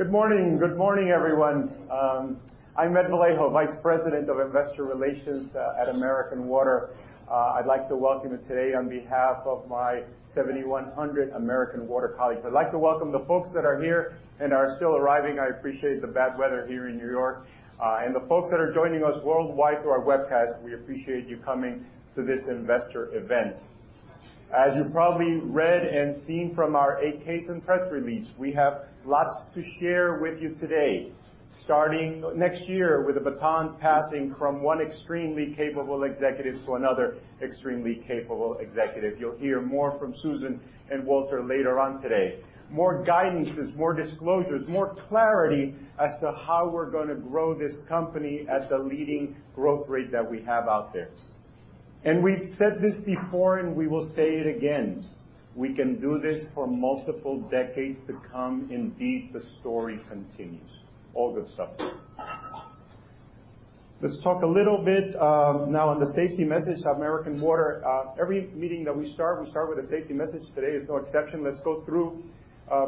Good morning, everyone. I'm Ed Vallejo, Vice President of Investor Relations at American Water. I'd like to welcome you today on behalf of my 7,100 American Water colleagues. I'd like to welcome the folks that are here and are still arriving. I appreciate the bad weather here in New York. The folks that are joining us worldwide through our webcast, we appreciate you coming to this investor event. As you probably read and seen from our 8-Ks and press release, we have lots to share with you today. Starting next year, with the baton passing from one extremely capable executive to another extremely capable executive. You'll hear more from Susan and Walter later on today. More guidances, more disclosures, more clarity as to how we're going to grow this company as the leading growth rate that we have out there. We've said this before, and we will say it again, we can do this for multiple decades to come. Indeed, the story continues. All good stuff. Let's talk a little bit now on the safety message of American Water. Every meeting that we start, we start with a safety message. Today is no exception. Let's go through.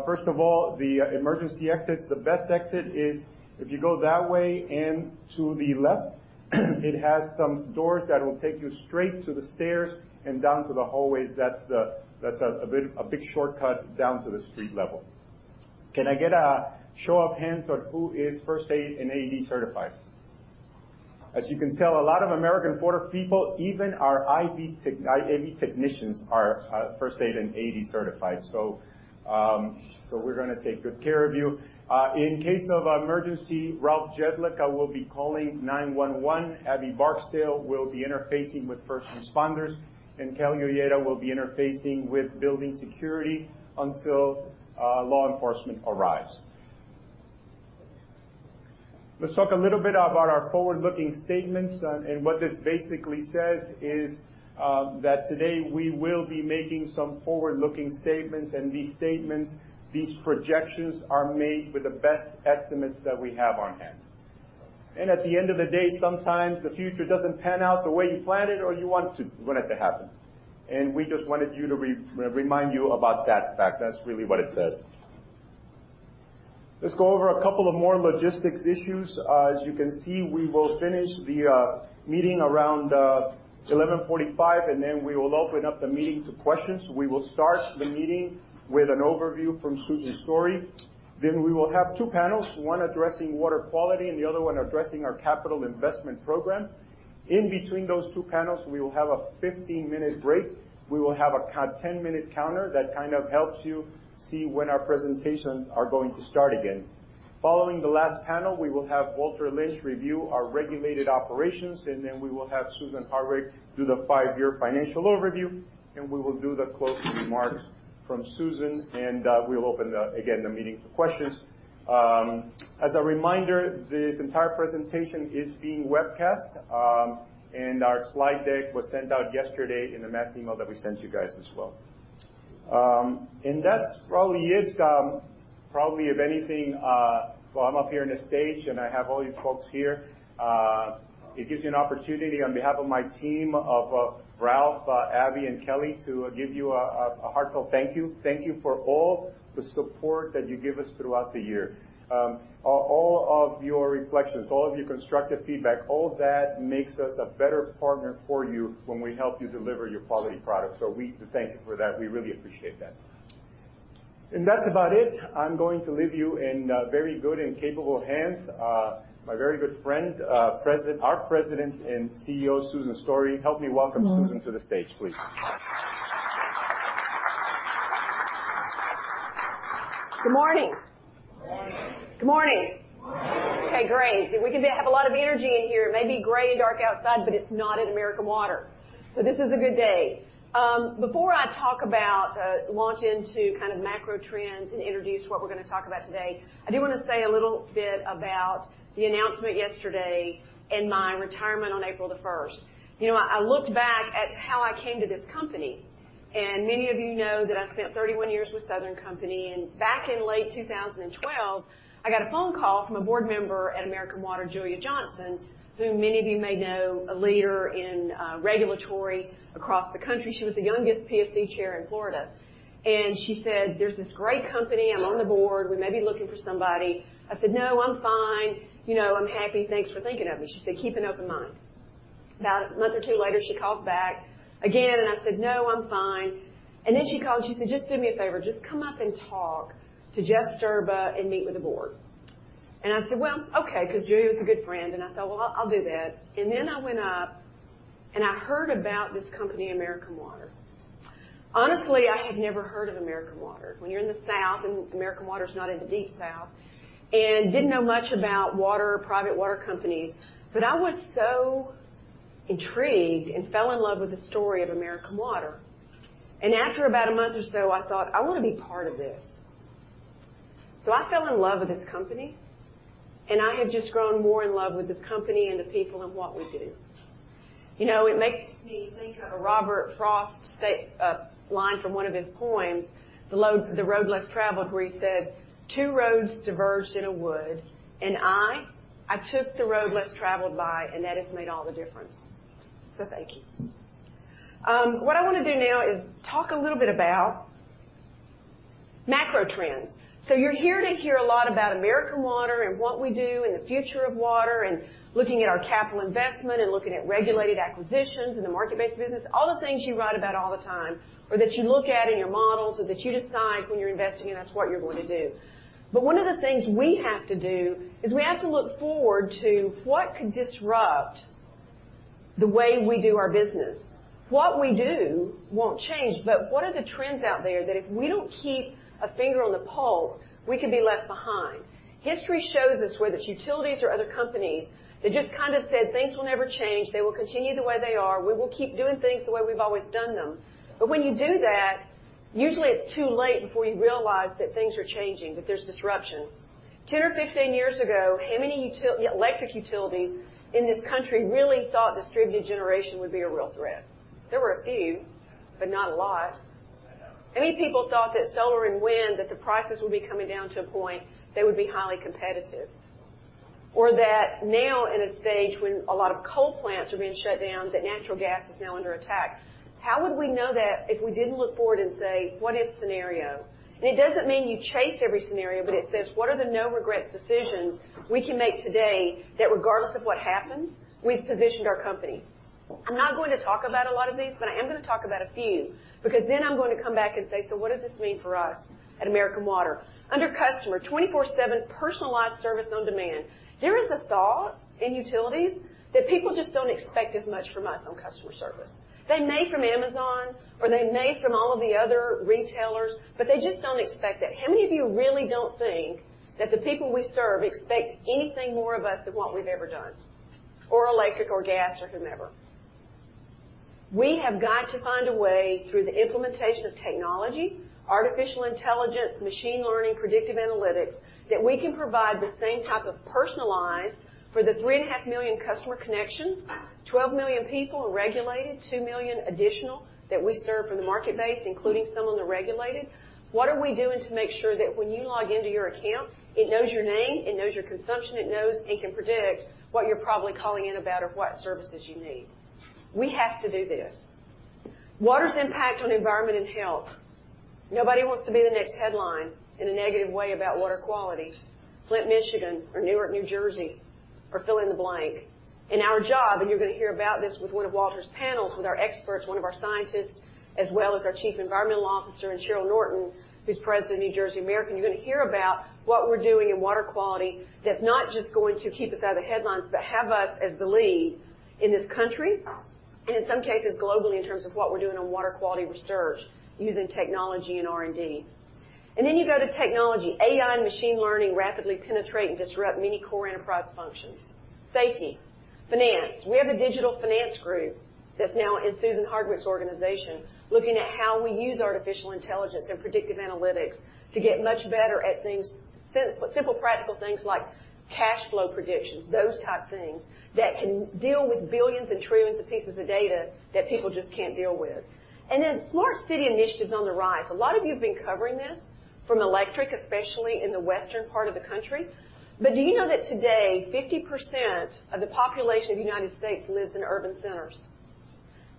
First of all, the emergency exits. The best exit is if you go that way and to the left, it has some doors that will take you straight to the stairs and down to the hallway. That's a big shortcut down to the street level. Can I get a show of hands on who is first aid and AED certified? As you can tell, a lot of American Water people, even our IV technicians are first aid and AED certified. We're going to take good care of you. In case of an emergency, Ralph Jedlicka will be calling 911. Abby Barksdale will be interfacing with first responders, and Kelly Uyeda will be interfacing with building security until law enforcement arrives. Let's talk a little bit about our forward-looking statements. What this basically says is that today we will be making some forward-looking statements, and these statements, these projections, are made with the best estimates that we have on hand. At the end of the day, sometimes the future doesn't pan out the way you planned it or you want it to happen. We just wanted to remind you about that fact. That's really what it says. Let's go over a couple of more logistics issues. As you can see, we will finish the meeting around 11:45, and then we will open up the meeting to questions. We will start the meeting with an overview from Susan Story. We will have two panels, one addressing water quality and the other one addressing our capital investment program. In between those two panels, we will have a 15-minute break. We will have a 10-minute counter that helps you see when our presentations are going to start again. Following the last panel, we will have Walter Lynch review our regulated operations, and then we will have Susan Hardwick do the five-year financial overview, and we will do the closing remarks from Susan, and we will open again the meeting to questions. As a reminder, this entire presentation is being webcast, and our slide deck was sent out yesterday in the mass email that we sent you guys as well. That's probably it. Probably, if anything, while I'm up here on the stage and I have all you folks here, it gives me an opportunity on behalf of my team of Ralph, Abby, and Kelly to give you a heartfelt thank you. Thank you for all the support that you give us throughout the year. All of your reflections, all of your constructive feedback, all of that makes us a better partner for you when we help you deliver your quality products. We thank you for that. We really appreciate that. That's about it. I'm going to leave you in very good and capable hands. My very good friend, our President and CEO, Susan Story. Help me welcome Susan to the stage, please. Good morning. Good morning. Good morning. Good morning. Okay, great. We have a lot of energy in here. It may be gray and dark outside, but it's not at American Water. This is a good day. Before I launch into macro trends and introduce what we're going to talk about today, I do want to say a little bit about the announcement yesterday and my retirement on April the 1st. I looked back at how I came to this company, and many of you know that I spent 31 years with Southern Company. Back in late 2012, I got a phone call from a board member at American Water, Julia Johnson, whom many of you may know, a leader in regulatory across the country. She was the youngest PSC chair in Florida. She said, "There's this great company. I'm on the board. We may be looking for somebody." I said, "No, I'm fine. I'm happy. Thanks for thinking of me." She said, "Keep an open mind." About a month or two later, she called back again, and I said, "No, I'm fine." She called, and she said, "Just do me a favor. Just come up and talk to Jeff Sterba and meet with the board." I said, "Well, okay," because Julia's a good friend, and I said, "Well, I'll do that." I went up, and I heard about this company, American Water. Honestly, I had never heard of American Water. When you're in the South and American Water is not in the Deep South, and didn't know much about private water companies, I was so intrigued and fell in love with the story of American Water. After about a month or so, I thought, "I want to be part of this." I fell in love with this company, and I have just grown more in love with this company and the people and what we do. It makes me think of a Robert Frost line from one of his poems, "The Road Less Traveled," where he said, "Two roads diverged in a wood, and I took the road less traveled by, and that has made all the difference." Thank you. What I want to do now is talk a little bit about macro trends. You're here to hear a lot about American Water and what we do and the future of water, and looking at our capital investment and looking at regulated acquisitions in the market-based business, all the things you write about all the time, or that you look at in your models or that you decide when you're investing, and that's what you're going to do. One of the things we have to do is we have to look forward to what could disrupt the way we do our business. What we do won't change, but what are the trends out there that if we don't keep a finger on the pulse, we could be left behind? History shows us whether it's utilities or other companies that just said things will never change. They will continue the way they are. We will keep doing things the way we've always done them. When you do that, usually it's too late before you realize that things are changing, that there's disruption. 10 or 15 years ago, how many electric utilities in this country really thought distributed generation would be a real threat? There were a few, but not a lot. I know. How many people thought that solar and wind, that the prices would be coming down to a point they would be highly competitive? Now in a stage when a lot of coal plants are being shut down, that natural gas is now under attack. How would we know that if we didn't look forward and say what if scenario? It doesn't mean you chase every scenario, but it says, what are the no regrets decisions we can make today that regardless of what happens, we've positioned our company? I'm not going to talk about a lot of these, but I am going to talk about a few, because then I'm going to come back and say, "What does this mean for us at American Water?" Under customer, 24/7 personalized service on demand. There is a thought in utilities that people just don't expect as much from us on customer service. They may from Amazon, or they may from all of the other retailers, but they just don't expect that. How many of you really don't think that the people we serve expect anything more of us than what we've ever done? Electric or gas or whomever. We have got to find a way through the implementation of technology, artificial intelligence, machine learning, predictive analytics, that we can provide the same type of personalized for the 3.5 million customer connections, 12 million people regulated, 2 million additional that we serve from the market base, including some on the regulated. What are we doing to make sure that when you log into your account, it knows your name, it knows your consumption, it knows it can predict what you're probably calling in about or what services you need. We have to do this. Water's impact on environment and health. Nobody wants to be the next headline in a negative way about water quality, Flint, Michigan, or Newark, New Jersey, or fill in the blank. In our job, you're going to hear about this with one of Walter's panels with our experts, one of our scientists, as well as our Chief Environmental Officer and Cheryl Norton, who's President of New Jersey American, you're going to hear about what we're doing in water quality that's not just going to keep us out of the headlines, but have us as the lead in this country and in some cases globally in terms of what we're doing on water quality research using technology and R&D. You go to technology. AI and machine learning rapidly penetrate and disrupt many core enterprise functions. Safety, finance. We have a digital finance group that's now in Susan Hardwick's organization, looking at how we use artificial intelligence and predictive analytics to get much better at simple, practical things like cash flow predictions, those type things that can deal with billions and trillions of pieces of data that people just can't deal with. Smart city initiatives on the rise. A lot of you have been covering this from electric, especially in the western part of the country. Do you know that today 50% of the population of the U.S. lives in urban centers?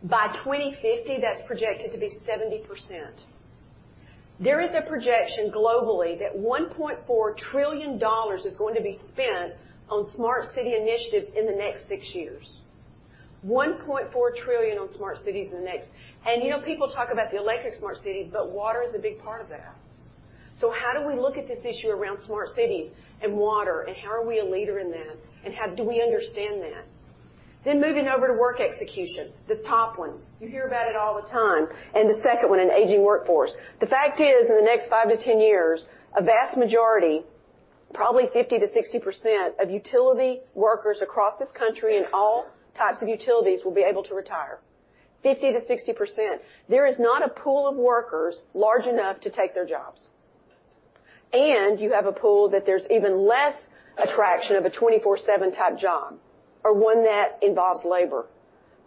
By 2050, that's projected to be 70%. There is a projection globally that $1.4 trillion is going to be spent on smart city initiatives in the next six years. $1.4 trillion on smart cities in the next You know people talk about the electric smart cities, but water is a big part of that. How do we look at this issue around smart cities and water, and how are we a leader in that? How do we understand that? Moving over to work execution, the top one. You hear about it all the time. The second one, an aging workforce. The fact is, in the next 5 - 10 years, a vast majority, probably 50%-60% of utility workers across this country in all types of utilities will be able to retire. 50%-60%. There is not a pool of workers large enough to take their jobs. You have a pool that there's even less attraction of a 24/7 type job or one that involves labor,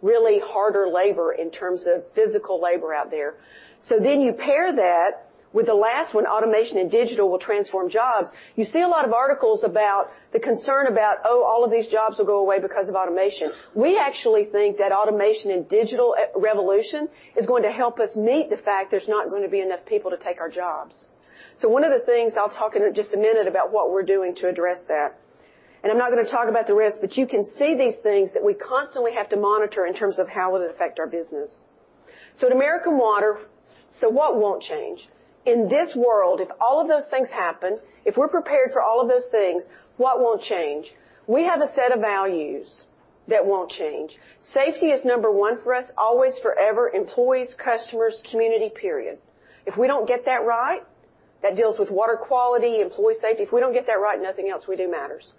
really harder labor in terms of physical labor out there. You pair that with the last one, automation and digital will transform jobs. You see a lot of articles about the concern about, all of these jobs will go away because of automation. We actually think that automation and digital revolution is going to help us meet the fact there's not going to be enough people to take our jobs. One of the things I'll talk in just a minute about what we're doing to address that. I'm not going to talk about the rest, but you can see these things that we constantly have to monitor in terms of how will it affect our business. At American Water, what won't change? In this world, if all of those things happen, if we're prepared for all of those things, what won't change? We have a set of values that won't change. Safety is number one for us, always, forever, employees, customers, community, period. If we don't get that right, that deals with water quality, employee safety. If we don't get that right, nothing else we do matters.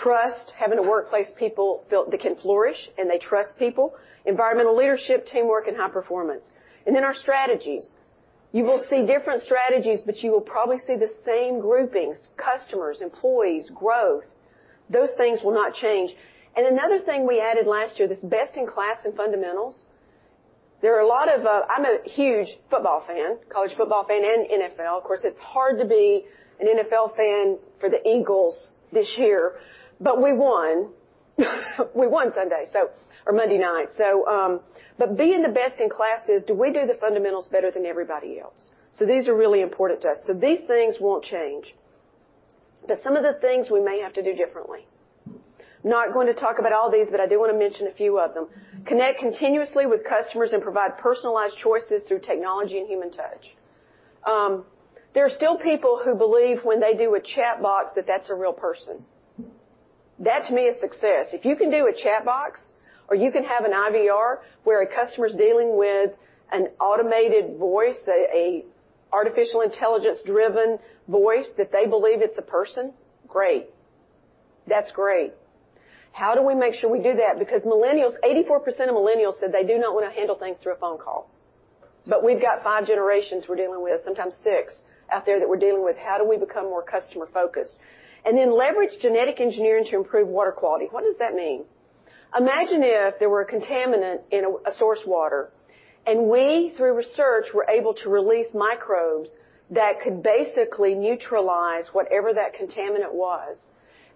Trust, having a workplace people built that can flourish and they trust people. Environmental leadership, teamwork, and high performance. Then our strategies. You will see different strategies, you will probably see the same groupings, customers, employees, growth. Those things will not change. Another thing we added last year, this best in class and fundamentals. I'm a huge football fan, college football fan and NFL. Of course, it's hard to be an NFL fan for the Eagles this year, we won Sunday or Monday night. Being the best in class is do we do the fundamentals better than everybody else? These are really important to us. These things won't change. Some of the things we may have to do differently. Not going to talk about all these, but I do want to mention a few of them. Connect continuously with customers and provide personalized choices through technology and human touch. There are still people who believe when they do a chat box that that's a real person. That to me is success. If you can do a chat box or you can have an IVR where a customer's dealing with an automated voice, an artificial intelligence-driven voice that they believe it's a person, great. That's great. How do we make sure we do that? Millennials, 84% of millennials said they do not want to handle things through a phone call, but we've got five generations we're dealing with, sometimes six out there that we're dealing with. How do we become more customer-focused? Leverage genetic engineering to improve water quality. What does that mean? Imagine if there were a contaminant in a source water, and we, through research, were able to release microbes that could basically neutralize whatever that contaminant was.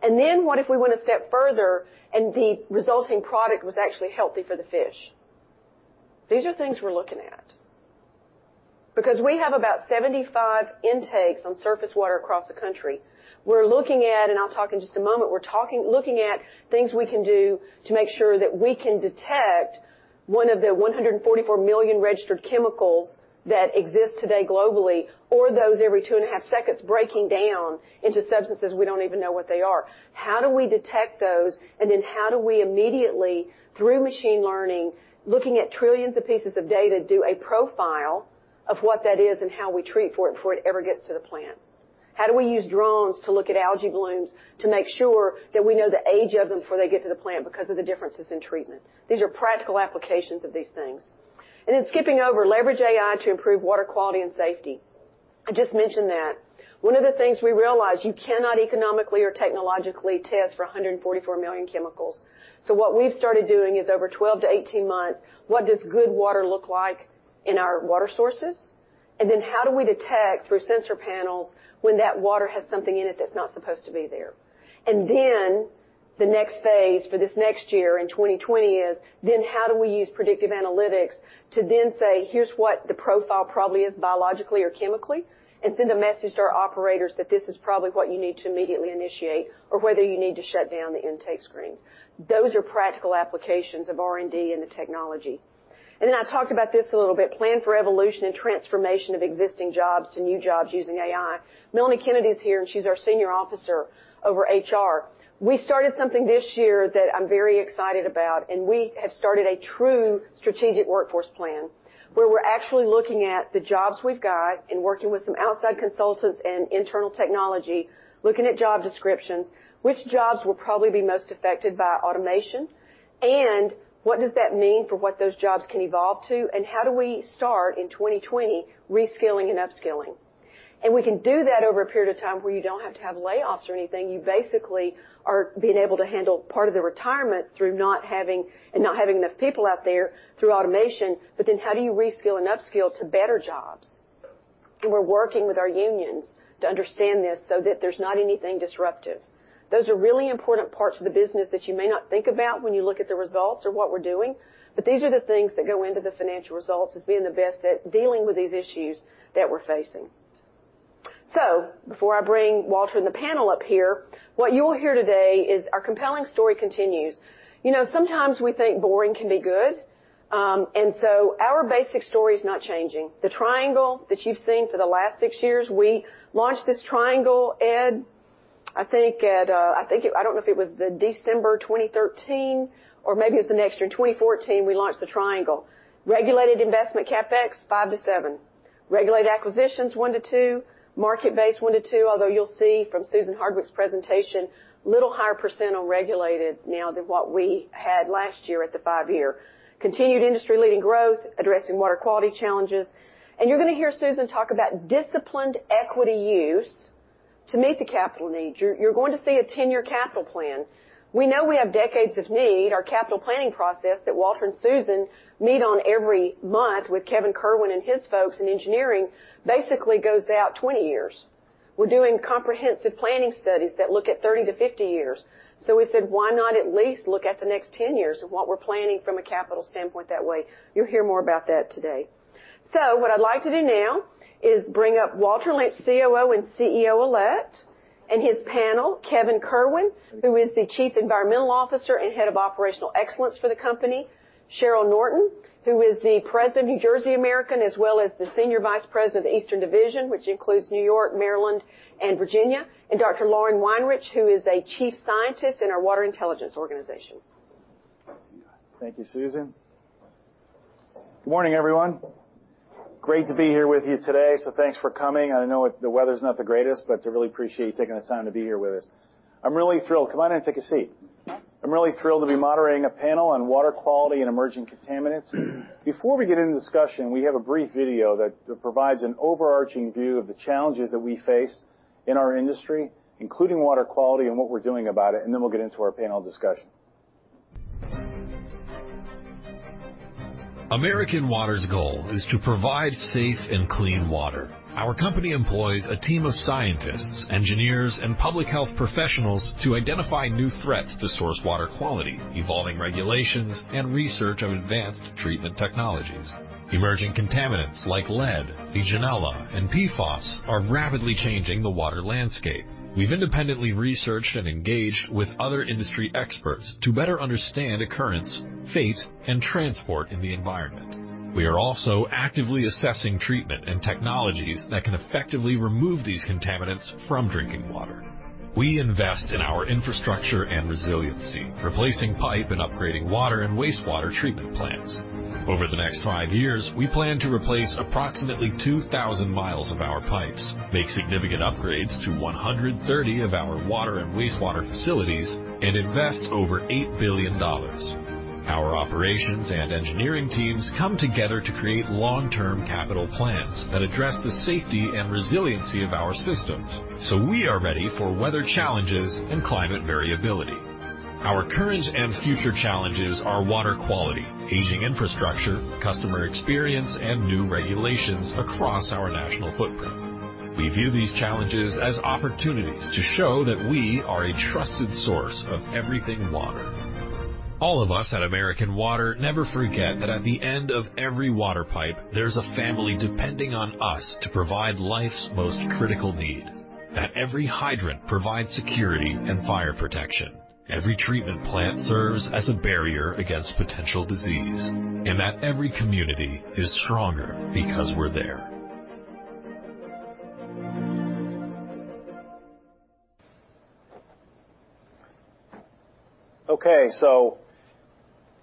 What if we went a step further and the resulting product was actually healthy for the fish? These are things we're looking at. We have about 75 intakes on surface water across the country. We're looking at, and I'll talk in just a moment, things we can do to make sure that we can detect one of the 144 million registered chemicals that exist today globally, or those every two and a half seconds breaking down into substances we don't even know what they are. How do we detect those? How do we immediately, through machine learning, looking at trillions of pieces of data, do a profile of what that is and how we treat for it before it ever gets to the plant? How do we use drones to look at algae blooms to make sure that we know the age of them before they get to the plant because of the differences in treatment? These are practical applications of these things. Skipping over, leverage AI to improve water quality and safety. I just mentioned that. One of the things we realize, you cannot economically or technologically test for 144 million chemicals. What we've started doing is over 12 - 18 months, what does good water look like in our water sources? How do we detect through sensor panels when that water has something in it that's not supposed to be there? The next phase for this next year in 2020 is then how do we use predictive analytics to then say, "Here's what the profile probably is biologically or chemically," and send a message to our operators that this is probably what you need to immediately initiate, or whether you need to shut down the intake screens. Those are practical applications of R&D and the technology. I talked about this a little bit, plan for evolution and transformation of existing jobs to new jobs using AI. Melanie Kennedy's here. She's our senior officer over HR. We started something this year that I'm very excited about. We have started a true strategic workforce plan where we're actually looking at the jobs we've got and working with some outside consultants and internal technology, looking at job descriptions, which jobs will probably be most affected by automation, and what does that mean for what those jobs can evolve to, and how do we start in 2020 reskilling and upskilling? We can do that over a period of time where you don't have to have layoffs or anything. You basically are being able to handle part of the retirement through not having enough people out there through automation. How do you reskill and upskill to better jobs? We're working with our unions to understand this so that there's not anything disruptive. Those are really important parts of the business that you may not think about when you look at the results of what we're doing, but these are the things that go into the financial results as being the best at dealing with these issues that we're facing. Before I bring Walter and the panel up here, what you'll hear today is our compelling story continues. Sometimes we think boring can be good. Our basic story is not changing. The triangle that you've seen for the last six years, we launched this triangle, Ed, I think it, I don't know if it was the December 2013, or maybe it was the next year, 2014, we launched the triangle. Regulated investment CapEx, five - seven. Regulated acquisitions, one to two. Market-based, one - two. You'll see from Susan Hardwick's presentation, little higher % on regulated now than what we had last year at the five-year. Continued industry-leading growth, addressing water quality challenges. You're going to hear Susan talk about disciplined equity use to meet the capital needs. You're going to see a 10-year capital plan. We know we have decades of need. Our capital planning process that Walter and Susan meet on every month with Kevin Kirwan and his folks in engineering basically goes out 20 years. We're doing comprehensive planning studies that look at 30 - 50 years. We said, why not at least look at the next 10 years of what we're planning from a capital standpoint that way? You'll hear more about that today. What I'd like to do now is bring up Walter Lynch, COO and CEO elect, and his panel, Kevin Kirwan, who is the Chief Environmental Officer and Head of Operational Excellence for the company, Cheryl Norton, who is the President of New Jersey American, as well as the Senior Vice President of the Eastern Division, which includes New York, Maryland, and Virginia, and Dr. Lauren Weinrich, who is a Chief Scientist in our Water Intelligence organization. Thank you, Susan. Good morning, everyone. Great to be here with you today. Thanks for coming. I know the weather's not the greatest. I really appreciate you taking the time to be here with us. I'm really thrilled. Come on in, take a seat. I'm really thrilled to be moderating a panel on water quality and emerging contaminants. Before we get into the discussion, we have a brief video that provides an overarching view of the challenges that we face in our industry, including water quality and what we're doing about it. We'll get into our panel discussion. Presentation Presentation Okay,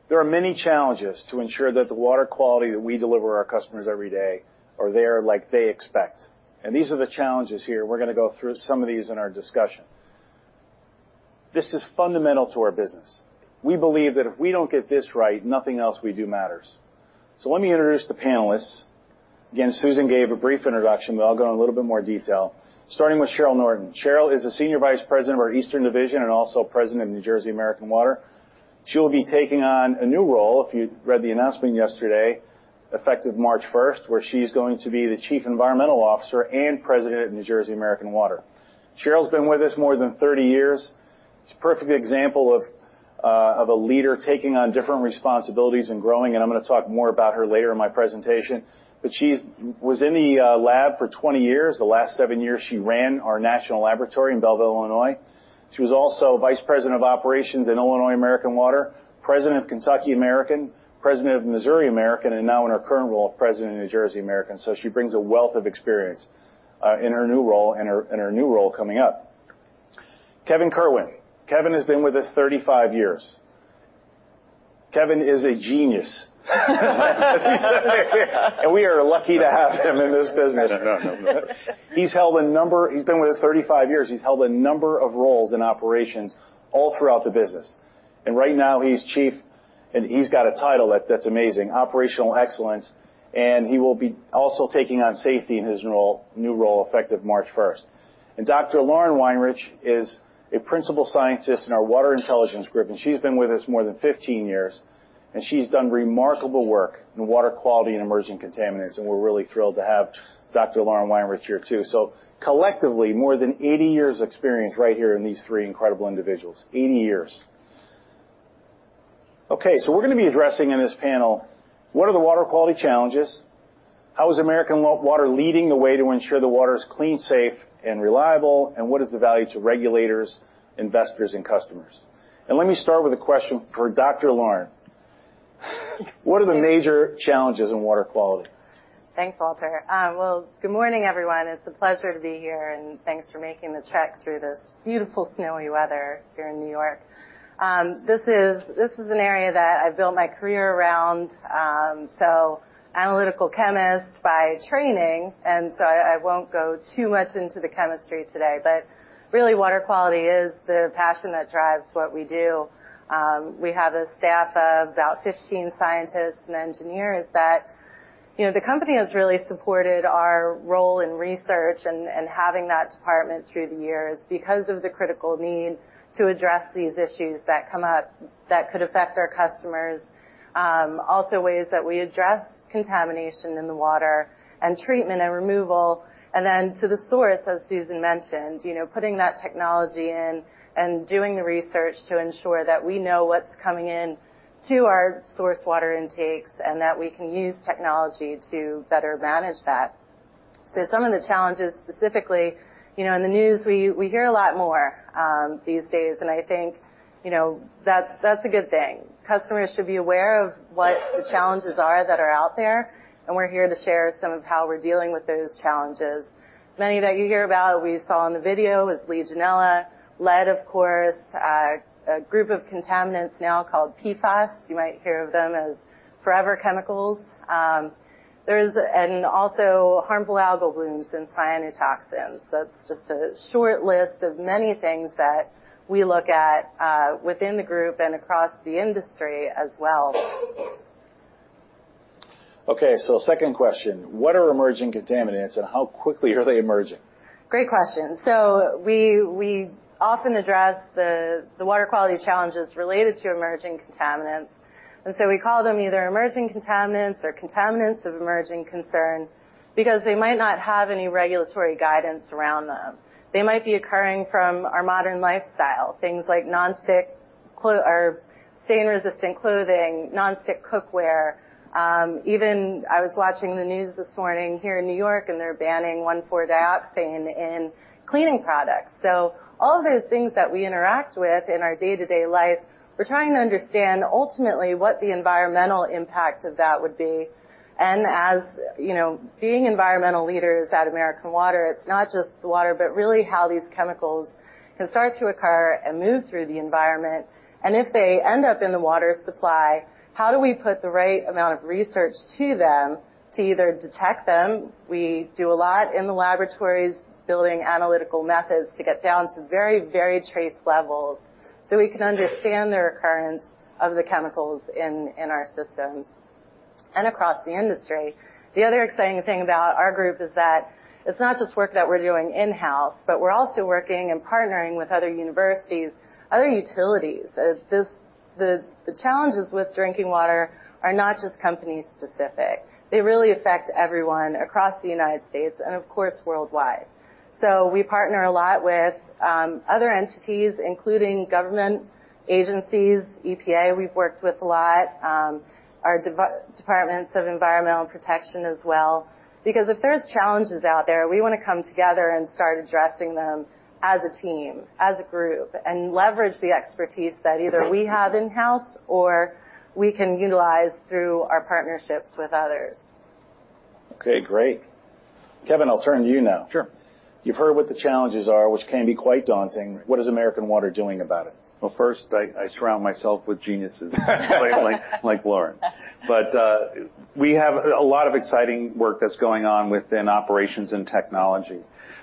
there are many challenges to ensure that the water quality that we deliver our customers every day are there like they expect. These are the challenges here. We're going to go through some of these in our discussion. This is fundamental to our business. We believe that if we don't get this right, nothing else we do matters. Let me introduce the panelists. Again, Susan gave a brief introduction, but I'll go in a little bit more detail, starting with Cheryl Norton. Cheryl is a Senior Vice President of our Eastern Division and also President of New Jersey American Water. She will be taking on a new role, if you read the announcement yesterday, effective March 1st, where she's going to be the Chief Environmental Officer and President of New Jersey American Water. Cheryl's been with us more than 30 years. She's a perfect example of a leader taking on different responsibilities and growing, and I'm going to talk more about her later in my presentation. She was in the lab for 20 years. The last seven years, she ran our national laboratory in Belleville, Illinois. She was also Vice President of Operations in Illinois American Water, President of Kentucky American, President of Missouri American, and now in her current role, President of New Jersey American. She brings a wealth of experience in her new role and her new role coming up. Kevin Kirwan. Kevin has been with us 35 years. Kevin is a genius. We are lucky to have him in this business. No, no. He's been with us 35 years. He's held a number of roles in operations all throughout the business. Right now he's chief, he's got a title that's amazing, Operational Excellence, he will be also taking on safety in his new role effective March 1st. Dr. Lauren Weinrich is a Principal Scientist in our Water Intelligence group, she's been with us more than 15 years, she's done remarkable work in water quality and emerging contaminants, we're really thrilled to have Dr. Lauren Weinrich here too. Collectively, more than 80 years experience right here in these three incredible individuals. 80 years. We're going to be addressing in this panel, what are the water quality challenges? How is American Water leading the way to ensure the water is clean, safe, and reliable? What is the value to regulators, investors, and customers? Let me start with a question for Dr. Lauren. What are the major challenges in water quality? Thanks, Walter. Well, good morning, everyone. It's a pleasure to be here, and thanks for making the trek through this beautiful snowy weather here in New York. This is an area that I built my career around, so analytical chemist by training, and so I won't go too much into the chemistry today. Really, water quality is the passion that drives what we do. We have a staff of about 15 scientists and engineers that the company has really supported our role in research and having that department through the years because of the critical need to address these issues that come up that could affect our customers. Also ways that we address contamination in the water and treatment and removal. To the source, as Susan mentioned, putting that technology in and doing the research to ensure that we know what's coming in to our source water intakes and that we can use technology to better manage that. Some of the challenges specifically, in the news, we hear a lot more these days, and I think that's a good thing. Customers should be aware of what the challenges are that are out there, and we're here to share some of how we're dealing with those challenges. Many that you hear about, we saw in the video is Legionella, lead, of course, a group of contaminants now called PFAS. You might hear of them as forever chemicals. Harmful algal blooms and cyanotoxins. That's just a short list of many things that we look at within the group and across the industry as well. Okay, second question: what are emerging contaminants, and how quickly are they emerging? Great question. We often address the water quality challenges related to emerging contaminants, and so we call them either emerging contaminants or contaminants of emerging concern because they might not have any regulatory guidance around them. They might be occurring from our modern lifestyle, things like non-stick or stain-resistant clothing, non-stick cookware. Even I was watching the news this morning here in New York, and they're banning one, four-dioxane in cleaning products. All of those things that we interact with in our day-to-day life, we're trying to understand ultimately what the environmental impact of that would be. As being environmental leaders at American Water, it's not just the water, but really how these chemicals can start to occur and move through the environment. If they end up in the water supply, how do we put the right amount of research to them to either detect them? We do a lot in the laboratories, building analytical methods to get down to very trace levels, so we can understand their occurrence of the chemicals in our systems and across the industry. The other exciting thing about our group is that it's not just work that we're doing in-house, but we're also working and partnering with other universities, other utilities. The challenges with drinking water are not just company specific. They really affect everyone across the U.S. and, of course, worldwide. We partner a lot with other entities, including government agencies, EPA, we've worked with a lot, our Departments of Environmental Protection as well. If there's challenges out there, we want to come together and start addressing them as a team, as a group, and leverage the expertise that either we have in-house or we can utilize through our partnerships with others. Okay, great. Kevin, I'll turn to you now. Sure. You've heard what the challenges are, which can be quite daunting. What is American Water doing about it? Well, first, I surround myself with geniuses like Lauren. We have a lot of exciting work that's going on within operations and technology.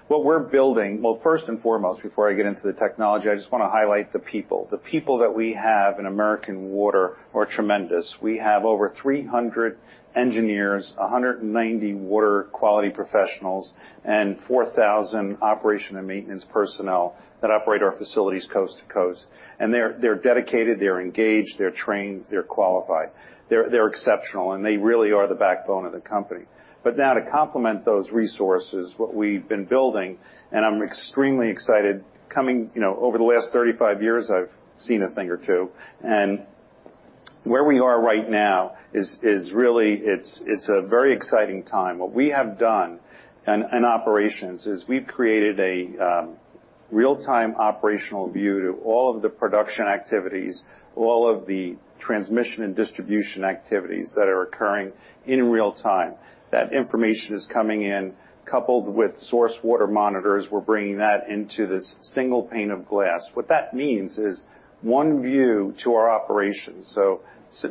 Well, first and foremost, before I get into the technology, I just want to highlight the people. The people that we have in American Water are tremendous. We have over 300 engineers, 190 water quality professionals, and 4,000 operation and maintenance personnel that operate our facilities coast to coast. They're dedicated, they're engaged, they're trained, they're qualified. They're exceptional, and they really are the backbone of the company. Now to complement those resources, what we've been building, and I'm extremely excited coming, over the last 35 years, I've seen a thing or two, and where we are right now is really a very exciting time. What we have done in operations is we've created a real-time operational view to all of the production activities, all of the transmission and distribution activities that are occurring in real time. That information is coming in coupled with source water monitors. We're bringing that into this single pane of glass. What that means is one view to our operations.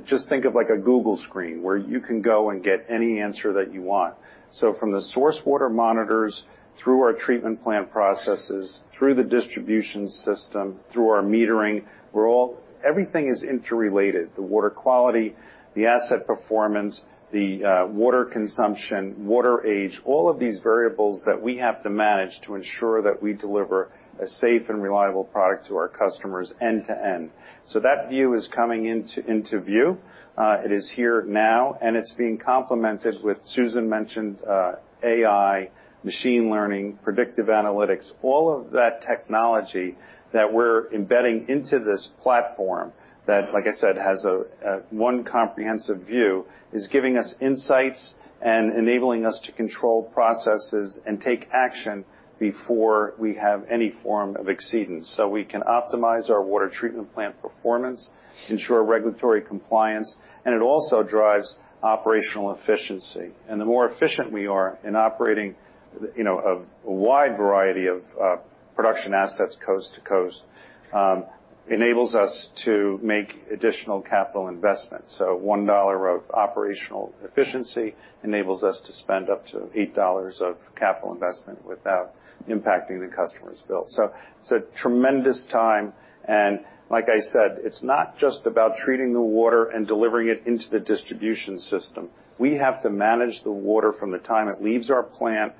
Just think of like a Google screen where you can go and get any answer that you want. From the source water monitors through our treatment plant processes, through the distribution system, through our metering. Everything is interrelated, the water quality, the asset performance, the water consumption, water age, all of these variables that we have to manage to ensure that we deliver a safe and reliable product to our customers end to end. That view is coming into view. It is here now, it's being complemented with Susan mentioned, AI, machine learning, predictive analytics, all of that technology that we're embedding into this platform that, like I said, has one comprehensive view, is giving us insights and enabling us to control processes and take action before we have any form of exceedance. We can optimize our water treatment plant performance, ensure regulatory compliance, it also drives operational efficiency. The more efficient we are in operating a wide variety of production assets coast to coast, enables us to make additional capital investments. $1 of operational efficiency enables us to spend up to $8 of capital investment without impacting the customer's bill. It's a tremendous time, like I said, it's not just about treating the water and delivering it into the distribution system. We have to manage the water from the time it leaves our plant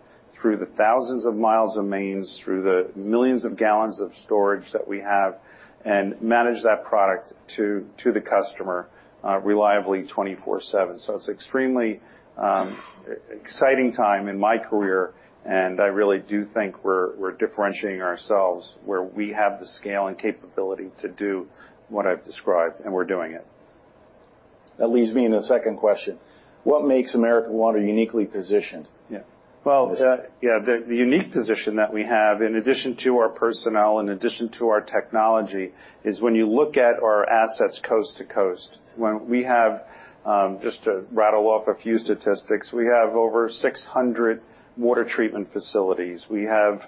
through the thousands of miles of mains, through the millions of gallons of storage that we have, and manage that product to the customer reliably 24/7. It's extremely exciting time in my career, and I really do think we're differentiating ourselves where we have the scale and capability to do what I've described, and we're doing it. That leads me into the second question. What makes American Water uniquely positioned? Well, the unique position that we have, in addition to our personnel, in addition to our technology, is when you look at our assets coast to coast. We have, just to rattle off a few statistics, we have over 600 water treatment facilities. We have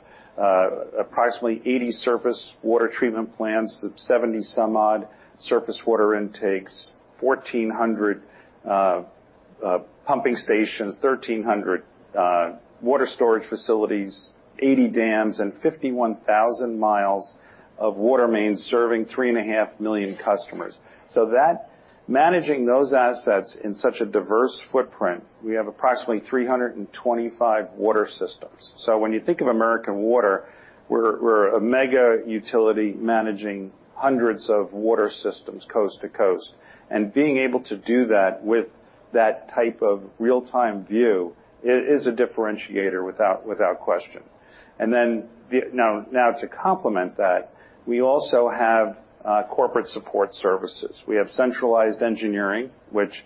approximately 80 surface water treatment plants, 70 some odd surface water intakes, 1,400 pumping stations, 1,300 water storage facilities, 80 dams, and 51,000 miles of water mains serving 3.5 million customers. Managing those assets in such a diverse footprint, we have approximately 325 water systems. When you think of American Water, we're a mega utility managing hundreds of water systems coast to coast. Being able to do that with that type of real-time view is a differentiator without question. Now to complement that, we also have corporate support services. We have centralized engineering, which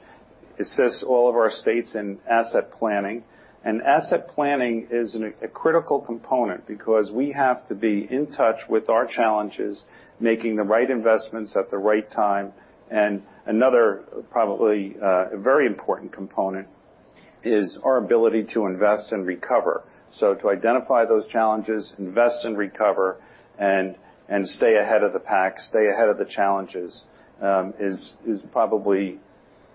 assists all of our states in asset planning. Asset planning is a critical component because we have to be in touch with our challenges, making the right investments at the right time. Another probably very important component is our ability to invest and recover. To identify those challenges, invest and recover and stay ahead of the pack, stay ahead of the challenges, is probably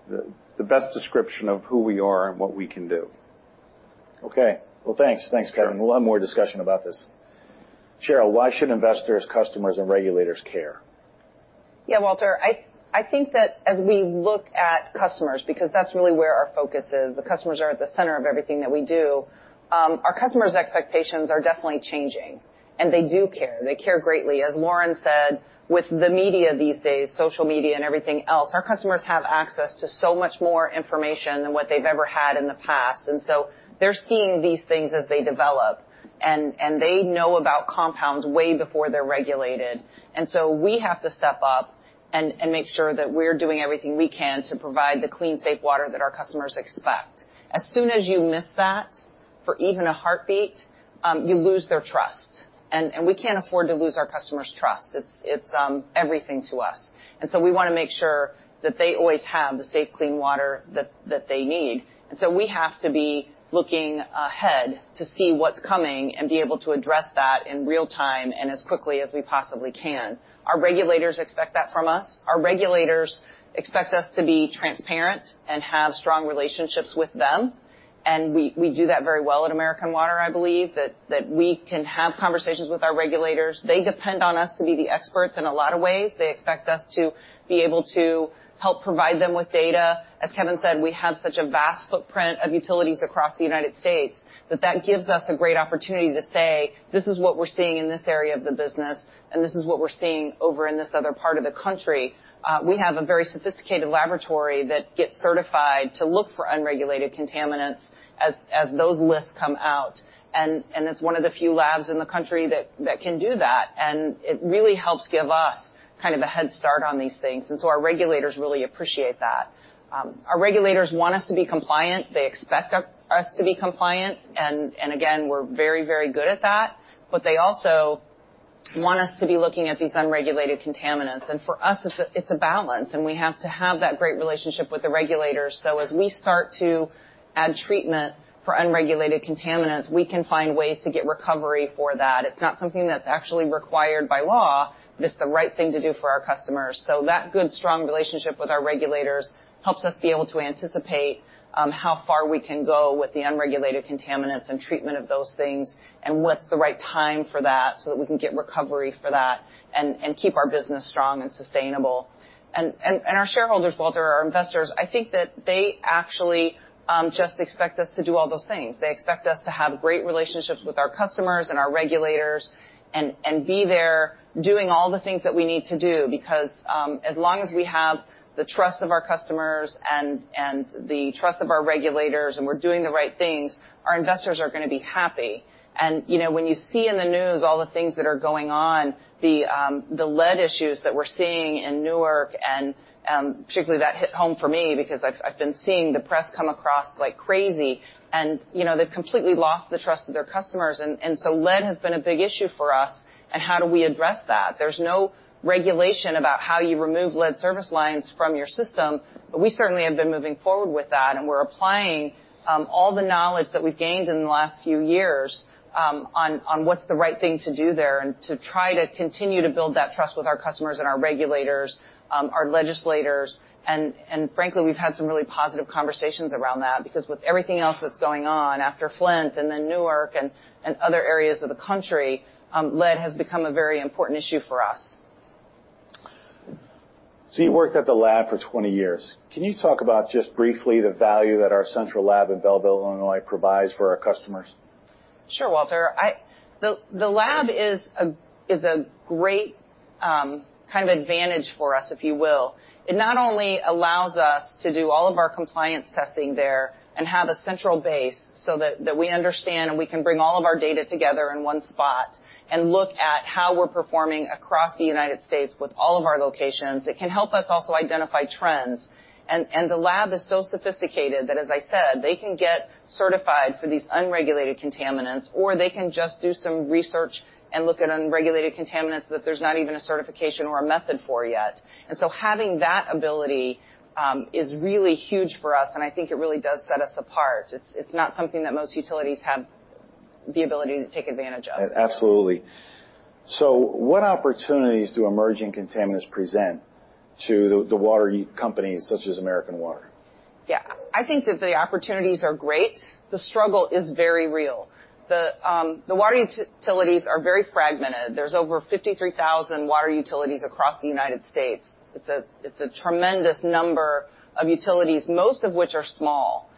the best description of who we are and what we can do. Okay. Well, thanks, Kevin. Sure. We'll have more discussion about this. Cheryl, why should investors, customers, and regulators care? Yeah, Walter, I think that as we look at customers, because that's really where our focus is, the customers are at the center of everything that we do. Our customers' expectations are definitely changing, they do care. They care greatly. As Lauren said, with the media these days, social media and everything else, our customers have access to so much more information than what they've ever had in the past. They're seeing these things as they develop, and they know about compounds way before they're regulated. We have to step up and make sure that we're doing everything we can to provide the clean, safe water that our customers expect. As soon as you miss that, for even a heartbeat, you lose their trust, and we can't afford to lose our customers' trust. It's everything to us. We want to make sure that they always have the safe, clean water that they need. We have to be looking ahead to see what's coming and be able to address that in real time and as quickly as we possibly can. Our regulators expect that from us. Our regulators expect us to be transparent and have strong relationships with them, and we do that very well at American Water, I believe. That we can have conversations with our regulators. They depend on us to be the experts in a lot of ways. They expect us to be able to help provide them with data. As Kevin said, we have such a vast footprint of utilities across the U.S. that that gives us a great opportunity to say, "This is what we're seeing in this area of the business, and this is what we're seeing over in this other part of the country." We have a very sophisticated laboratory that gets certified to look for unregulated contaminants as those lists come out, and it's one of the few labs in the country that can do that, and it really helps give us a head start on these things. Our regulators really appreciate that. Our regulators want us to be compliant. They expect us to be compliant, and again, we're very good at that, but they also want us to be looking at these unregulated contaminants. For us, it's a balance, and we have to have that great relationship with the regulators so as we start to add treatment for unregulated contaminants, we can find ways to get recovery for that. It's not something that's actually required by law, but it's the right thing to do for our customers. That good, strong relationship with our regulators helps us be able to anticipate how far we can go with the unregulated contaminants and treatment of those things, and what's the right time for that so that we can get recovery for that and keep our business strong and sustainable. Our shareholders, Walter, our investors, I think that they actually just expect us to do all those things. They expect us to have great relationships with our customers and our regulators and be there doing all the things that we need to do because as long as we have the trust of our customers and the trust of our regulators and we're doing the right things, our investors are going to be happy. When you see in the news all the things that are going on, the lead issues that we're seeing in Newark, and particularly that hit home for me because I've been seeing the press come across like crazy, and they've completely lost the trust of their customers. Lead has been a big issue for us and how do we address that? There's no regulation about how you remove lead service lines from your system, but we certainly have been moving forward with that, and we're applying all the knowledge that we've gained in the last few years on what's the right thing to do there and to try to continue to build that trust with our customers and our regulators, our legislators, and frankly, we've had some really positive conversations around that because with everything else that's going on after Flint and then Newark and other areas of the country, lead has become a very important issue for us. You worked at the lab for 20 years. Can you talk about just briefly the value that our central lab in Belleville, Illinois, provides for our customers? Sure, Walter. The lab is a great advantage for us, if you will. It not only allows us to do all of our compliance testing there and have a central base so that we understand and we can bring all of our data together in one spot and look at how we're performing across the U.S. with all of our locations. It can help us also identify trends. The lab is so sophisticated that, as I said, they can get certified for these unregulated contaminants, or they can just do some research and look at unregulated contaminants that there's not even a certification or a method for yet. Having that ability is really huge for us, and I think it really does set us apart. It's not something that most utilities have the ability to take advantage of. Absolutely. What opportunities do emerging contaminants present to the water companies such as American Water? Yeah. I think that the opportunities are great. The struggle is very real. The water utilities are very fragmented. There's over 53,000 water utilities across the U.S. It's a tremendous number of utilities, most of which are small.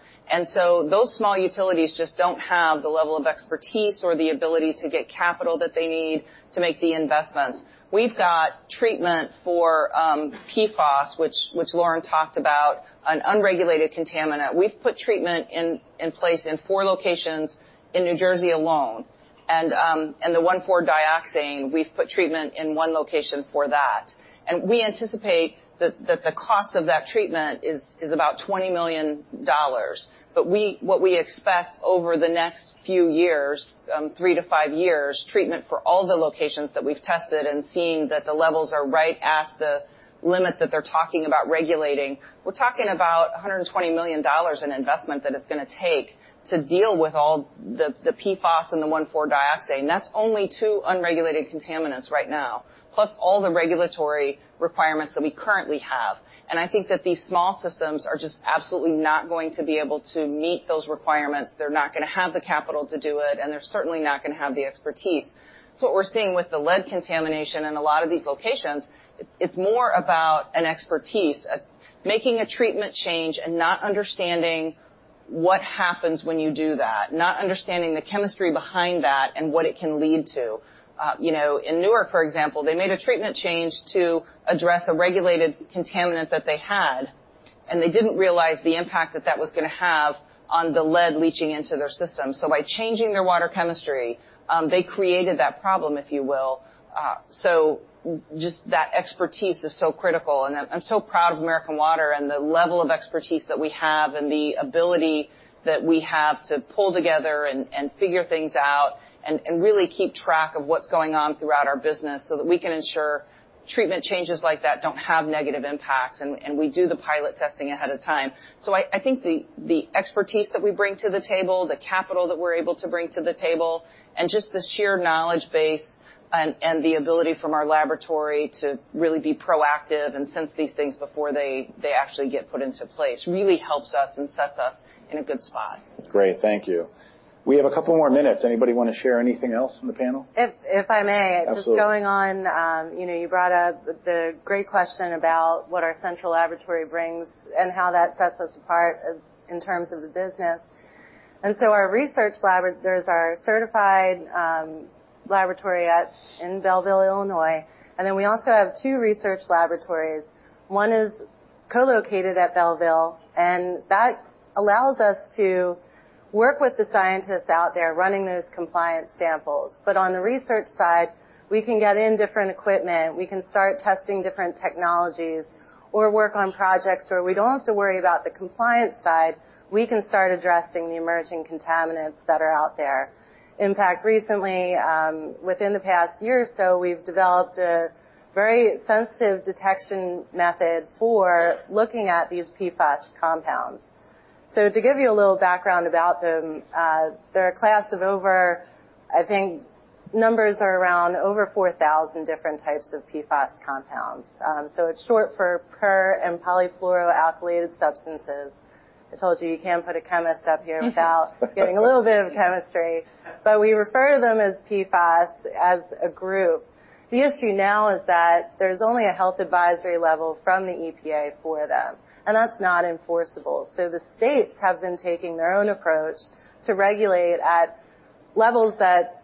Those small utilities just don't have the level of expertise or the ability to get capital that they need to make the investments. We've got treatment for PFAS, which Lauren talked about, an unregulated contaminant. We've put treatment in place in four locations in New Jersey alone, and the one,4-dioxane, we've put treatment in one location for that. We anticipate that the cost of that treatment is about $20 million. What we expect over the next three-five years, treatment for all the locations that we've tested and seeing that the levels are right at the limit that they're talking about regulating, we're talking about $120 million in investment that it's going to take to deal with all the PFAS and the one,4-dioxane. That's only two unregulated contaminants right now, plus all the regulatory requirements that we currently have. I think that these small systems are just absolutely not going to be able to meet those requirements. They're not going to have the capital to do it, and they're certainly not going to have the expertise. What we're seeing with the lead contamination in a lot of these locations, it's more about an expertise at making a treatment change and not understanding what happens when you do that, not understanding the chemistry behind that and what it can lead to. In Newark, for example, they made a treatment change to address a regulated contaminant that they had, and they didn't realize the impact that that was going to have on the lead leaching into their system. By changing their water chemistry, they created that problem, if you will. Just that expertise is so critical, and I'm so proud of American Water and the level of expertise that we have and the ability that we have to pull together and figure things out and really keep track of what's going on throughout our business so that we can ensure treatment changes like that don't have negative impacts, and we do the pilot testing ahead of time. I think the expertise that we bring to the table, the capital that we're able to bring to the table, and just the sheer knowledge base and the ability from our laboratory to really be proactive and sense these things before they actually get put into place really helps us and sets us in a good spot. Great. Thank you. We have a couple more minutes. Anybody want to share anything else on the panel? If I may. Absolutely. Just going on, you brought up the great question about what our central laboratory brings and how that sets us apart in terms of the business. Our certified laboratory in Belleville, Illinois, and then we also have two research laboratories. One is co-located at Belleville, and that allows us to work with the scientists out there running those compliance samples. On the research side, we can get in different equipment, we can start testing different technologies or work on projects where we don't have to worry about the compliance side. We can start addressing the emerging contaminants that are out there. In fact, recently, within the past year or so, we've developed a very sensitive detection method for looking at these PFAS compounds. To give you a little background about them, they're a class of over, I think, numbers are around over 4,000 different types of PFAS compounds. It's short for per- and polyfluoroalkyl substances. I told you can't put a chemist up here without getting a little bit of chemistry. We refer to them as PFAS as a group. The issue now is that there's only a health advisory level from the EPA for them, and that's not enforceable. The states have been taking their own approach to regulate at levels that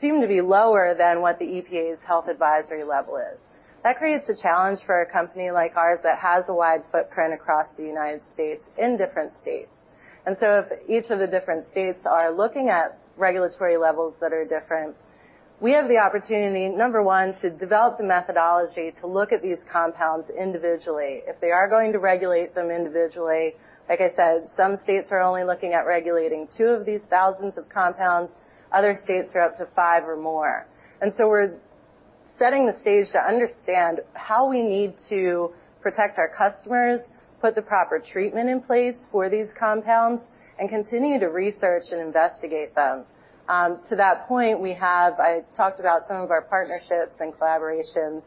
seem to be lower than what the EPA's health advisory level is. That creates a challenge for a company like ours that has a wide footprint across the United States in different states. If each of the different states are looking at regulatory levels that are different, we have the opportunity, number one, to develop the methodology to look at these compounds individually. If they are going to regulate them individually, like I said, some states are only looking at regulating two of these thousands of compounds. Other states are up to five or more. We're setting the stage to understand how we need to protect our customers, put the proper treatment in place for these compounds, and continue to research and investigate them. To that point, I talked about some of our partnerships and collaborations.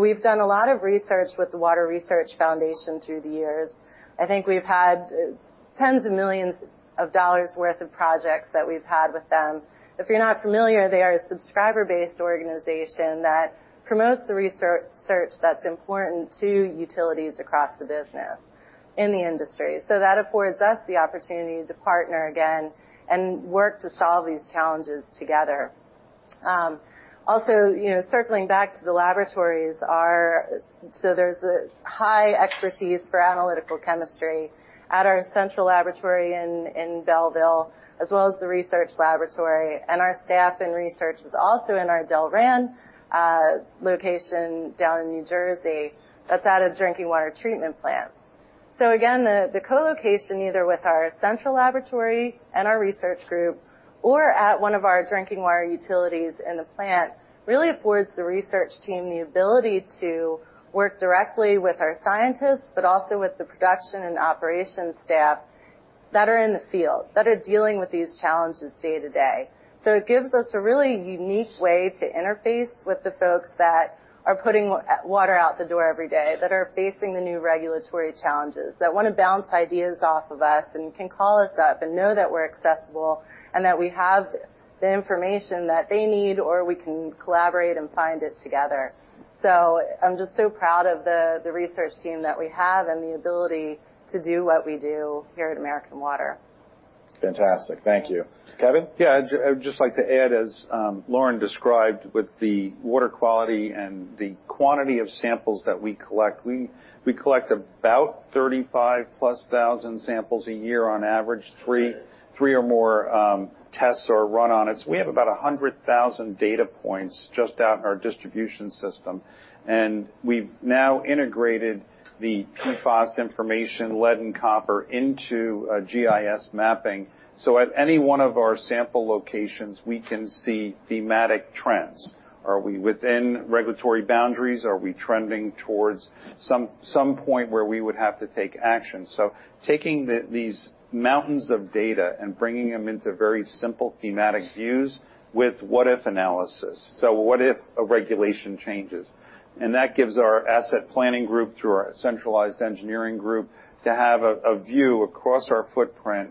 We've done a lot of research with the Water Research Foundation through the years. I think we've had tens of millions of dollars worth of projects that we've had with them. If you're not familiar, they are a subscriber-based organization that promotes the research that's important to utilities across the business in the industry. That affords us the opportunity to partner again and work to solve these challenges together. Also, circling back to the laboratories, there's a high expertise for analytical chemistry at our central laboratory in Belleville, as well as the research laboratory, and our staff and research is also in our Delran location down in New Jersey. That's at a drinking water treatment plant. Again, the co-location, either with our central laboratory and our research group or at one of our drinking water utilities in the plant, really affords the research team the ability to work directly with our scientists, but also with the production and operations staff that are in the field, that are dealing with these challenges day to day. It gives us a really unique way to interface with the folks that are putting water out the door every day, that are facing the new regulatory challenges, that want to bounce ideas off of us, and can call us up and know that we're accessible, and that we have the information that they need, or we can collaborate and find it together. I'm just so proud of the research team that we have and the ability to do what we do here at American Water. Fantastic. Thank you. Kevin? Yeah, I'd just like to add, as Lauren described, with the water quality and the quantity of samples that we collect, we collect about 35,000-plus samples a year on average. Three or more tests are run on it. We have about 100,000 data points just out in our distribution system, and we've now integrated the PFOS information, lead, and copper into a GIS mapping. At any one of our sample locations, we can see thematic trends. Are we within regulatory boundaries? Are we trending towards some point where we would have to take action? Taking these mountains of data and bringing them into very simple thematic views with what-if analysis. What if a regulation changes? That gives our asset planning group, through our centralized engineering group, to have a view across our footprint.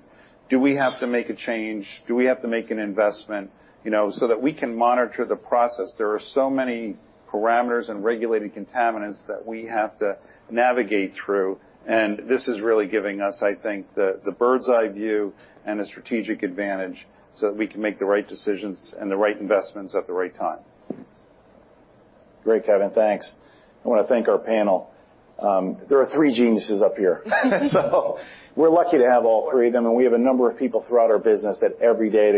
Do we have to make a change? Do we have to make an investment? That we can monitor the process. There are so many parameters and regulated contaminants that we have to navigate through. This is really giving us, I think, the bird's eye view and a strategic advantage so that we can make the right decisions and the right investments at the right time. Great, Kevin. Thanks. I want to thank our panel. There are three geniuses up here. We're lucky to have all three of them, and we have a number of people throughout our business that every day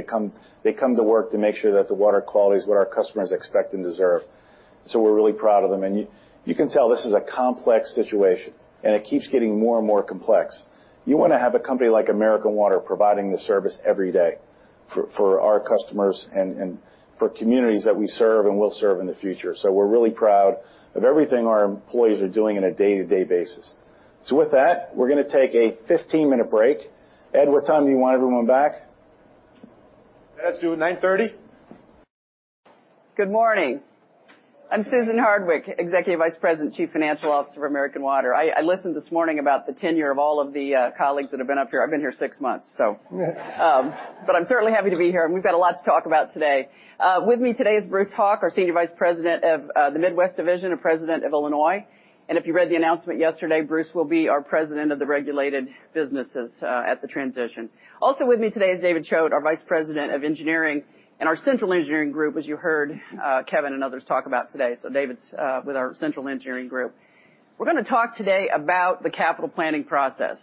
they come to work to make sure that the water quality is what our customers expect and deserve. We're really proud of them. You can tell this is a complex situation, and it keeps getting more and more complex. You want to have a company like American Water providing the service every day for our customers and for communities that we serve and will serve in the future. We're really proud of everything our employees are doing on a day-to-day basis. With that, we're going to take a 15-minute break. Ed, what time do you want everyone back? Let's do 9:30. Good morning. I'm Susan Hardwick, Executive Vice President, Chief Financial Officer of American Water. I listened this morning about the tenure of all of the colleagues that have been up here. I've been here six months, so. I'm certainly happy to be here, and we've got a lot to talk about today. With me today is Bruce Hauk, our Senior Vice President of the Midwest Division and President of Illinois. If you read the announcement yesterday, Bruce will be our President of the regulated businesses at the transition. Also with me today is David Choate, our Vice President of Engineering and our central engineering group, as you heard Kevin and others talk about today. David's with our central engineering group. We're going to talk today about the capital planning process.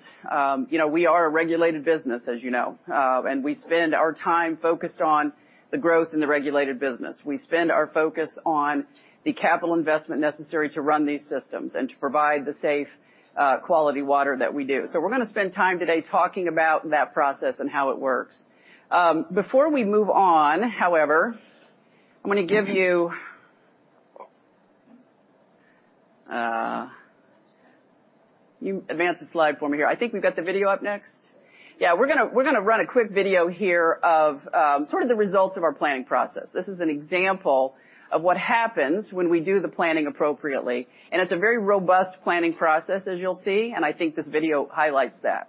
We are a regulated business, as you know, and we spend our time focused on the growth in the regulated business. We spend our focus on the capital investment necessary to run these systems and to provide the safe, quality water that we do. We're going to spend time today talking about that process and how it works. Before we move on, however, I'm going to give you Advance the slide for me here. I think we've got the video up next. Yeah, we're going to run a quick video here of sort of the results of our planning process. This is an example of what happens when we do the planning appropriately, and it's a very robust planning process, as you'll see, and I think this video highlights that.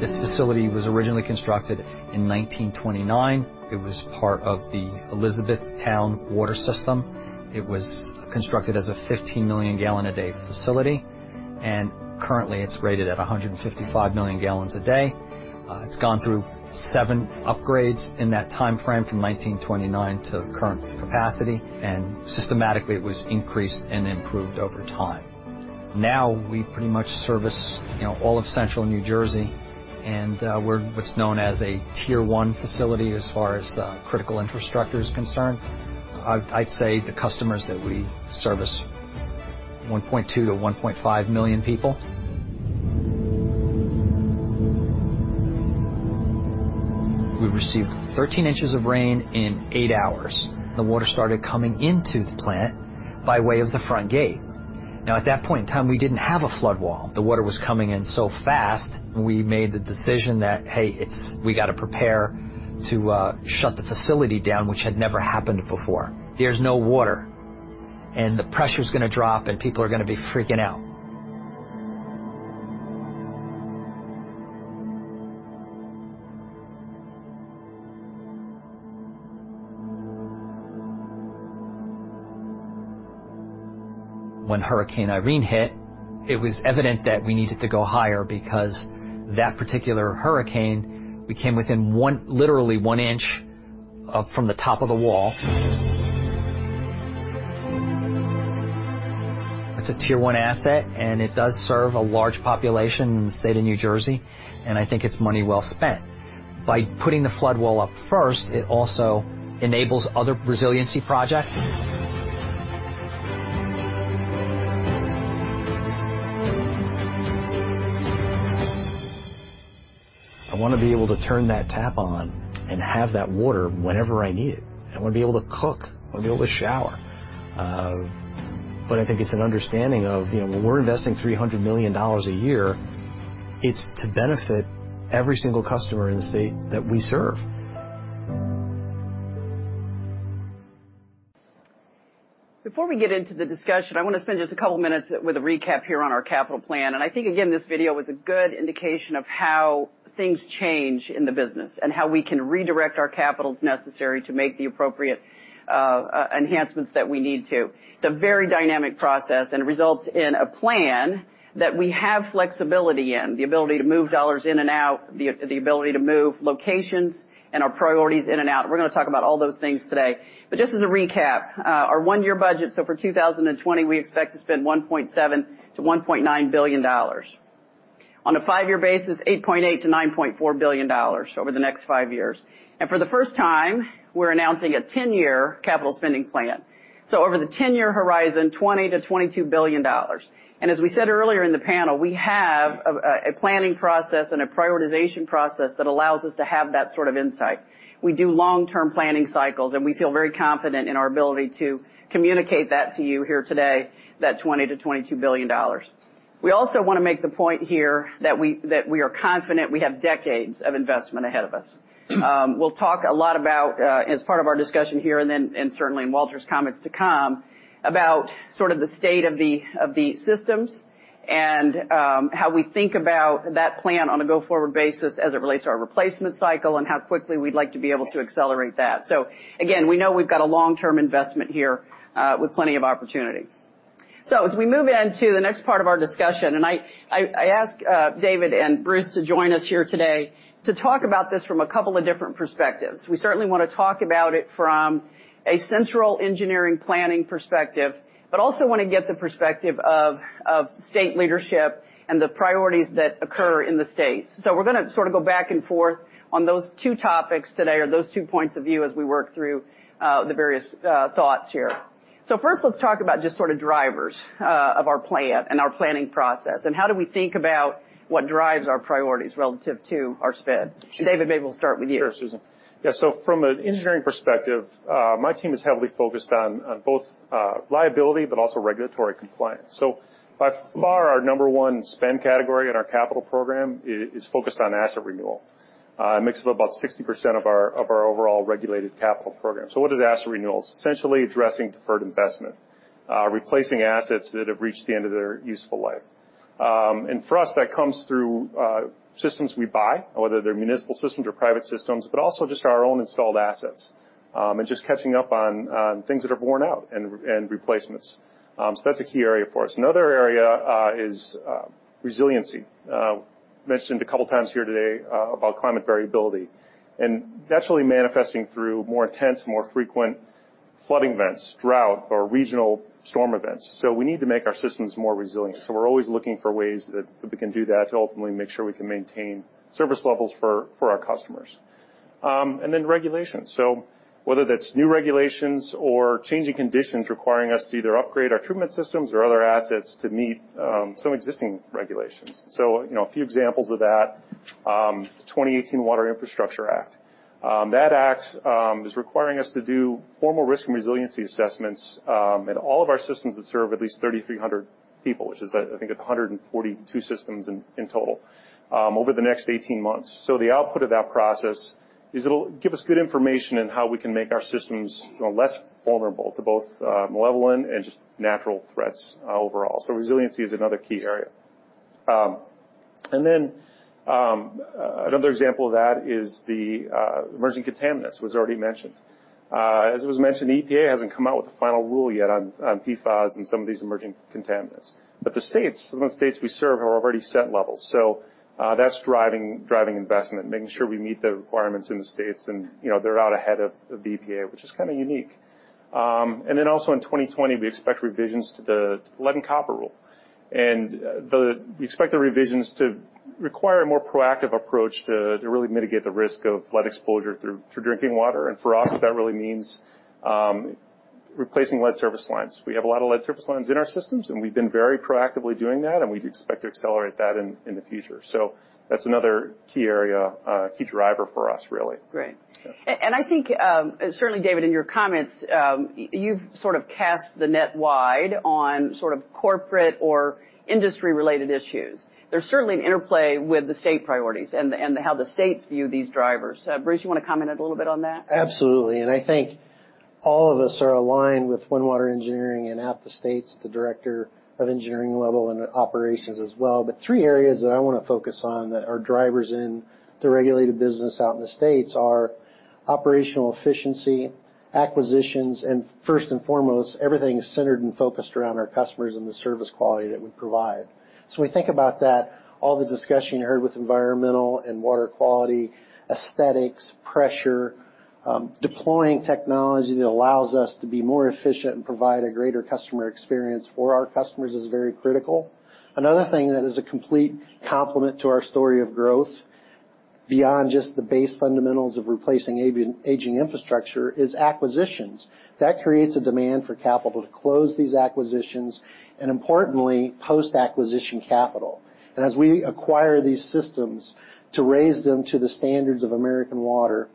Presentation Presentation Presentation Before we get into the discussion, I want to spend just a couple of minutes with a recap here on our capital plan. I think, again, this video was a good indication of how things change in the business, and how we can redirect our capital as necessary to make the appropriate enhancements that we need to. It's a very dynamic process and results in a plan that we have flexibility in. The ability to move dollars in and out, the ability to move locations and our priorities in and out. We're going to talk about all those things today. Just as a recap, our one-year budget, so for 2020, we expect to spend $1.7 billion-$1.9 billion. On a five-year basis, $8.8 billion-$9.4 billion over the next five years. For the first time, we're announcing a 10-year capital spending plan. Over the 10-year horizon, $20 billion-$22 billion. As we said earlier in the panel, we have a planning process and a prioritization process that allows us to have that sort of insight. We do long-term planning cycles, and we feel very confident in our ability to communicate that to you here today, that $20 billion-$22 billion. We also want to make the point here that we are confident we have decades of investment ahead of us. We'll talk a lot about, as part of our discussion here and certainly in Walter's comments to come, about sort of the state of the systems and how we think about that plan on a go-forward basis as it relates to our replacement cycle and how quickly we'd like to be able to accelerate that. Again, we know we've got a long-term investment here with plenty of opportunity. As we move into the next part of our discussion, and I asked David and Bruce to join us here today to talk about this from a couple of different perspectives. We certainly want to talk about it from a central engineering planning perspective, but also want to get the perspective of state leadership and the priorities that occur in the states. We're going to sort of go back and forth on those two topics today or those two points of view as we work through the various thoughts here. First, let's talk about just sort of drivers of our plan and our planning process, and how do we think about what drives our priorities relative to our spend. David, maybe we'll start with you. Sure, Susan. Yeah, from an engineering perspective, my team is heavily focused on both liability but also regulatory compliance. By far, our number one spend category in our capital program is focused on asset renewal. A mix of about 60% of our overall regulated capital program. What is asset renewal? Essentially addressing deferred investment. Replacing assets that have reached the end of their useful life. For us, that comes through systems we buy, whether they're municipal systems or private systems, but also just our own installed assets, and just catching up on things that are worn out and replacements. That's a key area for us. Another area is resiliency. Mentioned a couple of times here today about climate variability, that's really manifesting through more intense, more frequent flooding events, drought, or regional storm events. We need to make our systems more resilient. We're always looking for ways that we can do that to ultimately make sure we can maintain service levels for our customers. Regulations. Whether that's new regulations or changing conditions requiring us to either upgrade our treatment systems or other assets to meet some existing regulations. A few examples of that, the 2018 Water Infrastructure Act. That act is requiring us to do formal risk and resiliency assessments in all of our systems that serve at least 3,300 people, which is I think 142 systems in total, over the next 18 months. The output of that process is it'll give us good information on how we can make our systems less vulnerable to both malevolent and just natural threats overall. Resiliency is another key area. Another example of that is the emerging contaminants was already mentioned. As it was mentioned, the EPA hasn't come out with the final rule yet on PFAS and some of these emerging contaminants. The states, some of the states we serve have already set levels. That's driving investment, making sure we meet the requirements in the states and they're out ahead of the EPA, which is kind of unique. Also in 2020, we expect revisions to the Lead and Copper Rule, and we expect the revisions to require a more proactive approach to really mitigate the risk of lead exposure through drinking water, and for us, that really means replacing lead service lines. We have a lot of lead service lines in our systems, and we've been very proactively doing that, and we expect to accelerate that in the future. That's another key area, key driver for us really. Great. I think, certainly, David, in your comments, you've sort of cast the net wide on corporate or industry-related issues. There's certainly an interplay with the state priorities and how the states view these drivers. Bruce, you want to comment a little bit on that? Absolutely. I think all of us are aligned with One Water Engineering and at the states, the director of engineering level and operations as well. Three areas that I want to focus on that are drivers in the regulated business out in the states are operational efficiency, acquisitions, and first and foremost, everything is centered and focused around our customers and the service quality that we provide. We think about that, all the discussion you heard with environmental and water quality, aesthetics, pressure, deploying technology that allows us to be more efficient and provide a greater customer experience for our customers is very critical. Another thing that is a complete complement to our story of growth beyond just the base fundamentals of replacing aging infrastructure is acquisitions. That creates a demand for capital to close these acquisitions, and importantly, post-acquisition capital. As we acquire these systems to raise them to the standards of American Water.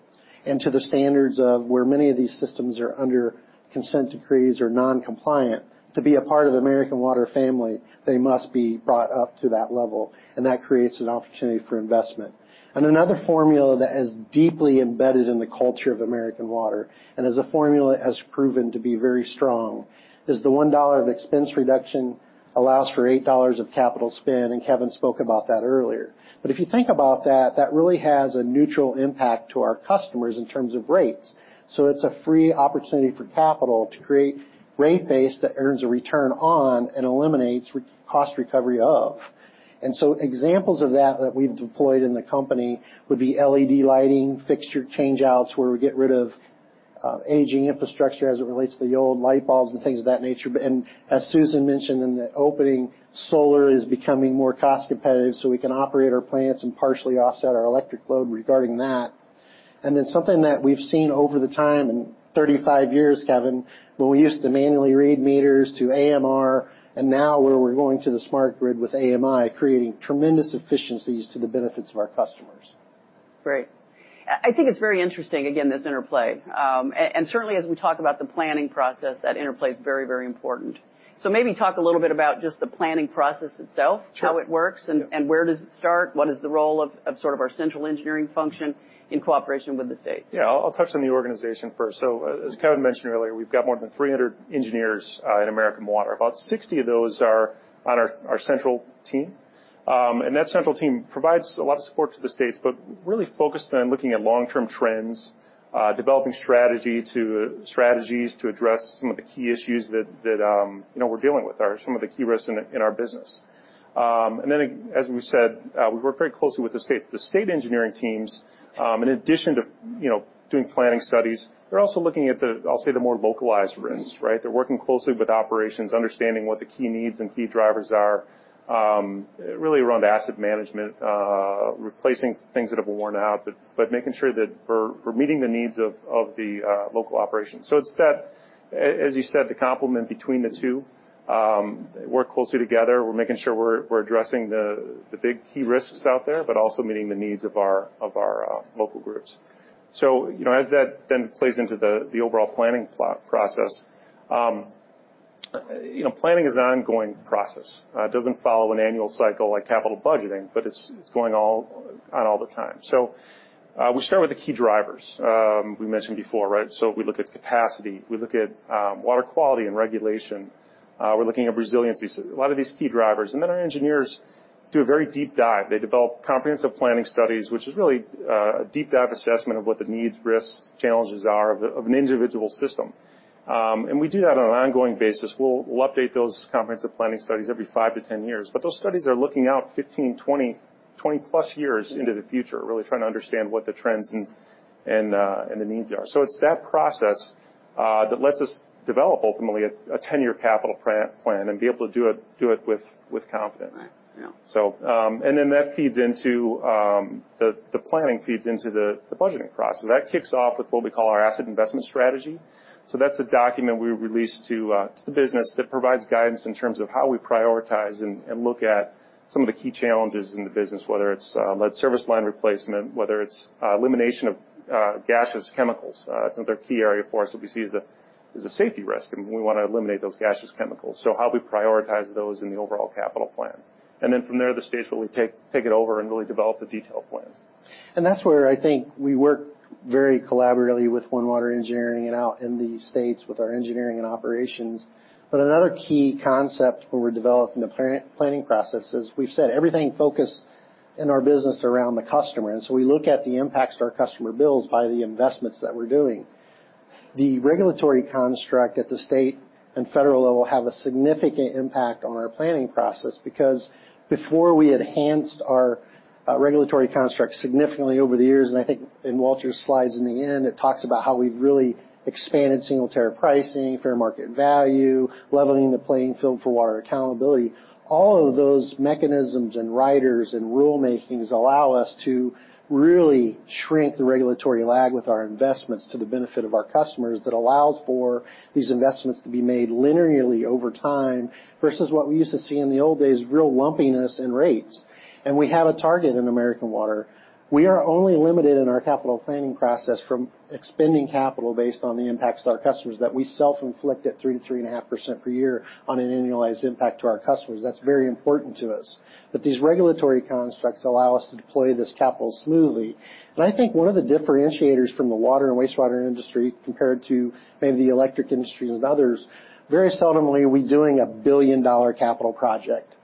To the standards of where many of these systems are under consent decrees or non-compliant, to be a part of the American Water family, they must be brought up to that level, that creates an opportunity for investment. Another formula that is deeply embedded in the culture of American Water, and is a formula that has proven to be very strong, is the $1 of expense reduction allows for $8 of capital spend, Kevin spoke about that earlier. If you think about that really has a neutral impact to our customers in terms of rates. It's a free opportunity for capital to create rate base that earns a return on and eliminates cost recovery of. Examples of that that we've deployed in the company would be LED lighting, fixture change-outs, where we get rid of aging infrastructure as it relates to the old light bulbs and things of that nature. As Susan mentioned in the opening, solar is becoming more cost competitive, so we can operate our plants and partially offset our electric load regarding that. Something that we've seen over the time, in 35 years, Kevin, when we used to manually read meters to AMR, and now where we're going to the smart grid with AMI, creating tremendous efficiencies to the benefits of our customers. Great. I think it's very interesting, again, this interplay. Certainly as we talk about the planning process, that interplay is very important. Maybe talk a little bit about just the planning process itself. Sure. How it works and where does it start? What is the role of our central engineering function in cooperation with the state? Yeah. I'll touch on the organization first. As Kevin mentioned earlier, we've got more than 300 engineers in American Water. About 60 of those are on our central team. That central team provides a lot of support to the states, but really focused on looking at long-term trends, developing strategies to address some of the key issues that we're dealing with, or some of the key risks in our business. As we said, we work very closely with the states. The state engineering teams, in addition to doing planning studies, they're also looking at the, I'll say, the more localized risks. They're working closely with operations, understanding what the key needs and key drivers are, really around asset management, replacing things that have worn out, but making sure that we're meeting the needs of the local operations. It's that, as you said, the complement between the two. We work closely together. We're making sure we're addressing the big key risks out there, but also meeting the needs of our local groups. As that then plays into the overall planning process. Planning is an ongoing process. It doesn't follow an annual cycle like capital budgeting, but it's going on all the time. We start with the key drivers. We mentioned before, right. We look at capacity, we look at water quality and regulation. We're looking at resiliency. A lot of these key drivers. Then our engineers do a very deep dive. They develop comprehensive planning studies, which is really a deep dive assessment of what the needs, risks, challenges are of an individual system. We do that on an ongoing basis. We'll update those comprehensive planning studies every 5- 10 years. Those studies are looking out 15, 20-plus years into the future, really trying to understand what the trends and the needs are. It's that process that lets us develop, ultimately, a 10-year capital plan and be able to do it with confidence. Right. Yeah. Then the planning feeds into the budgeting process. That kicks off with what we call our Asset Investment Strategy. That's a document we release to the business that provides guidance in terms of how we prioritize and look at some of the key challenges in the business, whether it's lead service line replacement, whether it's elimination of gaseous chemicals. That's another key area for us that we see as a safety risk, and we want to eliminate those gaseous chemicals, how we prioritize those in the overall capital plan. Then from there, the states will take it over and really develop the detailed plans. That's where I think we work very collaboratively with One Water Engineering and out in the states with our engineering and operations. Another key concept when we're developing the planning process is we've said everything focused in our business around the customer, and so we look at the impacts to our customer bills by the investments that we're doing. The regulatory construct at the state and federal level have a significant impact on our planning process because before we enhanced our regulatory construct significantly over the years, and I think in Walter's slides in the end, it talks about how we've really expanded single-tier pricing, fair market value, leveling the playing field for water accountability. All of those mechanisms and riders and rulemakings allow us to really shrink the regulatory lag with our investments to the benefit of our customers that allows for these investments to be made linearly over time, versus what we used to see in the old days, real lumpiness in rates. We have a target in American Water. We are only limited in our capital planning process from expending capital based on the impacts to our customers that we self-inflict at 3% - 3.5% per year on an annualized impact to our customers. That's very important to us. These regulatory constructs allow us to deploy this capital smoothly. I think one of the differentiators from the water and wastewater industry, compared to maybe the electric industry and others, very seldomly are we doing a billion-dollar capital project.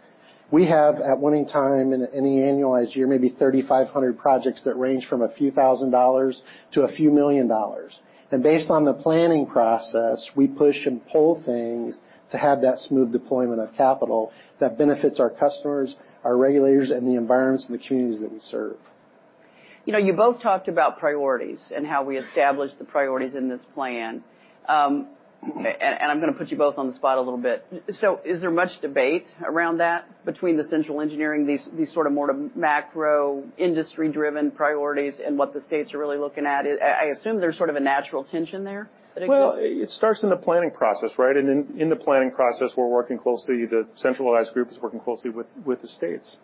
We have, at one time in any annualized year, maybe 3,500 projects that range from a few thousand dollars to a few million dollars. Based on the planning process, we push and pull things to have that smooth deployment of capital that benefits our customers, our regulators, and the environments and the communities that we serve. You both talked about priorities and how we established the priorities in this plan. I'm going to put you both on the spot a little bit. Is there much debate around that between the central engineering, these more macro industry-driven priorities, and what the states are really looking at? I assume there's sort of a natural tension there that exists. It starts in the planning process. In the planning process, the centralized group is working closely with the states.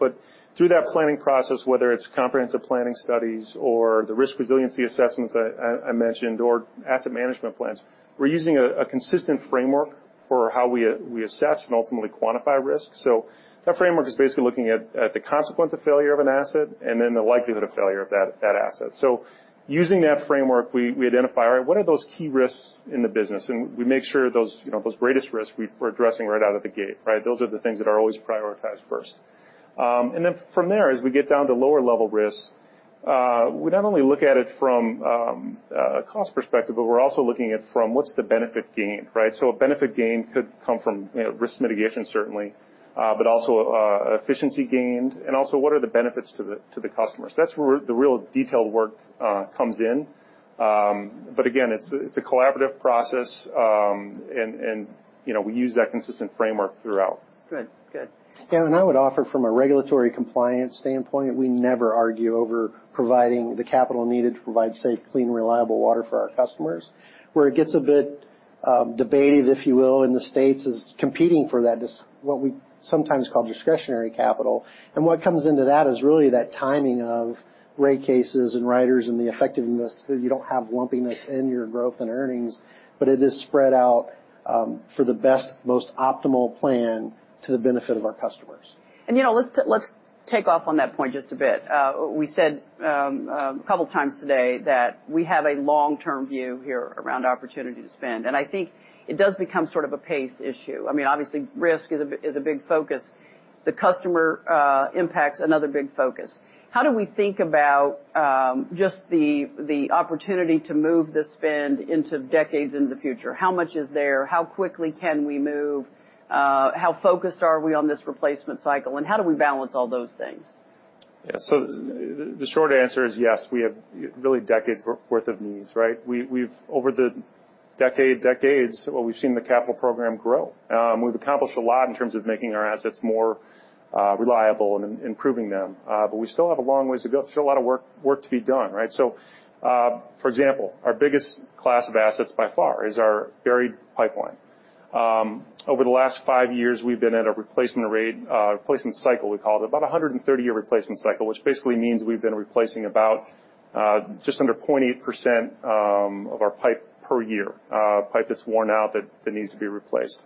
Through that planning process, whether it's comprehensive planning studies or the risk resiliency assessments I mentioned, or asset management plans, we're using a consistent framework for how we assess and ultimately quantify risk. That framework is basically looking at the consequence of failure of an asset and then the likelihood of failure of that asset. Using that framework, we identify, all right, what are those key risks in the business? We make sure those greatest risks we're addressing right out of the gate. Those are the things that are always prioritized first. From there, as we get down to lower-level risks, we not only look at it from a cost perspective, but we're also looking at it from what's the benefit gained. A benefit gain could come from risk mitigation, certainly, but also efficiency gained and also what are the benefits to the customers. That's where the real detailed work comes in. Again, it's a collaborative process, and we use that consistent framework throughout. Good. I would offer from a regulatory compliance standpoint, we never argue over providing the capital needed to provide safe, clean, reliable water for our customers. Where it gets a bit debated, if you will, in the states, is competing for that, what we sometimes call discretionary capital. What comes into that is really that timing of rate cases and riders and the effectiveness. You don't have lumpiness in your growth and earnings, but it is spread out for the best, most optimal plan to the benefit of our customers. Let's take off on that point just a bit. We said a couple of times today that we have a long-term view here around opportunity to spend, and I think it does become sort of a pace issue. Obviously, risk is a big focus. The customer impact's another big focus. How do we think about just the opportunity to move the spend into decades into the future? How much is there? How quickly can we move? How focused are we on this replacement cycle, and how do we balance all those things? Yes. The short answer is yes, we have really decades worth of needs. Over the decades, we've seen the capital program grow. We've accomplished a lot in terms of making our assets more reliable and improving them. We still have a long ways to go, still a lot of work to be done. For example, our biggest class of assets by far is our buried pipeline. Over the last five years, we've been at a replacement rate, replacement cycle we call it, about a 130-year replacement cycle, which basically means we've been replacing about just under 0.8% of our pipe per year, pipe that's worn out that needs to be replaced.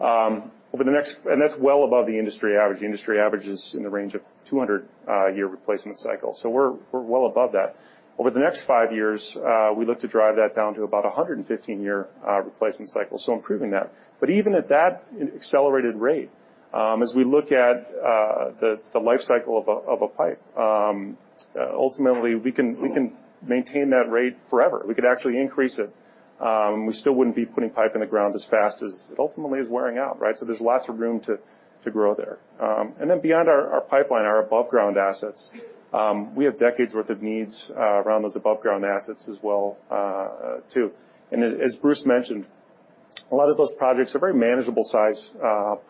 That's well above the industry average. The industry average is in the range of 200-year replacement cycle. We're well above that. Over the next five years, we look to drive that down to about 115-year replacement cycle, so improving that. Even at that accelerated rate, as we look at the life cycle of a pipe, ultimately we can maintain that rate forever. We could actually increase it, we still wouldn't be putting pipe in the ground as fast as it ultimately is wearing out. There's lots of room to grow there. Beyond our pipeline, our above ground assets, we have decades worth of needs around those above ground assets as well, too. As Bruce mentioned, a lot of those projects are very manageable size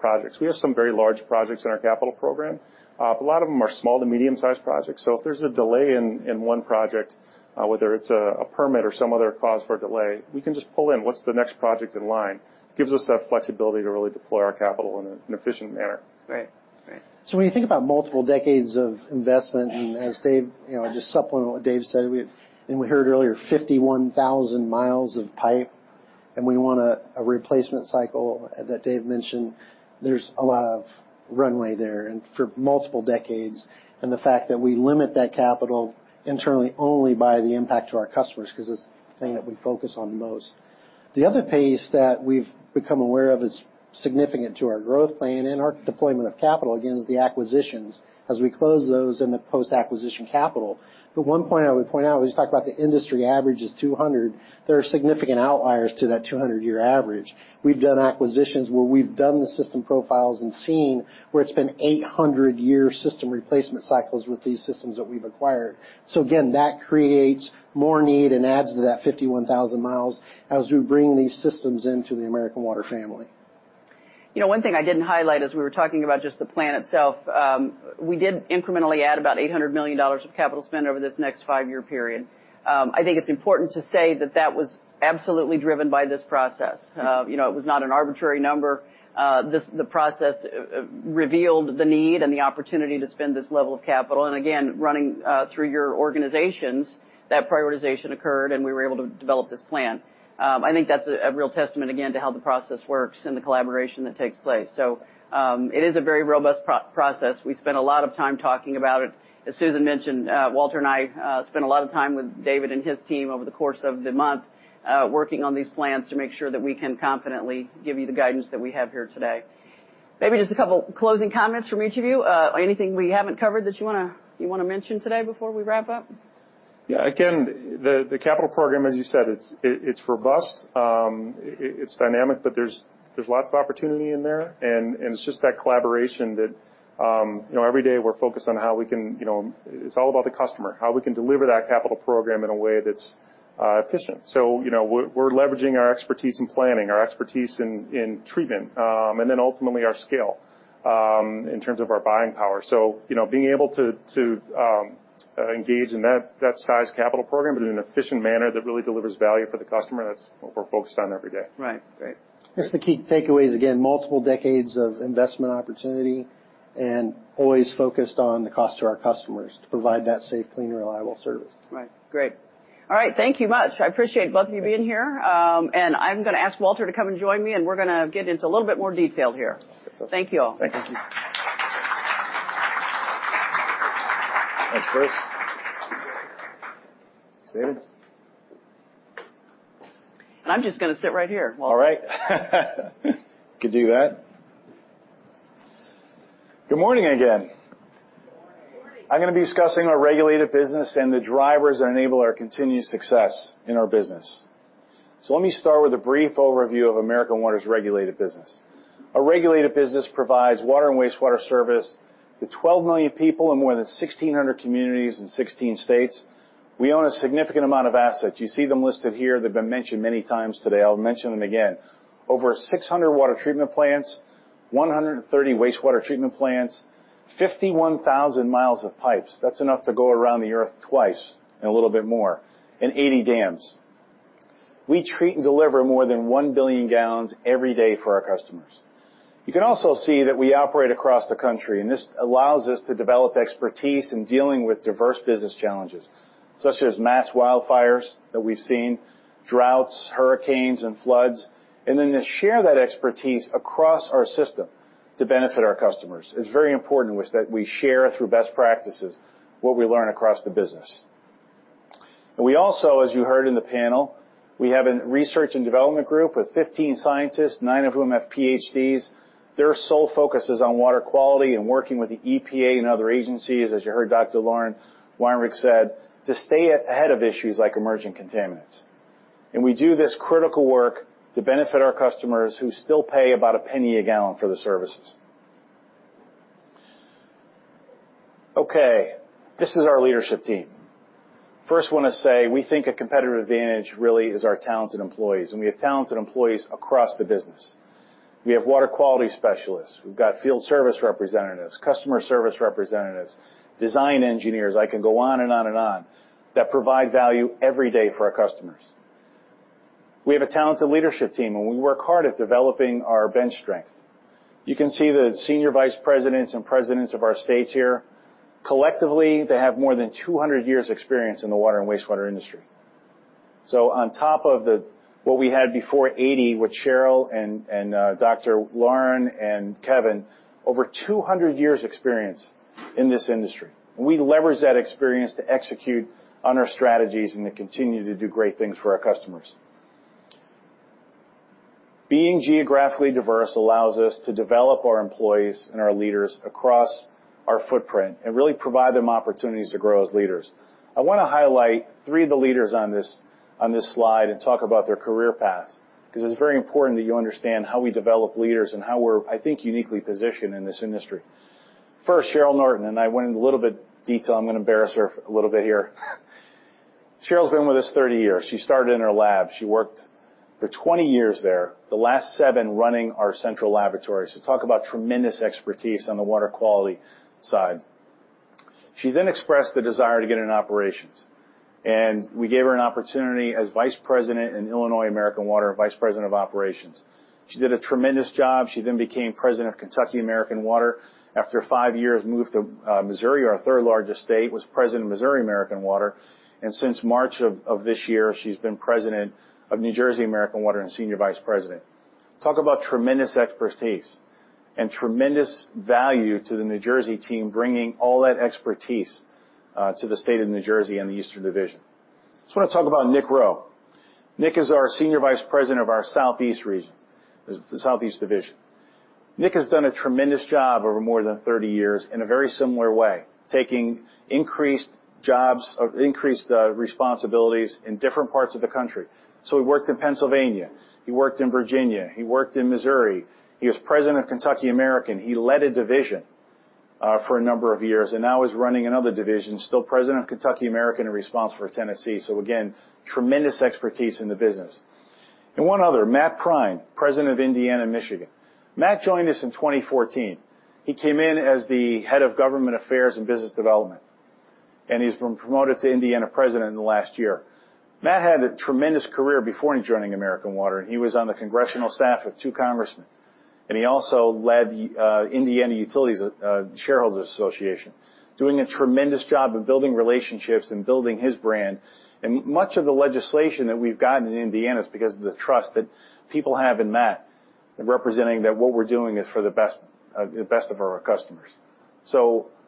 projects. We have some very large projects in our capital program, a lot of them are small to medium sized projects. If there's a delay in one project, whether it's a permit or some other cause for delay, we can just pull in what's the next project in line. Gives us that flexibility to really deploy our capital in an efficient manner. Right. When you think about multiple decades of investment, and just supplement what Dave said, and we heard earlier, 51,000 miles of pipe, and we want a replacement cycle that Dave mentioned. There's a lot of runway there and for multiple decades. The fact that we limit that capital internally only by the impact to our customers, because it's the thing that we focus on most. The other pace that we've become aware of is significant to our growth plan and our deployment of capital, again, is the acquisitions as we close those and the post-acquisition capital. One point I would point out, we just talked about the industry average is 200. There are significant outliers to that 200 year average. We've done acquisitions where we've done the system profiles and seen where it's been 800-year system replacement cycles with these systems that we've acquired. Again, that creates more need and adds to that 51,000 miles as we bring these systems into the American Water family. One thing I didn't highlight as we were talking about just the plan itself, we did incrementally add about $800 million of capital spend over this next five-year period. I think it's important to say that that was absolutely driven by this process. It was not an arbitrary number. The process revealed the need and the opportunity to spend this level of capital, and again, running through your organizations, that prioritization occurred, and we were able to develop this plan. I think that's a real testament again to how the process works and the collaboration that takes place. It is a very robust process. We spent a lot of time talking about it. As Susan Presentation, Walter and I spent a lot of time with David and his team over the course of the month, working on these plans to make sure that we can confidently give you the guidance that we have here today. Maybe just a couple closing comments from each of you. Anything we haven't covered that you want to mention today before we wrap up? Yeah. Again, the capital program, as you said, it's robust, it's dynamic, but there's lots of opportunity in there, and it's just that collaboration that every day we're focused on. It's all about the customer, how we can deliver that capital program in a way that's efficient. We're leveraging our expertise in planning, our expertise in treatment, and then ultimately our scale, in terms of our buying power. Being able to engage in that size capital program, but in an efficient manner that really delivers value for the customer, that's what we're focused on every day. Right. Great. Yes, the key takeaway is, again, multiple decades of investment opportunity and always focused on the cost to our customers to provide that safe, clean, reliable service. Right. Great. All right. Thank you much. I appreciate both of you being here. I'm going to ask Walter to come and join me, and we're going to get into a little bit more detail here. Thank you all. Thank you. Thank you. Thanks, Chris. David. I'm just going to sit right here, Walter. All right. Could do that. Good morning again. Good morning. I'm going to be discussing our regulated business and the drivers that enable our continued success in our business. Let me start with a brief overview of American Water's regulated business. Our regulated business provides water and wastewater service to 12 million people in more than 1,600 communities in 16 states. We own a significant amount of assets. You see them listed here. They've been mentioned many times today. I'll mention them again. Over 600 water treatment plants, 130 wastewater treatment plants, 51,000 miles of pipes. That's enough to go around the Earth twice and a little bit more. 80 dams. We treat and deliver more than 1 billion gallons every day for our customers. You can also see that we operate across the country, this allows us to develop expertise in dealing with diverse business challenges, such as mass wildfires that we've seen, droughts, hurricanes, and floods. Then to share that expertise across our system to benefit our customers. It's very important that we share through best practices what we learn across the business. We also, as you heard in the panel, we have a research and development group with 15 scientists, nine of whom have PhDs. Their sole focus is on water quality and working with the EPA and other agencies, as you heard Dr. Lauren Weinrich said, to stay ahead of issues like emerging contaminants. We do this critical work to benefit our customers who still pay about $0.01 a gallon for the services. This is our leadership team. First, we want to say, we think a competitive advantage really is our talented employees. We have talented employees across the business. We have water quality specialists. We've got field service representatives, customer service representatives, design engineers, I can go on and on and on, that provide value every day for our customers. We have a talented leadership team. We work hard at developing our bench strength. You can see the senior vice presidents and presidents of our states here. Collectively, they have more than 200 years experience in the water and wastewater industry. On top of what we had before, 80, with Cheryl and Dr. Lauren and Kevin, over 200 years experience in this industry. We leverage that experience to execute on our strategies and to continue to do great things for our customers. Being geographically diverse allows us to develop our employees and our leaders across our footprint and really provide them opportunities to grow as leaders. I want to highlight three of the leaders on this slide and talk about their career paths, because it's very important that you understand how we develop leaders and how we're, I think, uniquely positioned in this industry. First, Cheryl Norton, and I went into a little bit of detail. I'm going to embarrass her a little bit here. Cheryl's been with us 30 years. She started in her lab. She worked for 20 years there, the last seven running our central laboratory. Talk about tremendous expertise on the water quality side. She then expressed the desire to get into operations, and we gave her an opportunity as vice president in Illinois American Water, vice president of operations. She did a tremendous job. She then became president of Kentucky American Water. After five years, moved to Missouri, our third largest state, was President of Missouri American Water, and since March of this year, she's been President of New Jersey American Water and Senior Vice President. Talk about tremendous expertise and tremendous value to the New Jersey team, bringing all that expertise to the state of New Jersey and the Eastern Division. Just want to talk about Nick Rowe. Nick is our Senior Vice President of our Southeast region, the Southeast Division. Nick has done a tremendous job over more than 30 years in a very similar way, taking increased responsibilities in different parts of the country. He worked in Pennsylvania, he worked in Virginia, he worked in Missouri, he was president of Kentucky American. He led a division for a number of years and now is running another division. Still president of Kentucky American and responsible for Tennessee. Again, tremendous expertise in the business. One other, Matt Prine, President of Indiana Michigan. Matt joined us in 2014. He came in as the head of government affairs and business development, and he's been promoted to Indiana President in the last year. Matt had a tremendous career before joining American Water, and he was on the congressional staff of two congressmen. He also led the Indiana Utility Shareholders Association, doing a tremendous job of building relationships and building his brand. Much of the legislation that we've gotten in Indiana is because of the trust that people have in Matt, in representing that what we're doing is for the best of our customers.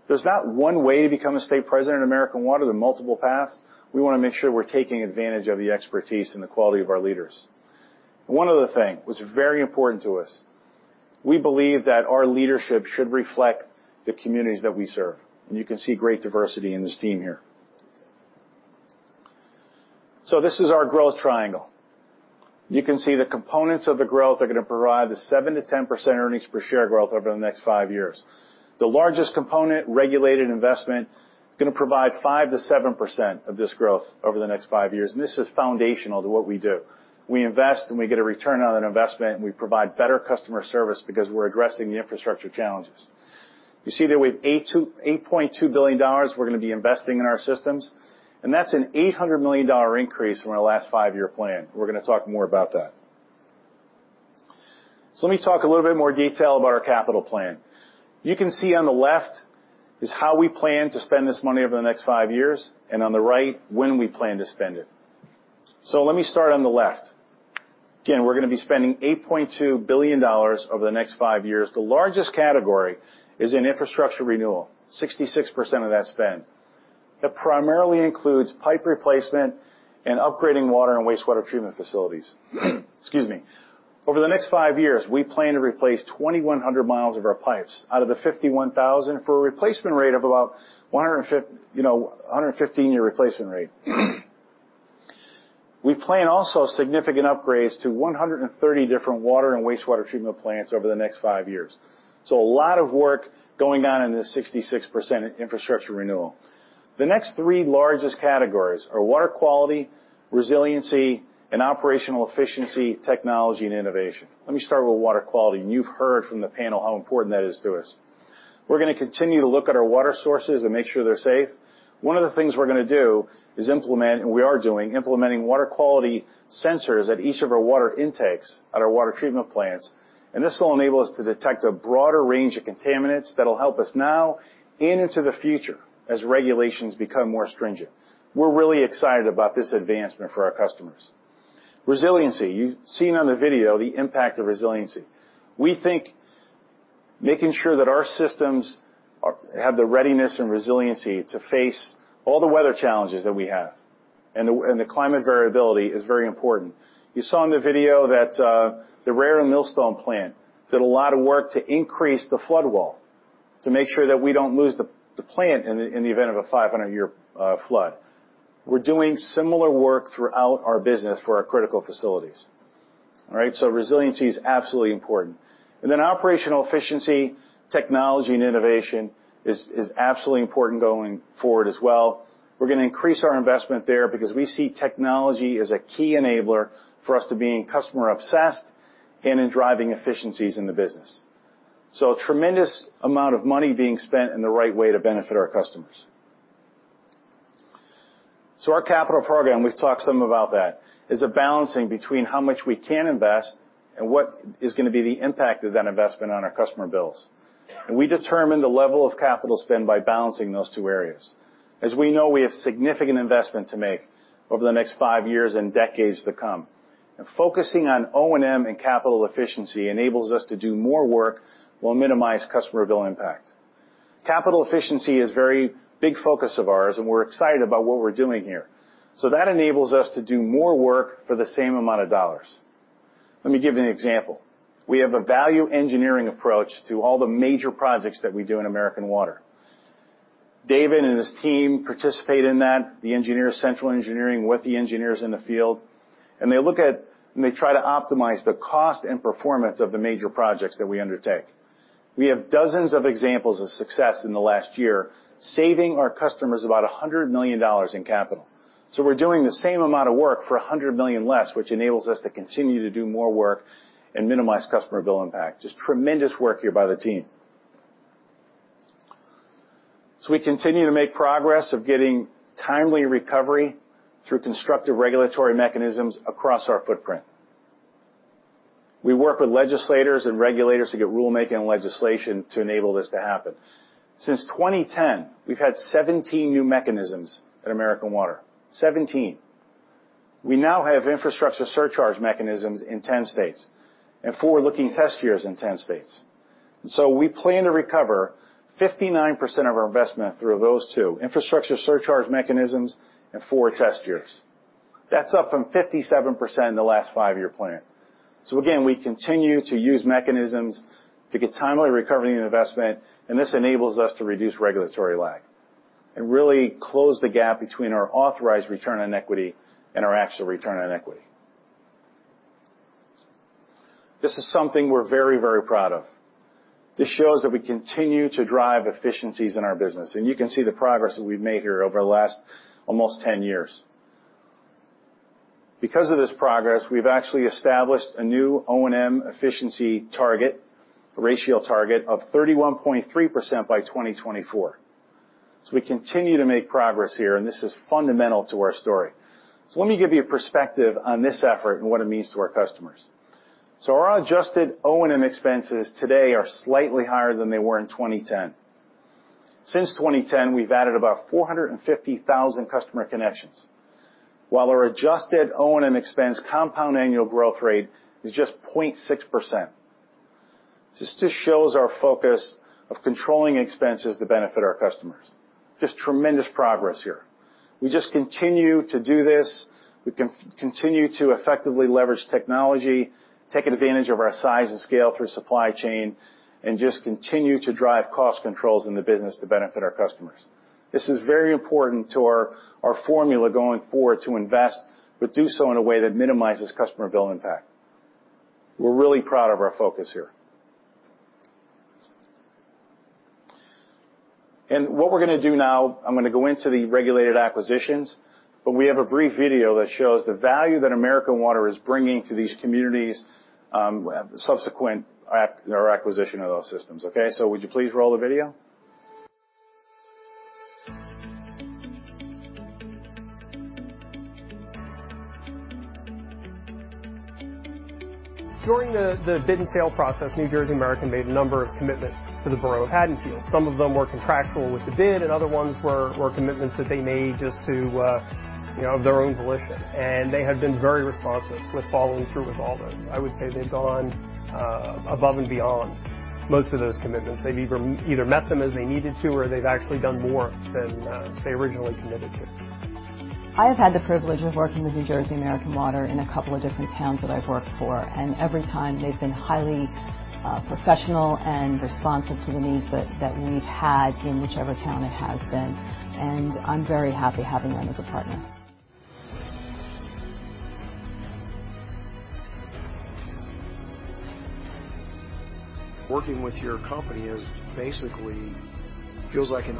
There's not one way to become a State President at American Water. There are multiple paths. We want to make sure we're taking advantage of the expertise and the quality of our leaders. One other thing, what's very important to us. We believe that our leadership should reflect the communities that we serve. You can see great diversity in this team here. This is our growth triangle. You can see the components of the growth are going to provide the 7%-10% earnings per share growth over the next five years. The largest component, regulated investment, is going to provide five percent-seven percent of this growth over the next five years. This is foundational to what we do. We invest. We get a return on that investment. We provide better customer service because we're addressing the infrastructure challenges. You see that with $8.2 billion, we're going to be investing in our systems. That's an $800 million increase from our last five-year plan. We're going to talk more about that. Let me talk a little bit more detail about our capital plan. You can see on the left is how we plan to spend this money over the next five years. On the right, when we plan to spend it. Let me start on the left. Again, we're going to be spending $8.2 billion over the next five years. The largest category is in infrastructure renewal, 66% of that spend. That primarily includes pipe replacement and upgrading water and wastewater treatment facilities. Excuse me. Over the next five years, we plan to replace 2,100 miles of our pipes out of the 51,000 for a replacement rate of about 115-year replacement rate. We plan also significant upgrades to 130 different water and wastewater treatment plants over the next five years. A lot of work going on in this 66% infrastructure renewal. The next three largest categories are water quality, resiliency, and operational efficiency, technology, and innovation. Let me start with water quality. You've heard from the panel how important that is to us. We're going to continue to look at our water sources and make sure they're safe. One of the things we're going to do is implementing water quality sensors at each of our water intakes at our water treatment plants. This will enable us to detect a broader range of contaminants that'll help us now and into the future as regulations become more stringent. We're really excited about this advancement for our customers. Resiliency. You've seen on the video the impact of resiliency. We think making sure that our systems have the readiness and resiliency to face all the weather challenges that we have and the climate variability is very important. You saw in the video that the Raritan Millstone Plant did a lot of work to increase the flood wall to make sure that we don't lose the plant in the event of a 500-year flood. We're doing similar work throughout our business for our critical facilities. All right? Resiliency is absolutely important. Operational efficiency, technology, and innovation is absolutely important going forward as well. We're going to increase our investment there because we see technology as a key enabler for us to being customer-obsessed and in driving efficiencies in the business. A tremendous amount of money being spent in the right way to benefit our customers. Our capital program, we've talked some about that, is a balancing between how much we can invest and what is going to be the impact of that investment on our customer bills. We determine the level of capital spend by balancing those two areas. As we know, we have significant investment to make over the next five years and decades to come. Focusing on O&M and capital efficiency enables us to do more work while minimize customer bill impact. Capital efficiency is very big focus of ours, and we're excited about what we're doing here. That enables us to do more work for the same amount of dollars. Let me give you an example. We have a value engineering approach to all the major projects that we do in American Water. David and his team participate in that, the engineer, central engineering with the engineers in the field. They try to optimize the cost and performance of the major projects that we undertake. We have dozens of examples of success in the last year, saving our customers about $100 million in capital. We are doing the same amount of work for $100 million less, which enables us to continue to do more work and minimize customer bill impact. Just tremendous work here by the team. We continue to make progress of getting timely recovery through constructive regulatory mechanisms across our footprint. We work with legislators and regulators to get rulemaking and legislation to enable this to happen. Since 2010, we have had 17 new mechanisms at American Water. 17. We now have infrastructure surcharge mechanisms in 10 states and forward-looking test years in 10 states. We plan to recover 59% of our investment through those two, infrastructure surcharge mechanisms and forward test years. That's up from 57% in the last five-year plan. Again, we continue to use mechanisms to get timely recovery on investment, and this enables us to reduce regulatory lag and really close the gap between our authorized return on equity and our actual return on equity. This is something we're very proud of. This shows that we continue to drive efficiencies in our business, and you can see the progress that we've made here over the last almost 10 years. Because of this progress, we've actually established a new O&M efficiency target, a ratio target of 31.3% by 2024. We continue to make progress here, and this is fundamental to our story. Let me give you a perspective on this effort and what it means to our customers. Our adjusted O&M expenses today are slightly higher than they were in 2010. Since 2010, we've added about 450,000 customer connections. While our adjusted O&M expense compound annual growth rate is just 0.6%. This just shows our focus of controlling expenses to benefit our customers. Just tremendous progress here. We just continue to do this. We continue to effectively leverage technology, take advantage of our size and scale through supply chain, and just continue to drive cost controls in the business to benefit our customers. This is very important to our formula going forward to invest, but do so in a way that minimizes customer bill impact. We're really proud of our focus here. What we're going to do now, I'm going to go into the regulated acquisitions. We have a brief video that shows the value that American Water is bringing to these communities subsequent our acquisition of those systems. Okay? Would you please roll the video? Presentation Presentation Presentation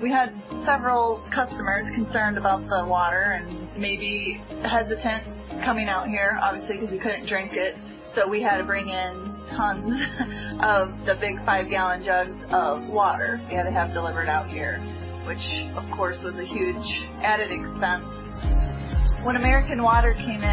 Presentation Presentation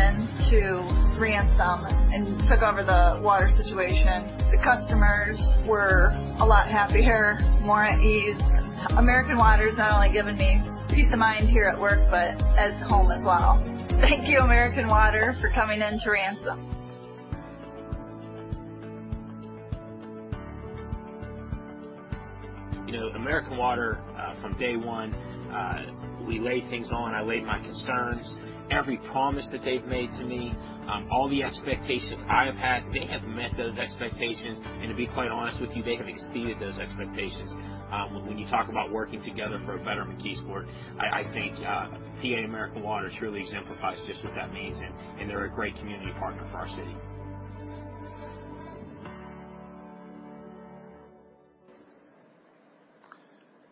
Presentation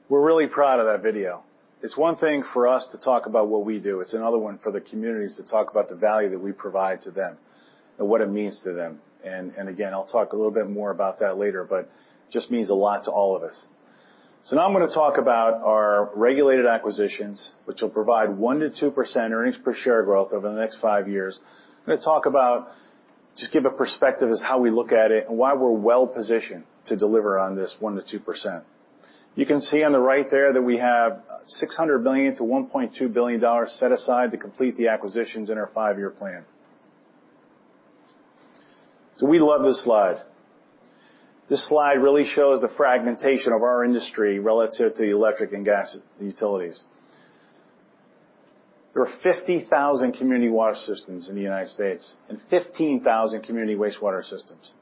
We're really proud of that video. It's one thing for us to talk about what we do, it's another one for the communities to talk about the value that we provide to them and what it means to them. Again, I'll talk a little bit more about that later, but just means a lot to all of us. Now I'm going to talk about our regulated acquisitions, which will provide one percent - two percent earnings per share growth over the next five years. I'm going to talk about just give a perspective as how we look at it and why we're well-positioned to deliver on this one percent - two percent. You can see on the right there that we have $600 million - $1.2 billion set aside to complete the acquisitions in our five-year plan. We love this slide. This slide really shows the fragmentation of our industry relative to electric and gas utilities. There are 50,000 community water systems in the U.S. and 15,000 community wastewater systems.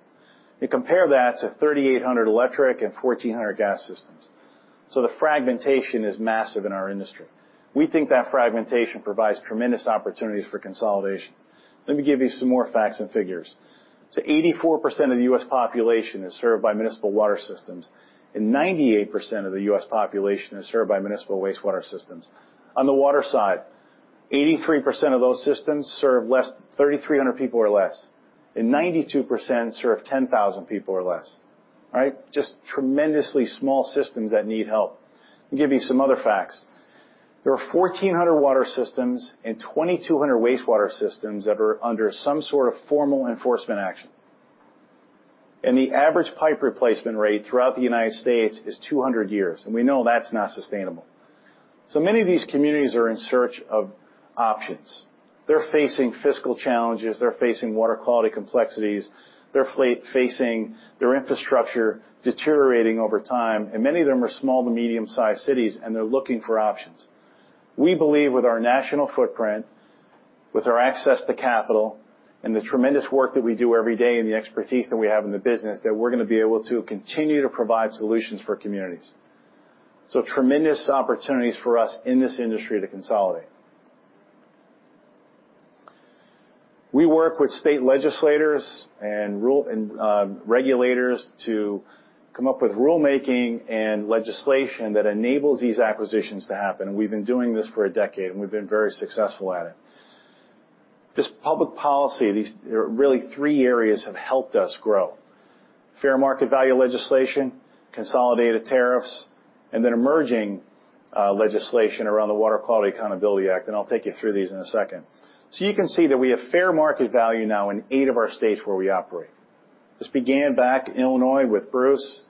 You compare that to 3,800 electric and 1,400 gas systems. The fragmentation is massive in our industry. We think that fragmentation provides tremendous opportunities for consolidation. Let me give you some more facts and figures. 84% of the U.S. population is served by municipal water systems, and 98% of the U.S. population is served by municipal wastewater systems. On the water side, 83% of those systems serve 3,300 people or less, and 92% serve 10,000 people or less. All right. Just tremendously small systems that need help. Let me give you some other facts. There are 1,400 water systems and 2,200 wastewater systems that are under some sort of formal enforcement action. The average pipe replacement rate throughout the U.S. is 200 years, and we know that's not sustainable. Many of these communities are in search of options. They're facing fiscal challenges. They're facing water quality complexities. They're facing their infrastructure deteriorating over time, and many of them are small to medium-sized cities, and they're looking for options. We believe with our national footprint, with our access to capital, and the tremendous work that we do every day and the expertise that we have in the business, that we're going to be able to continue to provide solutions for communities. Tremendous opportunities for us in this industry to consolidate. We work with state legislators and regulators to come up with rulemaking and legislation that enables these acquisitions to happen. We've been doing this for a decade, and we've been very successful at it. This public policy, these really three areas have helped us grow. Fair market value legislation, consolidated tariffs, and emerging legislation around the Water Quality Accountability Act, and I'll take you through these in a second. You can see that we have fair market value now in eight of our states where we operate. This began back in Illinois with Bruce,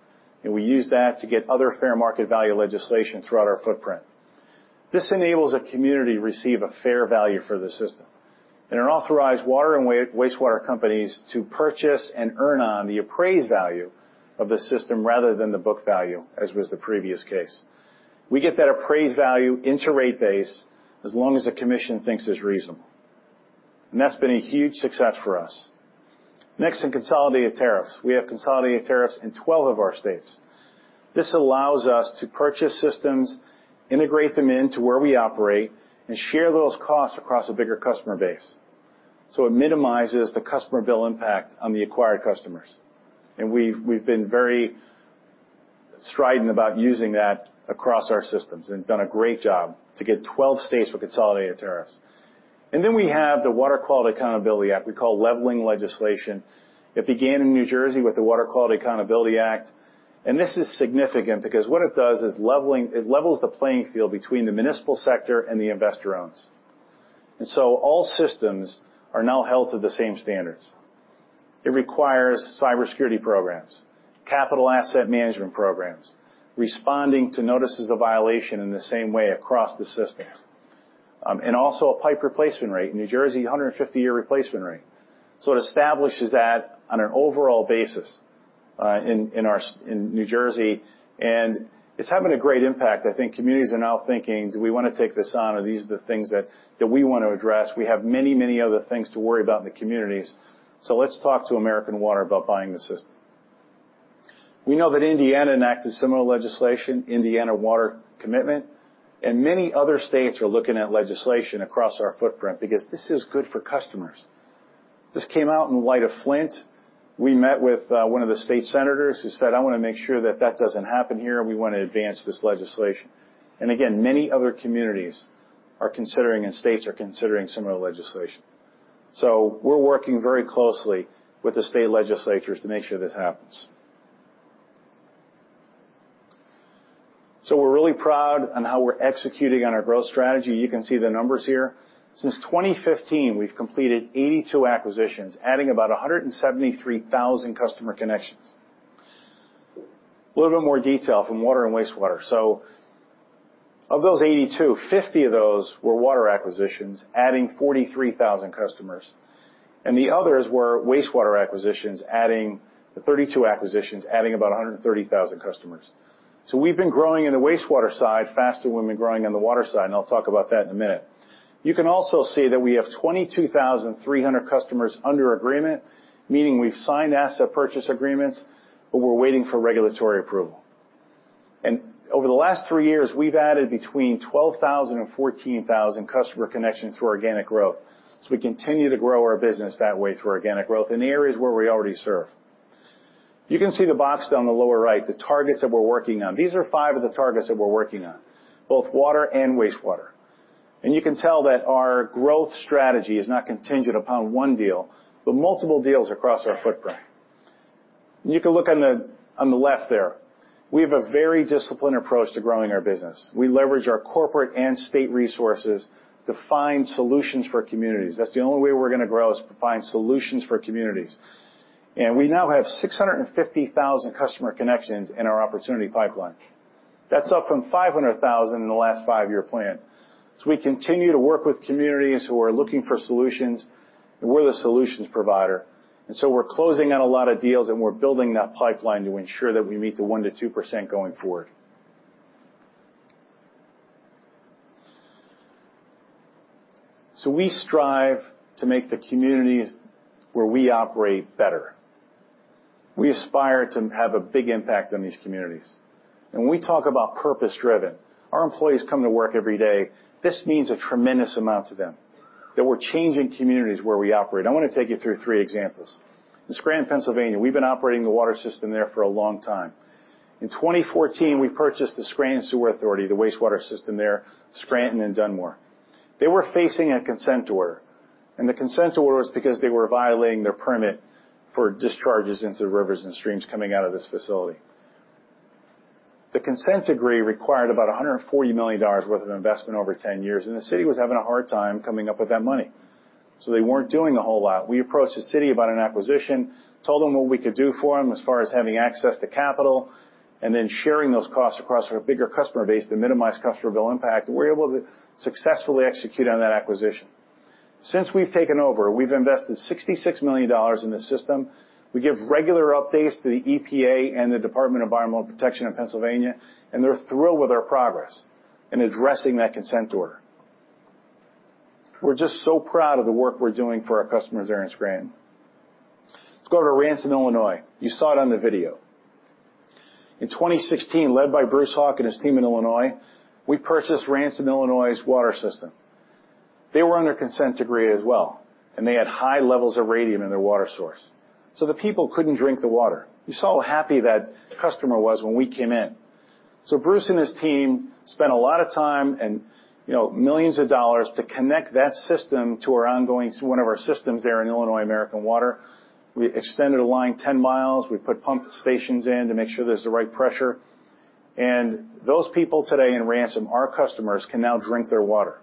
and we used that to get other fair market value legislation throughout our footprint. This enables a community to receive a fair value for the system and it authorized water and wastewater companies to purchase and earn on the appraised value of the system rather than the book value, as was the previous case. We get that appraised value into rate base as long as the commission thinks it's reasonable. That's been a huge success for us. Next, in consolidated tariffs. We have consolidated tariffs in 12 of our states. This allows us to purchase systems, integrate them into where we operate, and share those costs across a bigger customer base. It minimizes the customer bill impact on the acquired customers. We've been very strident about using that across our systems and done a great job to get 12 states with consolidated tariffs. We have the Water Quality Accountability Act, we call leveling legislation. It began in New Jersey with the Water Quality Accountability Act, and this is significant because what it does is it levels the playing field between the municipal sector and the investor-owns. All systems are now held to the same standards. It requires cybersecurity programs, capital asset management programs, responding to notices of violation in the same way across the systems. Also a pipe replacement rate, New Jersey, 150-year replacement rate. It establishes that on an overall basis in New Jersey, and it's having a great impact. I think communities are now thinking, "Do we want to take this on? Are these the things that we want to address? We have many, many other things to worry about in the communities, so let's talk to American Water about buying the system." We know that Indiana enacted similar legislation, Indiana Water Commitment, and many other states are looking at legislation across our footprint because this is good for customers. This came out in light of Flint. We met with one of the state senators who said, "I want to make sure that that doesn't happen here, and we want to advance this legislation." Again, many other communities are considering, and states are considering similar legislation. We're working very closely with the state legislatures to make sure this happens. We're really proud on how we're executing on our growth strategy. You can see the numbers here. Since 2015, we've completed 82 acquisitions, adding about 173,000 customer connections. A little bit more detail from water and wastewater. Of those 82, 50 of those were water acquisitions, adding 43,000 customers. The others were wastewater acquisitions, the 32 acquisitions adding about 130,000 customers. We've been growing in the wastewater side faster than we've been growing on the water side, and I'll talk about that in a minute. You can also see that we have 22,300 customers under agreement, meaning we've signed asset purchase agreements, but we're waiting for regulatory approval. Over the last three years, we've added between 12,000 and 14,000 customer connections through organic growth. We continue to grow our business that way through organic growth in the areas where we already serve. You can see the box down the lower right, the targets that we're working on. These are five of the targets that we're working on, both water and wastewater. You can tell that our growth strategy is not contingent upon one deal, but multiple deals across our footprint. You can look on the left there. We have a very disciplined approach to growing our business. We leverage our corporate and state resources to find solutions for communities. That's the only way we're going to grow is to find solutions for communities. We now have 650,000 customer connections in our opportunity pipeline. That's up from 500,000 in the last five-year plan. We continue to work with communities who are looking for solutions, and we're the solutions provider, and so we're closing on a lot of deals, and we're building that pipeline to ensure that we meet the one percent - two percent going forward. We strive to make the communities where we operate better. We aspire to have a big impact on these communities. When we talk about purpose-driven, our employees come to work every day, this means a tremendous amount to them, that we're changing communities where we operate. I want to take you through three examples. In Scranton, Pennsylvania, we've been operating the water system there for a long time. In 2014, we purchased the Scranton Sewer Authority, the wastewater system there, Scranton and Dunmore. They were facing a consent order, and the consent order was because they were violating their permit for discharges into rivers and streams coming out of this facility. The consent decree required about $140 million worth of investment over 10 years, and the city was having a hard time coming up with that money. They weren't doing a whole lot. We approached the city about an acquisition, told them what we could do for them as far as having access to capital, and then sharing those costs across our bigger customer base to minimize customer bill impact, and we were able to successfully execute on that acquisition. Since we've taken over, we've invested $66 million in the system. We give regular updates to the EPA and the Pennsylvania Department of Environmental Protection, and they're thrilled with our progress in addressing that consent order. We're just so proud of the work we're doing for our customers there in Scranton. Let's go to Ransom, Illinois. You saw it on the video. In 2016, led by Bruce Hauk and his team in Illinois, we purchased Ransom, Illinois' water system. They were under a consent decree as well, and they had high levels of radium in their water source, so the people couldn't drink the water. You saw how happy that customer was when we came in. Bruce and his team spent a lot of time and $millions to connect that system to one of our systems there in Illinois American Water. We extended a line 10 miles. We put pump stations in to make sure there's the right pressure. Those people today in Ransom, our customers, can now drink their water.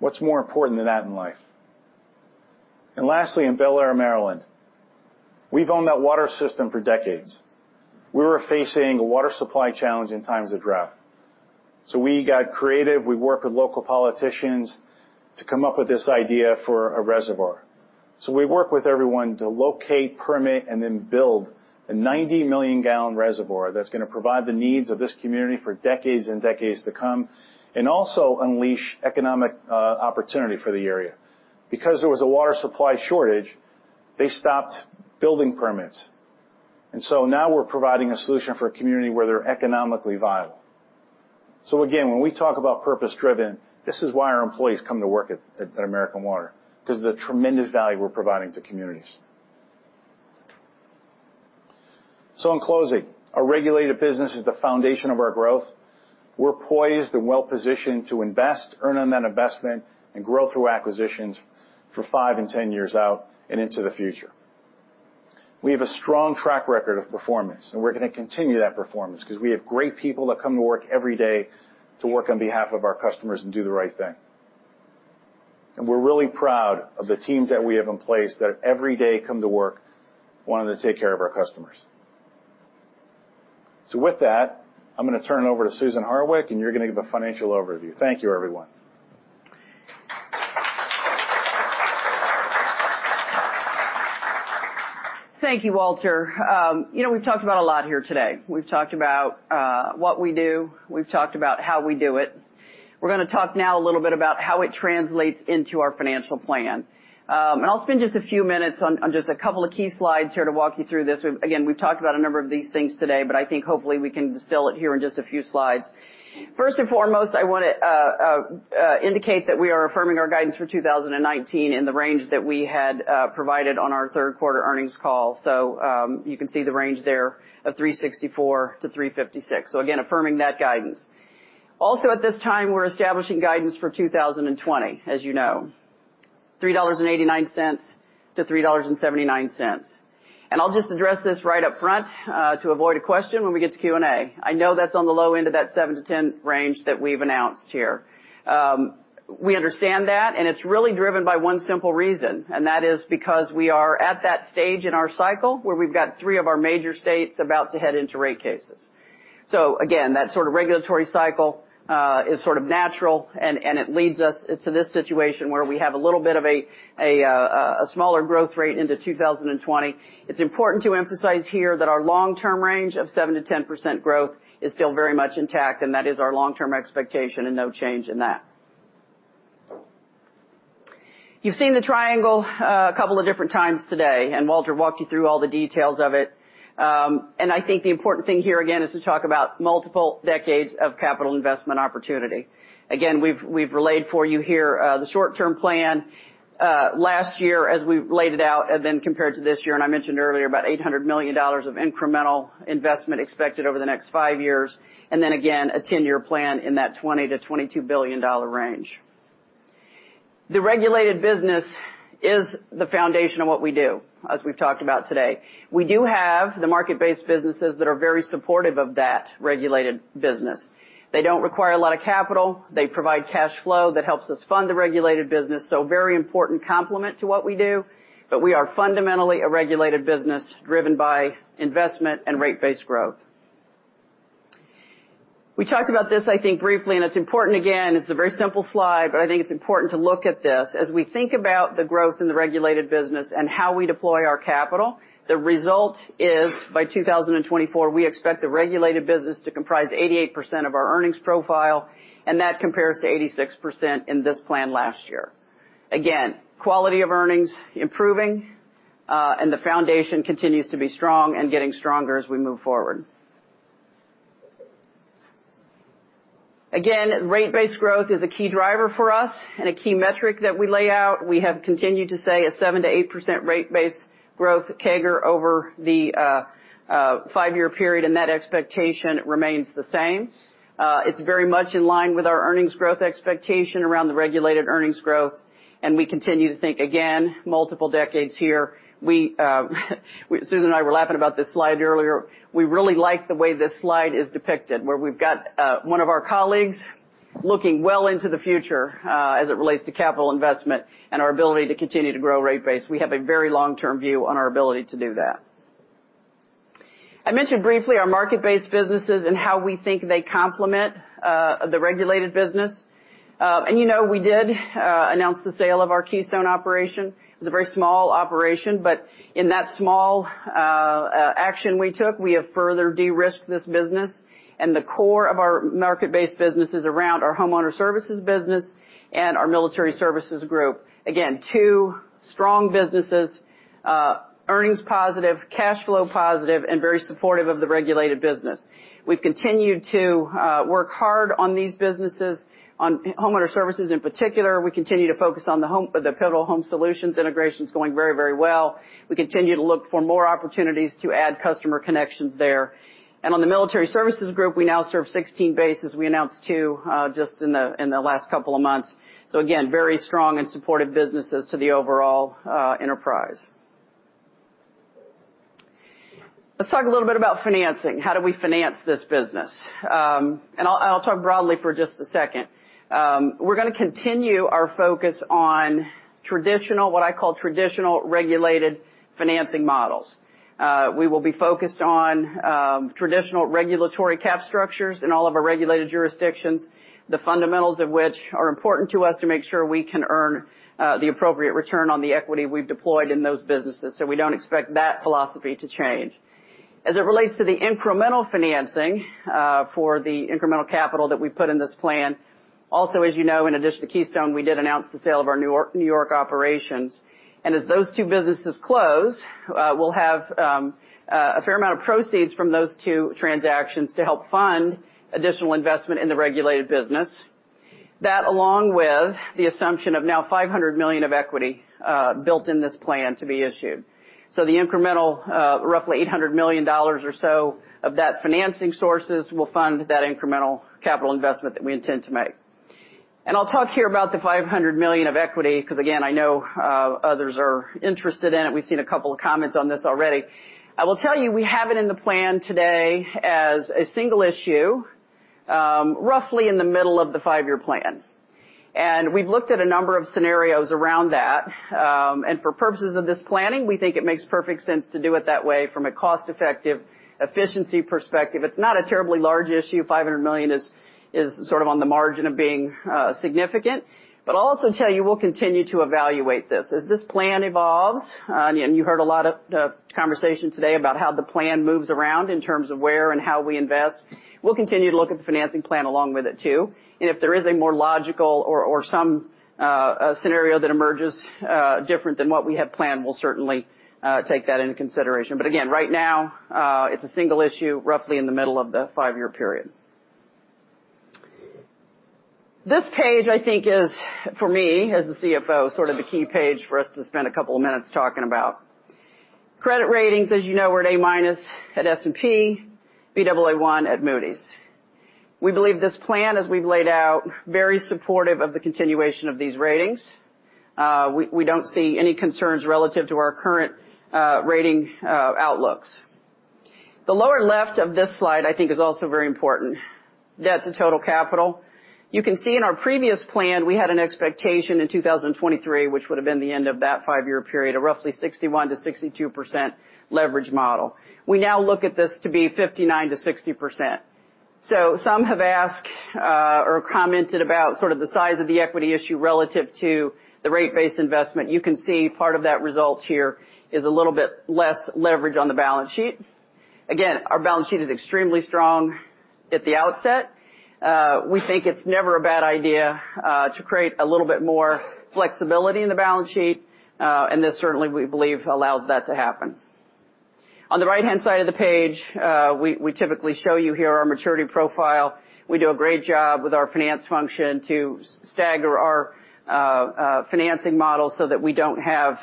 What's more important than that in life? Lastly, in Bel Air, Maryland, we've owned that water system for decades. We were facing a water supply challenge in times of drought. We got creative. We worked with local politicians to come up with this idea for a reservoir. We worked with everyone to locate, permit, and then build a 90-million gallon reservoir that's going to provide the needs of this community for decades and decades to come, and also unleash economic opportunity for the area. Because there was a water supply shortage, they stopped building permits, and so now we're providing a solution for a community where they're economically viable. Again, when we talk about purpose-driven, this is why our employees come to work at American Water, because of the tremendous value we're providing to communities. In closing, our regulated business is the foundation of our growth. We're poised and well-positioned to invest, earn on that investment, and grow through acquisitions for five and 10 years out and into the future. We have a strong track record of performance, we're going to continue that performance because we have great people that come to work every day to work on behalf of our customers and do the right thing. We're really proud of the teams that we have in place that every day come to work wanting to take care of our customers. With that, I'm going to turn it over to Susan Hardwick, You're going to give a financial overview. Thank you, everyone. Thank you, Walter. We've talked about a lot here today. We've talked about what we do, we've talked about how we do it. We're going to talk now a little bit about how it translates into our financial plan. I'll spend just a few minutes on just a couple of key slides here to walk you through this. We've talked about a number of these things today, but I think hopefully we can distill it here in just a few slides. First and foremost, I want to indicate that we are affirming our guidance for 2019 in the range that we had provided on our third quarter earnings call. You can see the range there of $3.64-$3.56. Again, affirming that guidance. Also at this time, we're establishing guidance for 2020, as you know, $3.89-$3.79. I'll just address this right up front to avoid a question when we get to Q&A. I know that's on the low end of that 7%-10% range that we've announced here. We understand that, it's really driven by one simple reason, that is because we are at that stage in our cycle where we've got three of our major states about to head into rate cases. Again, that sort of regulatory cycle is sort of natural and it leads us into this situation where we have a little bit of a smaller growth rate into 2020. It's important to emphasize here that our long-term range of 7%-10% growth is still very much intact, that is our long-term expectation and no change in that. You've seen the triangle a couple of different times today. Walter walked you through all the details of it. I think the important thing here again is to talk about multiple decades of capital investment opportunity. Again, we've relayed for you here the short-term plan, last year as we laid it out and then compared to this year. I mentioned earlier about $800 million of incremental investment expected over the next five years. Again, a 10-year plan in that $20 billion-$22 billion range. The regulated business is the foundation of what we do, as we've talked about today. We do have the market-based businesses that are very supportive of that regulated business. They don't require a lot of capital. They provide cash flow that helps us fund the regulated business, so very important complement to what we do. We are fundamentally a regulated business driven by investment and rate-based growth. We talked about this, I think, briefly, and it's important, again, it's a very simple slide, but I think it's important to look at this. As we think about the growth in the regulated business and how we deploy our capital, the result is by 2024, we expect the regulated business to comprise 88% of our earnings profile, and that compares to 86% in this plan last year. Quality of earnings improving, and the foundation continues to be strong and getting stronger as we move forward. Rate-based growth is a key driver for us and a key metric that we lay out. We have continued to say a seven percent-eight percent rate-based growth CAGR over the five-year period, and that expectation remains the same. It's very much in line with our earnings growth expectation around the regulated earnings growth. We continue to think, again, multiple decades here. Susan and I were laughing about this slide earlier. We really like the way this slide is depicted, where we've got one of our colleagues looking well into the future as it relates to capital investment and our ability to continue to grow rate base. We have a very long-term view on our ability to do that. I mentioned briefly our market-based businesses and how we think they complement the regulated business. You know we did announce the sale of our Keystone operation. It was a very small operation. In that small action we took, we have further de-risked this business and the core of our market-based business is around our Homeowner Services business and our Military Services Group. Two strong businesses. Earnings positive, cash flow positive, and very supportive of the regulated business. We've continued to work hard on these businesses. On Homeowner Services in particular, we continue to focus on the Pivotal Home Solutions integration is going very, very well. We continue to look for more opportunities to add customer connections there. On the Military Services Group, we now serve 16 bases. We announced two just in the last couple of months. Very strong and supportive businesses to the overall enterprise. Let's talk a little bit about financing. How do we finance this business? I'll talk broadly for just a second. We're going to continue our focus on traditional, what I call traditional regulated financing models. We will be focused on traditional regulatory cap structures in all of our regulated jurisdictions, the fundamentals of which are important to us to make sure we can earn the appropriate return on the equity we've deployed in those businesses. We don't expect that philosophy to change. As it relates to the incremental financing for the incremental capital that we put in this plan. As you know, in addition to Keystone, we did announce the sale of our New York operations. As those two businesses close, we'll have a fair amount of proceeds from those two transactions to help fund additional investment in the regulated business. That, along with the assumption of now $500 million of equity built in this plan to be issued. The incremental, roughly $800 million or so of that financing sources, will fund that incremental capital investment that we intend to make. I'll talk here about the $500 million of equity, because again, I know others are interested in it. We've seen a couple of comments on this already. I will tell you, we have it in the plan today as a single issue, roughly in the middle of the five-year plan. We've looked at a number of scenarios around that. For purposes of this planning, we think it makes perfect sense to do it that way from a cost-effective, efficiency perspective. It's not a terribly large issue. $500 million is sort of on the margin of being significant. I'll also tell you, we'll continue to evaluate this. As this plan evolves, and you heard a lot of conversation today about how the plan moves around in terms of where and how we invest, we'll continue to look at the financing plan along with it too. If there is a more logical or some scenario that emerges different than what we have planned, we'll certainly take that into consideration. Again, right now, it's a single issue, roughly in the middle of the five-year period. This page, I think is, for me, as the CFO, sort of the key page for us to spend a couple of minutes talking about. Credit ratings, as you know, we're at A- at S&P, Baa1 at Moody's. We believe this plan, as we've laid out, very supportive of the continuation of these ratings. We don't see any concerns relative to our current rating outlooks. The lower left of this slide, I think, is also very important. Debt to total capital. You can see in our previous plan, we had an expectation in 2023, which would have been the end of that five-year period, of roughly 61%-62% leverage model. We now look at this to be 59%-60%. Some have asked or commented about sort of the size of the equity issue relative to the rate base investment. You can see part of that result here is a little bit less leverage on the balance sheet. Again, our balance sheet is extremely strong at the outset. We think it's never a bad idea to create a little bit more flexibility in the balance sheet, and this certainly, we believe, allows that to happen. On the right-hand side of the page, we typically show you here our maturity profile. We do a great job with our finance function to stagger our financing model so that we don't have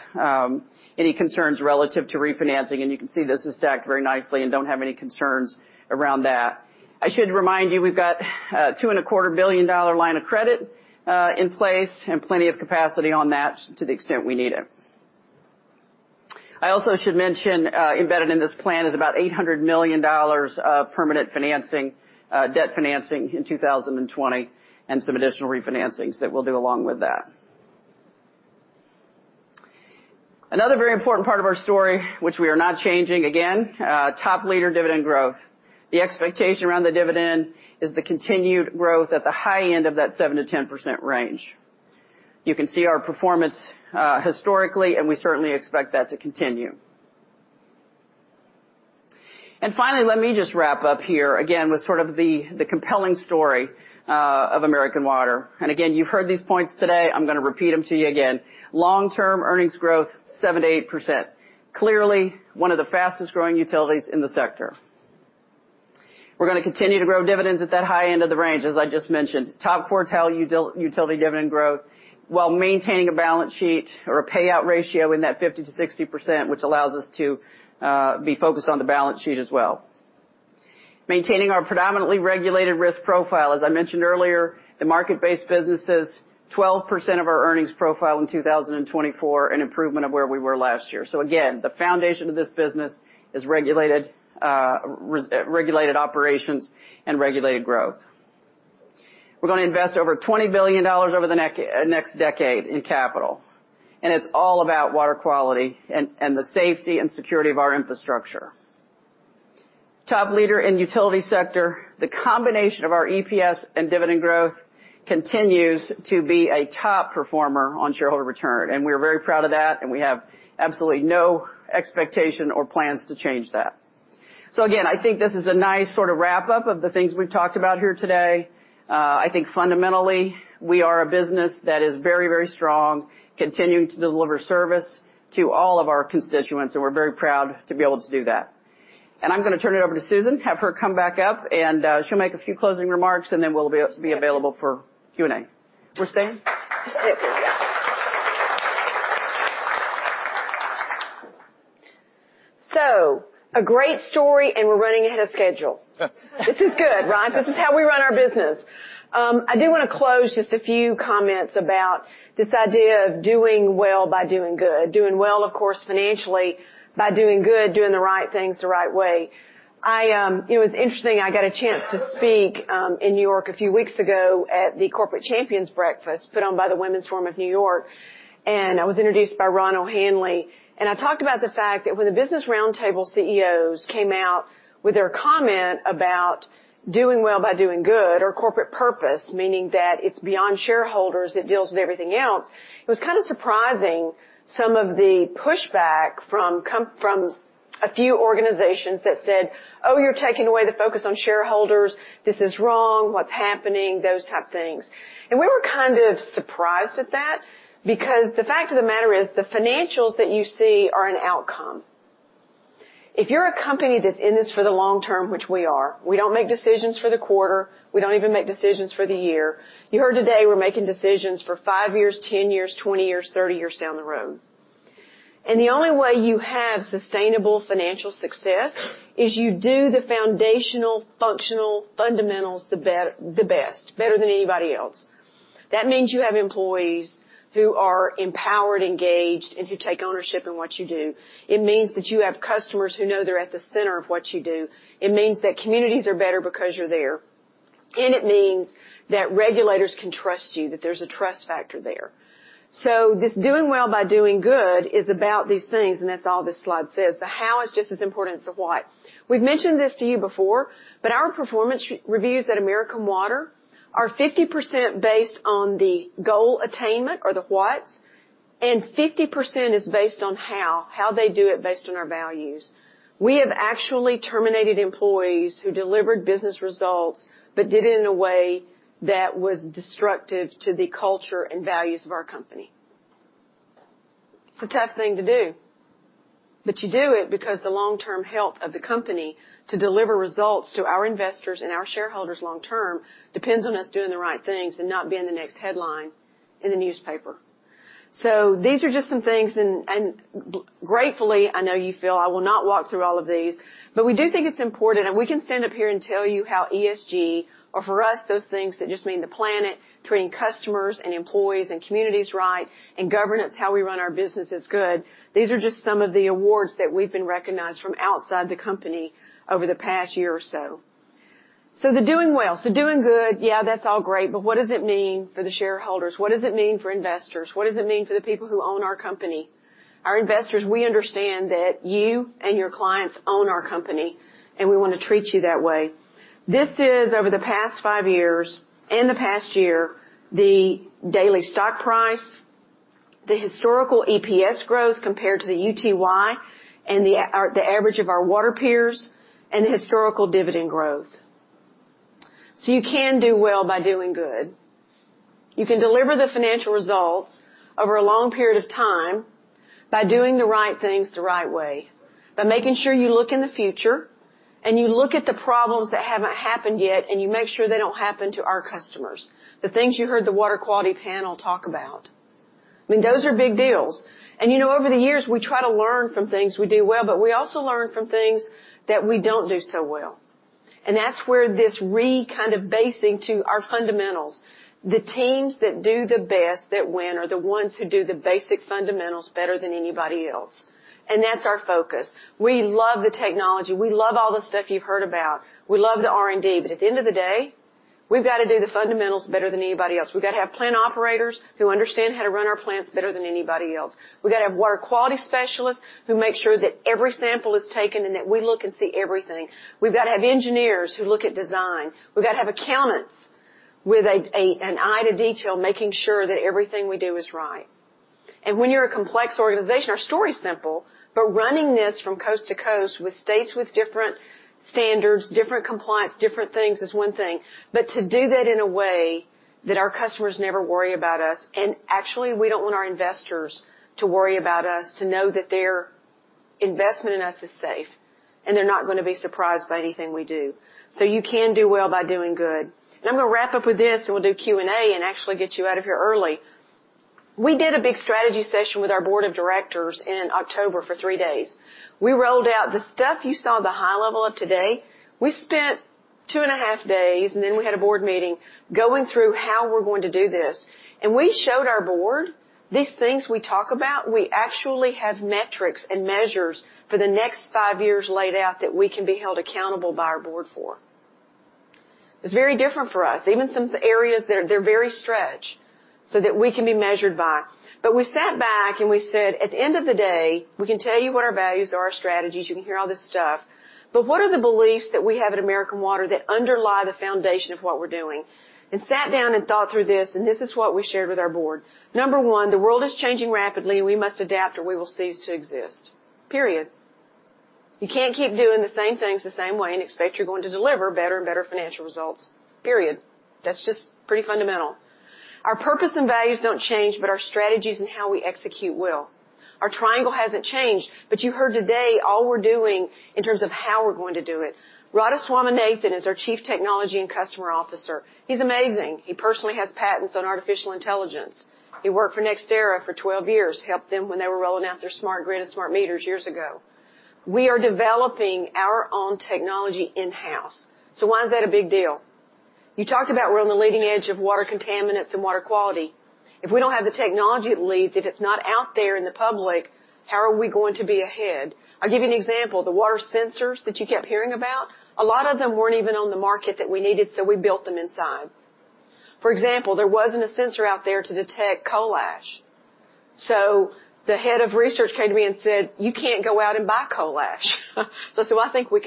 any concerns relative to refinancing, and you can see this is stacked very nicely and don't have any concerns around that. I should remind you, we've got a $2.25 billion line of credit in place and plenty of capacity on that to the extent we need it. I also should mention, embedded in this plan is about $800 million of permanent financing, debt financing in 2020 and some additional refinancings that we'll do along with that. Another very important part of our story, which we are not changing again, top leader dividend growth. The expectation around the dividend is the continued growth at the high end of that 7%-10% range. You can see our performance historically, and we certainly expect that to continue. Finally, let me just wrap up here, again, with sort of the compelling story of American Water. Again, you've heard these points today. I'm going to repeat them to you again. Long-term earnings growth, seven percent-eight percent. Clearly, one of the fastest-growing utilities in the sector. We're going to continue to grow dividends at that high end of the range, as I just mentioned. Top quartile utility dividend growth while maintaining a balance sheet or a payout ratio in that 50%-60%, which allows us to be focused on the balance sheet as well. Maintaining our predominantly regulated risk profile. As I mentioned earlier, the market-based business is 12% of our earnings profile in 2024, an improvement of where we were last year. Again, the foundation of this business is regulated operations and regulated growth. We're going to invest over $20 billion over the next decade in capital. It's all about water quality and the safety and security of our infrastructure. Top leader in utility sector. The combination of our EPS and dividend growth continues to be a top performer on shareholder return. We are very proud of that. We have absolutely no expectation or plans to change that. Again, I think this is a nice sort of wrap up of the things we've talked about here today. I think fundamentally, we are a business that is very, very strong, continuing to deliver service to all of our constituents. We're very proud to be able to do that. I'm going to turn it over to Susan, have her come back up. She'll make a few closing remarks. Then we'll be up to be available for Q&A. We're staying? A great story, and we're running ahead of schedule. This is good, right? This is how we run our business. I do want to close just a few comments about this idea of doing well by doing good. Doing well, of course, financially, by doing good, doing the right things the right way. It was interesting, I got a chance to speak in New York a few weeks ago at the Corporate Champions Breakfast, put on by the Women's Forum of New York, and I was introduced by Ronald Hanley. I talked about the fact that when the Business Roundtable CEOs came out with their comment about doing well by doing good or corporate purpose, meaning that it's beyond shareholders, it deals with everything else, it was kind of surprising some of the pushback from a few organizations that said, "Oh, you're taking away the focus on shareholders. This is wrong. What's happening?" Those type of things. We were kind of surprised at that because the fact of the matter is the financials that you see are an outcome. If you're a company that's in this for the long term, which we are, we don't make decisions for the quarter, we don't even make decisions for the year. You heard today we're making decisions for five years, 10 years, 20 years, 30 years down the road. The only way you have sustainable financial success is you do the foundational, functional fundamentals the best, better than anybody else. That means you have employees who are empowered, engaged, and who take ownership in what you do. It means that you have customers who know they're at the center of what you do. It means that communities are better because you're there. It means that regulators can trust you, that there's a trust factor there. This doing well by doing good is about these things, and that's all this slide says. The how is just as important as the why. We've mentioned this to you before, but our performance reviews at American Water are 50% based on the goal attainment or the whats, and 50% is based on how they do it based on our values. We have actually terminated employees who delivered business results, but did it in a way that was destructive to the culture and values of our company. It's a tough thing to do, but you do it because the long-term health of the company to deliver results to our investors and our shareholders long term depends on us doing the right things and not being the next headline in the newspaper. These are just some things. Gratefully, I know you feel I will not walk through all of these. We do think it's important. We can stand up here and tell you how ESG are for us, those things that just mean the planet, treating customers and employees and communities right, and governance, how we run our business is good. These are just some of the awards that we've been recognized from outside the company over the past year or so. The doing well. Doing good, yeah, that's all great. What does it mean for the shareholders? What does it mean for investors? What does it mean for the people who own our company? Our investors, we understand that you and your clients own our company. We want to treat you that way. This is over the past five years and the past year, the daily stock price, the historical EPS growth compared to the UTY and the average of our water peers, and the historical dividend growth. You can do well by doing good. You can deliver the financial results over a long period of time by doing the right things the right way, by making sure you look in the future and you look at the problems that haven't happened yet, and you make sure they don't happen to our customers. The things you heard the water quality panel talk about, I mean, those are big deals. Over the years, we try to learn from things we do well, but we also learn from things that we don't do so well. That's where this re-kind of basing to our fundamentals. The teams that do the best that win are the ones who do the basic fundamentals better than anybody else. That's our focus. We love the technology. We love all the stuff you've heard about. We love the R&D, but at the end of the day, we've got to do the fundamentals better than anybody else. We've got to have plant operators who understand how to run our plants better than anybody else. We got to have water quality specialists who make sure that every sample is taken and that we look and see everything. We've got to have engineers who look at design. We got to have accountants with an eye to detail, making sure that everything we do is right. When you're a complex organization, our story is simple, but running this from coast to coast with states with different standards, different compliance, different things is one thing. To do that in a way that our customers never worry about us, and actually, we don't want our investors to worry about us, to know that their investment in us is safe, and they're not going to be surprised by anything we do. You can do well by doing good. I'm going to wrap up with this, and we'll do Q&A and actually get you out of here early. We did a big strategy session with our board of directors in October for three days. We rolled out the stuff you saw the high level of today. We spent two and a half days, and then we had a board meeting going through how we're going to do this. We showed our board these things we talk about. We actually have metrics and measures for the next five years laid out that we can be held accountable by our board for. It's very different for us. Even some areas they're very stretched so that we can be measured by. We sat back, and we said, at the end of the day, we can tell you what our values are, our strategies, you can hear all this stuff, but what are the beliefs that we have at American Water that underlie the foundation of what we're doing? Sat down and thought through this, and this is what we shared with our board. Number one, the world is changing rapidly, and we must adapt, or we will cease to exist. Period. You can't keep doing the same things the same way and expect you're going to deliver better and better financial results, period. That's just pretty fundamental. Our purpose and values don't change. Our strategies and how we execute will. Our triangle hasn't changed, but you heard today all we're doing in terms of how we're going to do it. Radha Swaminathan is our Chief Technology and Customer Officer. He's amazing. He personally has patents on artificial intelligence. He worked for NextEra for 12 years, helped them when they were rolling out their smart grid and smart meters years ago. We are developing our own technology in-house. Why is that a big deal? You talked about we're on the leading edge of water contaminants and water quality. If we don't have the technology that leads, if it's not out there in the public, how are we going to be ahead? I'll give you an example. The water sensors that you kept hearing about, a lot of them weren't even on the market that we needed, so we built them inside. For example, there wasn't a sensor out there to detect coal ash. The head of research came to me and said, "You can't go out and buy coal ash." I said, "Well, I think we've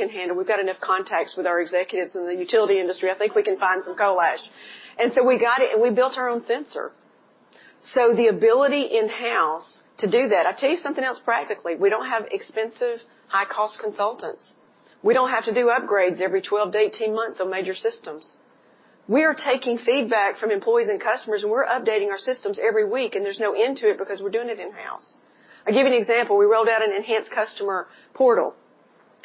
got enough contacts with our executives in the utility industry. I think we can find some coal ash." We got it, and we built our own sensor. The ability in-house to do that. I tell you something else, practically, we don't have expensive high-cost consultants. We don't have to do upgrades every 12-18 months on major systems. We are taking feedback from employees and customers, and we're updating our systems every week, and there's no end to it because we're doing it in-house. I'll give you an example. We rolled out an enhanced customer portal,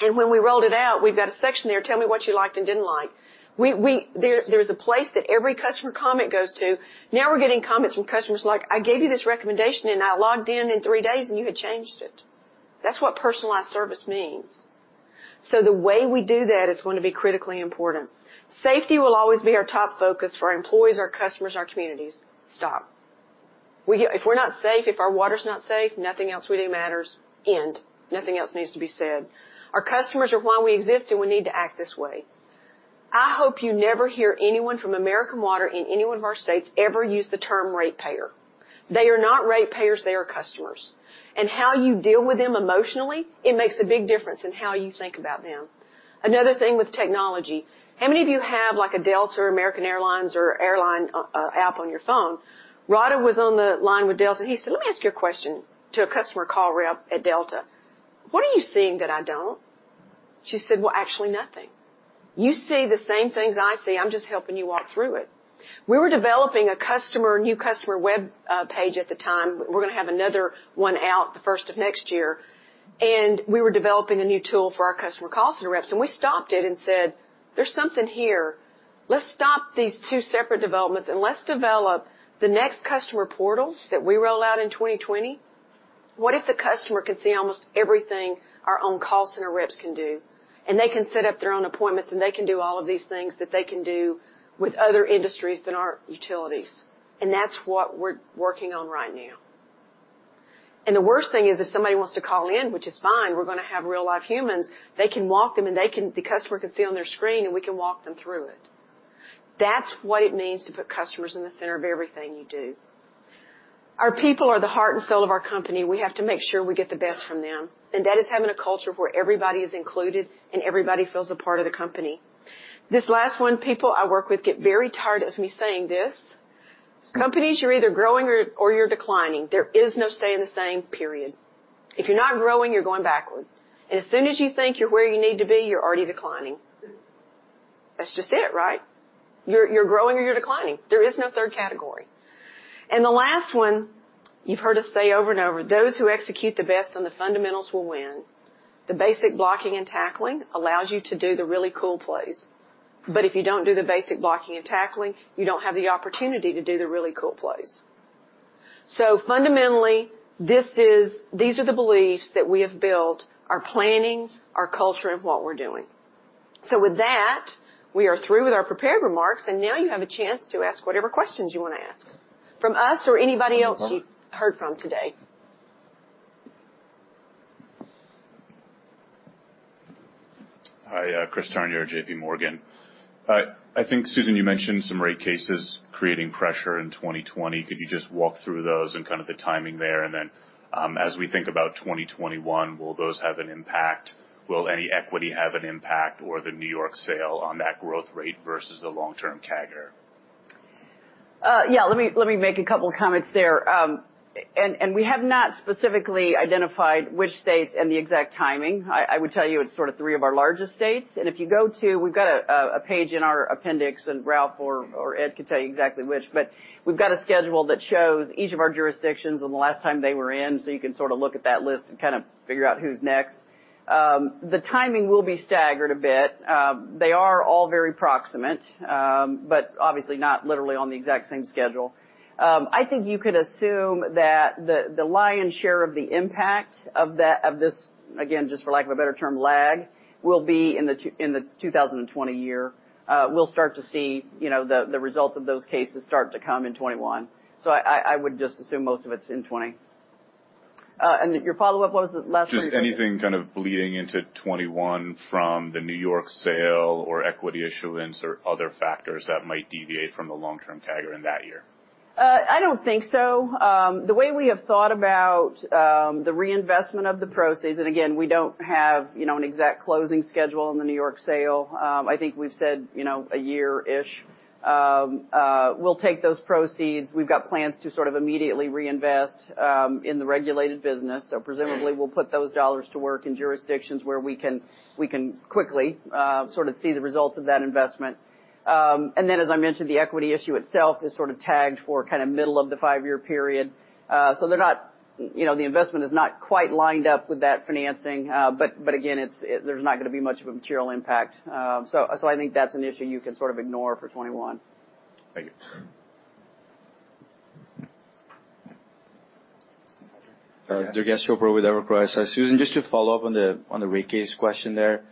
and when we rolled it out, we've got a section there, tell me what you liked and didn't like. There's a place that every customer comment goes to. Now we're getting comments from customers like, "I gave you this recommendation, and I logged in in three days, and you had changed it." That's what personalized service means. The way we do that is going to be critically important. Safety will always be our top focus for our employees, our customers, our communities. Stop. If we're not safe, if our water's not safe, nothing else we do matters, end. Nothing else needs to be said. Our customers are why we exist, we need to act this way. I hope you never hear anyone from American Water in any one of our states ever use the term ratepayer. They are not ratepayers, they are customers. How you deal with them emotionally, it makes a big difference in how you think about them. Another thing with technology, how many of you have a Delta or American Airlines or airline app on your phone? Radha was on the line with Delta. He said, "Let me ask you a question," to a customer call rep at Delta, "What are you seeing that I don't?" She said, "Well, actually nothing. You see the same things I see. I'm just helping you walk through it." We were developing a new customer web page at the time. We're going to have another one out the first of next year, and we were developing a new tool for our customer call center reps, and we stopped it and said, "There's something here. Let's stop these two separate developments, and let's develop the next customer portals that we roll out in 2020. What if the customer can see almost everything our own call center reps can do? They can set up their own appointments, and they can do all of these things that they can do with other industries than our utilities." That's what we're working on right now. The worst thing is, if somebody wants to call in, which is fine, we're going to have real, live humans. They can walk them, and the customer can see on their screen, and we can walk them through it. That's what it means to put customers in the center of everything you do. Our people are the heart and soul of our company. We have to make sure we get the best from them. That is having a culture where everybody is included and everybody feels a part of the company. This last one, people I work with get very tired of me saying this. Companies, you're either growing or you're declining. There is no staying the same, period. If you're not growing, you're going backward. As soon as you think you're where you need to be, you're already declining. That's just it, right? You're growing or you're declining. There is no third category. The last one, you've heard us say over and over, those who execute the best on the fundamentals will win. The basic blocking and tackling allows you to do the really cool plays. If you don't do the basic blocking and tackling, you don't have the opportunity to do the really cool plays. Fundamentally, these are the beliefs that we have built our planning, our culture, and what we're doing. With that, we are through with our prepared remarks, and now you have a chance to ask whatever questions you want to ask from us or anybody else you heard from today. Hi, Chris Turnure, JP Morgan. I think, Susan, you mentioned some rate cases creating pressure in 2020. Could you just walk through those and kind of the timing there? Then, as we think about 2021, will those have an impact? Will any equity have an impact or the New York sale on that growth rate versus the long-term CAGR? Yeah, let me make a couple comments there. We have not specifically identified which states and the exact timing. I would tell you it's sort of three of our largest states. We've got a page in our appendix, and Ralph or Ed could tell you exactly which, but we've got a schedule that shows each of our jurisdictions and the last time they were in, so you can sort of look at that list and kind of figure out who's next. The timing will be staggered a bit. They are all very proximate, but obviously not literally on the exact same schedule. I think you could assume that the lion's share of the impact of this, again, just for lack of a better term, lag, will be in the 2020 year. We'll start to see the results of those cases start to come in 2021. I would just assume most of it's in 2020. Your follow-up was the last three- Just anything kind of bleeding into 2021 from the New York sale or equity issuance or other factors that might deviate from the long-term CAGR in that year. I don't think so. The way we have thought about the reinvestment of the proceeds, again, we don't have an exact closing schedule on the New York sale. I think we've said a year-ish. We'll take those proceeds. We've got plans to sort of immediately reinvest in the regulated business. Presumably, we'll put those dollars to work in jurisdictions where we can quickly sort of see the results of that investment. Then, as I mentioned, the equity issue itself is sort of tagged for kind of middle of the five-year period. The investment is not quite lined up with that financing, but again, there's not going to be much of a material impact. I think that's an issue you can sort of ignore for 2021. Thank you. Durgesh Chopra with Evercore ISI. Susan, just to follow up on the rate case question there.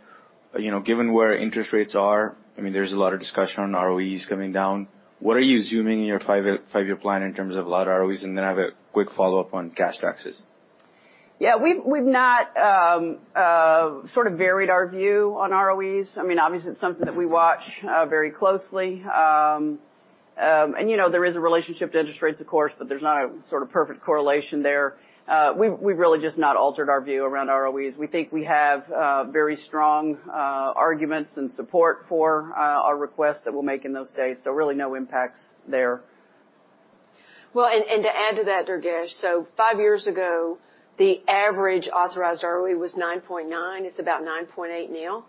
Given where interest rates are, there's a lot of discussion on ROEs coming down. What are you assuming in your five-year plan in terms of lot ROEs? I have a quick follow-up on cash taxes. Yeah. We've not sort of varied our view on ROEs. Obviously, it's something that we watch very closely. There is a relationship to interest rates, of course, but there's not a sort of perfect correlation there. We've really just not altered our view around ROEs. We think we have very strong arguments and support for our request that we'll make in those states. Really no impacts there. Well, to add to that, Durgesh, five years ago, the average authorized ROE was 9.9%. It's about 9.8% now.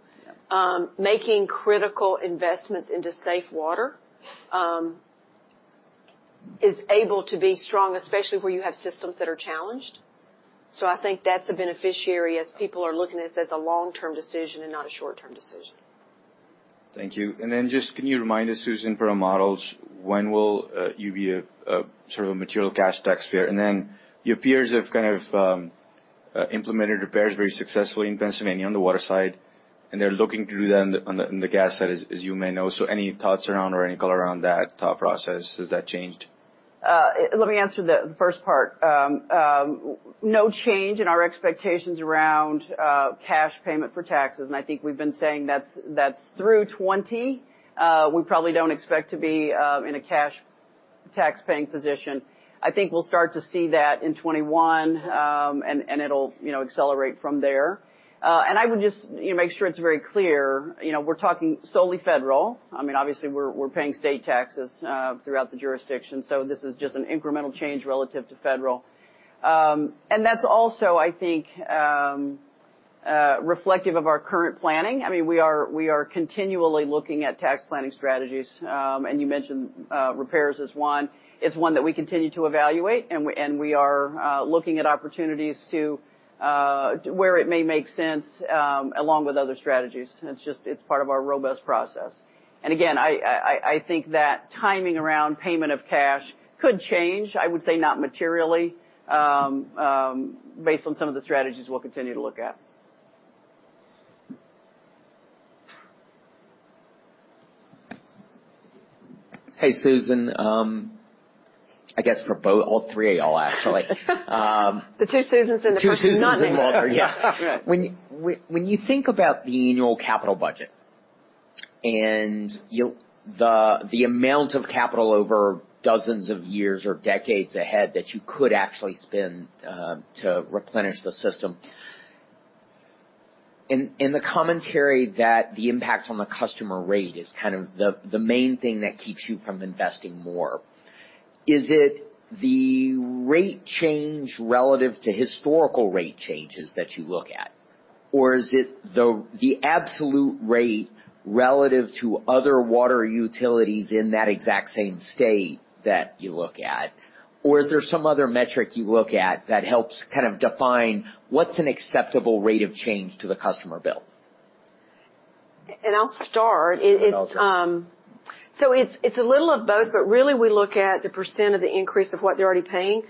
Yep. Making critical investments into safe water is able to be strong, especially where you have systems that are challenged. I think that's a beneficiary as people are looking at this as a long-term decision and not a short-term decision. Thank you. Just can you remind us, Susan, for our models, when will you be a sort of a material cash taxpayer? Your peers have kind of implemented repairs very successfully in Pennsylvania on the water side, and they're looking to do that on the gas side, as you may know. Any thoughts around or any color around that process? Has that changed? Let me answer the first part. No change in our expectations around cash payment for taxes, and I think we've been saying that's through 2020. We probably don't expect to be in a cash tax paying position. I think we'll start to see that in 2021, and it'll accelerate from there. I would just make sure it's very clear, we're talking solely federal. Obviously, we're paying state taxes throughout the jurisdiction. This is just an incremental change relative to federal. That's also, I think, reflective of our current planning. We are continually looking at tax planning strategies. You mentioned repairs is one that we continue to evaluate, and we are looking at opportunities to where it may make sense, along with other strategies. It's part of our robust process. Again, I think that timing around payment of cash could change. I would say not materially based on some of the strategies we'll continue to look at. Hey, Susan. I guess for both, all three of you all actually. The two Susans and the Chris. The two Susans and Walter, yeah. Right. When you think about the annual capital budget and the amount of capital over dozens of years or decades ahead that you could actually spend to replenish the system, in the commentary that the impact on the customer rate is kind of the main thing that keeps you from investing more, is it the rate change relative to historical rate changes that you look at? Is it the absolute rate relative to other water utilities in that exact same state that you look at? Is there some other metric you look at that helps kind of define what's an acceptable rate of change to the customer bill? I'll start. You go. It's a little of both, but really we look at the % of the increase of what they're already paying.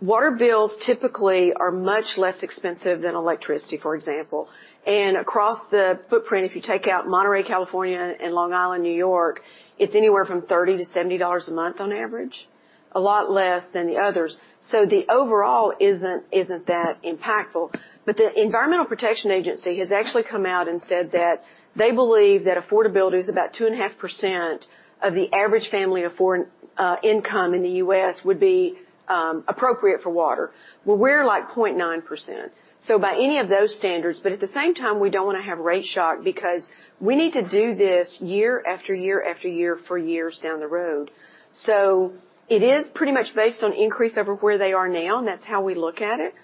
Water bills typically are much less expensive than electricity, for example. Across the footprint, if you take out Monterey, California, and Long Island, New York, it's anywhere from $30-$70 a month on average, a lot less than the others. The overall isn't that impactful. The Environmental Protection Agency has actually come out and said that they believe that affordability is about 2.5% of the average family income in the U.S. would be appropriate for water. Well, we're like 0.9%. By any of those standards, but at the same time, we don't want to have rate shock because we need to do this year after year after year for years down the road. It is pretty much based on increase over where they are now, and that's how we look at it.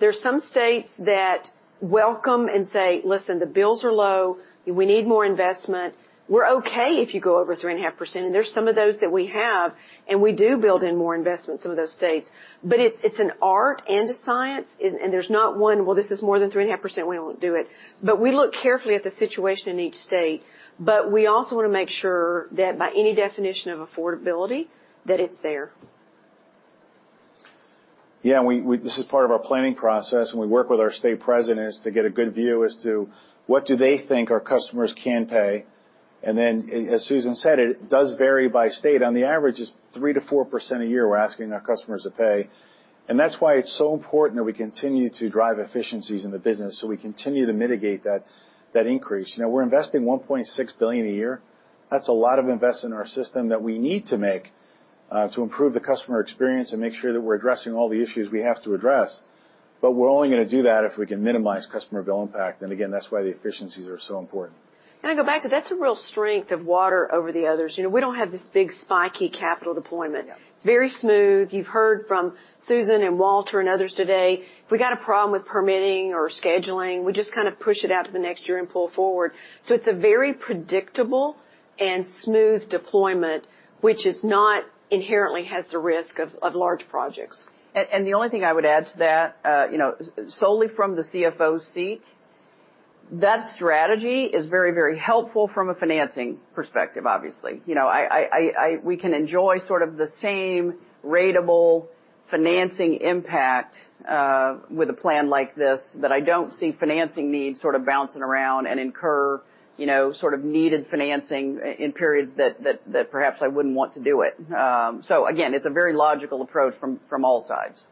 There are some states that welcome and say, "Listen, the bills are low. We need more investment. We're okay if you go over 3.5%," and there are some of those that we have, and we do build in more investment in some of those states. It's an art and a science, and there's not one, well, this is more than 3.5%, we won't do it. We look carefully at the situation in each state. We also want to make sure that by any definition of affordability, that it's there. Yeah. This is part of our planning process. We work with our state presidents to get a good view as to what do they think our customers can pay. Then, as Susan said, it does vary by state. On the average, it's three percent-four percent a year we're asking our customers to pay. That's why it's so important that we continue to drive efficiencies in the business so we continue to mitigate that increase. We're investing $1.6 billion a year. That's a lot of investment in our system that we need to make, to improve the customer experience and make sure that we're addressing all the issues we have to address. We're only going to do that if we can minimize customer bill impact. Again, that's why the efficiencies are so important. I go back to that's a real strength of water over the others. We don't have this big spiky capital deployment. Yeah. It's very smooth. You've heard from Susan and Walter and others today. If we got a problem with permitting or scheduling, we just kind of push it out to the next year and pull forward. It's a very predictable and smooth deployment, which is not inherently has the risk of large projects. The only thing I would add to that, solely from the CFO seat, that strategy is very helpful from a financing perspective, obviously. We can enjoy sort of the same ratable financing impact with a plan like this that I don't see financing needs sort of bouncing around and incur sort of needed financing in periods that perhaps I wouldn't want to do it. Again, it's a very logical approach from all sides. Julian. Yep.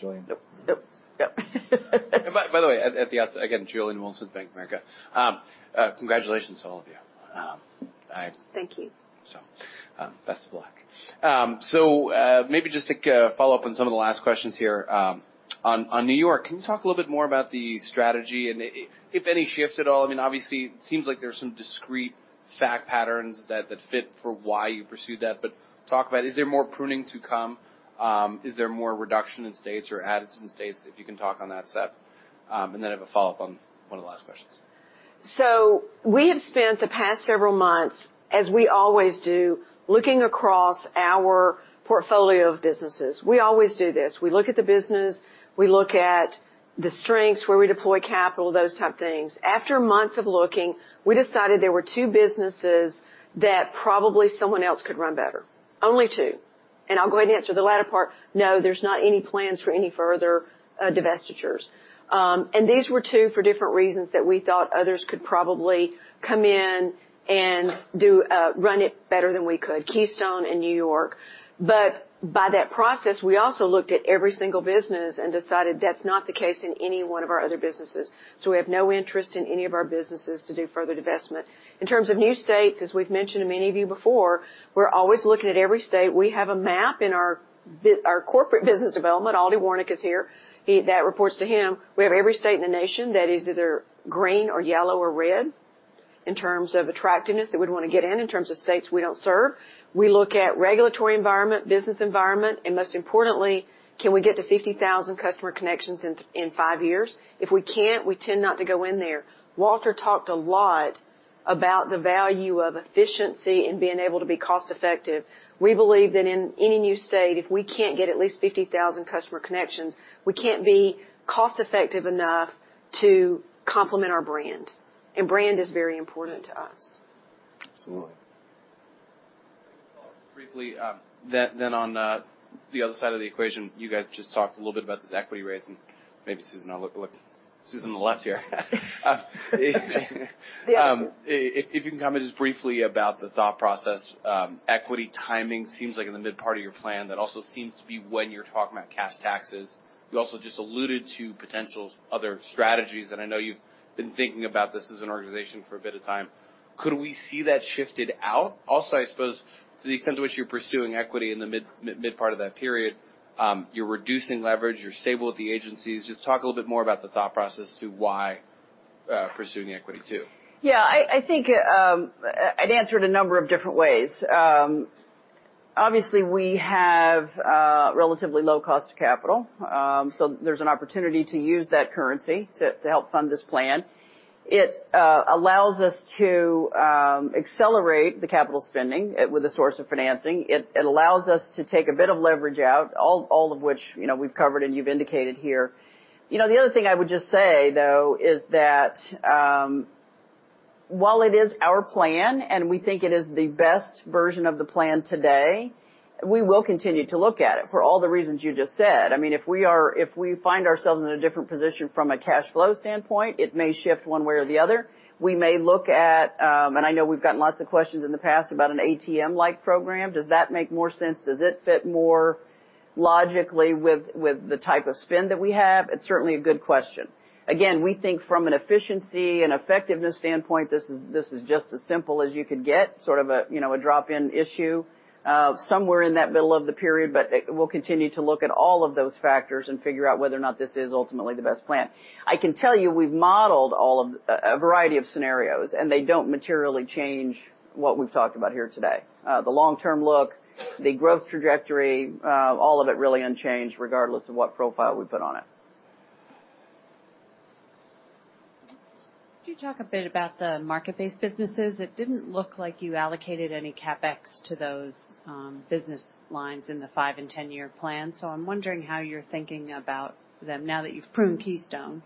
By the way, at the outset, again, Julien Dumoulin-Smith with Bank of America. Congratulations to all of you. Thank you. Best of luck. Maybe just to follow up on some of the last questions here, on New York, can you talk a little bit more about the strategy and if any shifts at all? Obviously, it seems like there's some discrete fact patterns that fit for why you pursued that, but talk about, is there more pruning to come? Is there more reduction in states or adds in states, if you can talk on that, Seph? Then I have a follow-up on one of the last questions. We have spent the past several months, as we always do, looking across our portfolio of businesses. We always do this. We look at the business, we look at the strengths, where we deploy capital, those type of things. After months of looking, we decided there were two businesses that probably someone else could run better. Only two. I'll go ahead and answer the latter part. No, there's not any plans for any further divestitures. These were two for different reasons that we thought others could probably come in and run it better than we could, Keystone and New York. By that process, we also looked at every single business and decided that's not the case in any one of our other businesses. We have no interest in any of our businesses to do further divestment. In terms of new states, as we've mentioned to many of you before, we're always looking at every state. We have a map in our corporate business development. Aldie Warnock is here, that reports to him. We have every state in the nation that is either green or yellow or red in terms of attractiveness that we'd want to get in terms of states we don't serve. We look at regulatory environment, business environment, and most importantly, can we get to 50,000 customer connections in five years? If we can't, we tend not to go in there. Walter talked a lot about the value of efficiency and being able to be cost-effective. We believe that in any new state, if we can't get at least 50,000 customer connections, we can't be cost-effective enough to complement our brand, and brand is very important to us. Absolutely. Briefly, then on the other side of the equation, you guys just talked a little bit about this equity raise, and maybe Susan, I'll look to Susan the left here. The opposite. If you can comment just briefly about the thought process. Equity timing seems like in the mid-part of your plan, that also seems to be when you're talking about cash taxes. You also just alluded to potential other strategies, and I know you've been thinking about this as an organization for a bit of time. Could we see that shifted out? Also, I suppose, to the extent to which you're pursuing equity in the mid-part of that period, you're reducing leverage, you're stable at the agencies. Just talk a little bit more about the thought process to why pursuing equity too. Yeah, I think, I'd answer it a number of different ways. Obviously, we have a relatively low cost of capital, so there's an opportunity to use that currency to help fund this plan. It allows us to accelerate the capital spending with a source of financing. It allows us to take a bit of leverage out, all of which we've covered, and you've indicated here. The other thing I would just say, though, is that while it is our plan and we think it is the best version of the plan today, we will continue to look at it for all the reasons you just said. If we find ourselves in a different position from a cash flow standpoint, it may shift one way or the other. We may look at, and I know we've gotten lots of questions in the past about an ATM-like program. Does that make more sense? Does it fit more logically with the type of spend that we have? It's certainly a good question. We think from an efficiency and effectiveness standpoint, this is just as simple as you could get, sort of a drop-in issue, somewhere in that middle of the period, but we'll continue to look at all of those factors and figure out whether or not this is ultimately the best plan. I can tell you we've modeled a variety of scenarios, and they don't materially change what we've talked about here today. The long-term look, the growth trajectory, all of it really unchanged regardless of what profile we put on it. Could you talk a bit about the market-based businesses? It didn't look like you allocated any CapEx to those business lines in the five and 10-year plan. I'm wondering how you're thinking about them now that you've pruned Keystone,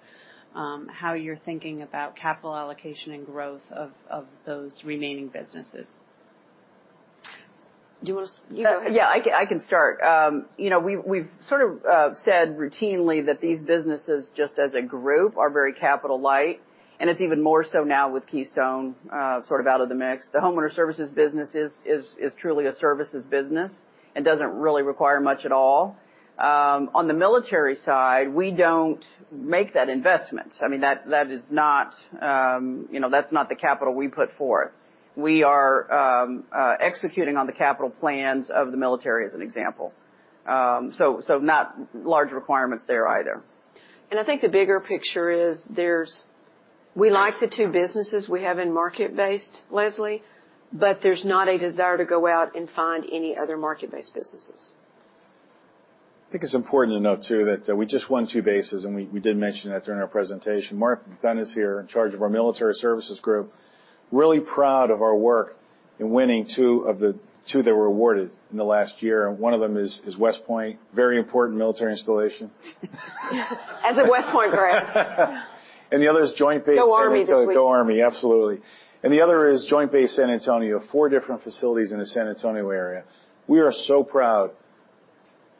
how you're thinking about capital allocation and growth of those remaining businesses. You go ahead. Yeah, I can start. We've sort of said routinely that these businesses, just as a group, are very capital light, and it's even more so now with Keystone sort of out of the mix. The Homeowner Services business is truly a services business and doesn't really require much at all. On the Military side, we don't make that investment. That's not the capital we put forth. We are executing on the capital plans of the Military, as an example. Not large requirements there either. I think the bigger picture is, we like the two businesses we have in market-based, Leslie, but there's not a desire to go out and find any other market-based businesses. I think it's important to note too, that we just won two bases, and we did mention that during our presentation. Mark McDonough's here, in charge of our Military Services Group. Really proud of our work in winning two that were awarded in the last year, and one of them is West Point. Very important military installation. As a West Point grad. The other is Joint Base. Go Army, Jeffrey. Go Army, absolutely. The other is Joint Base San Antonio. Four different facilities in the San Antonio area. We are so proud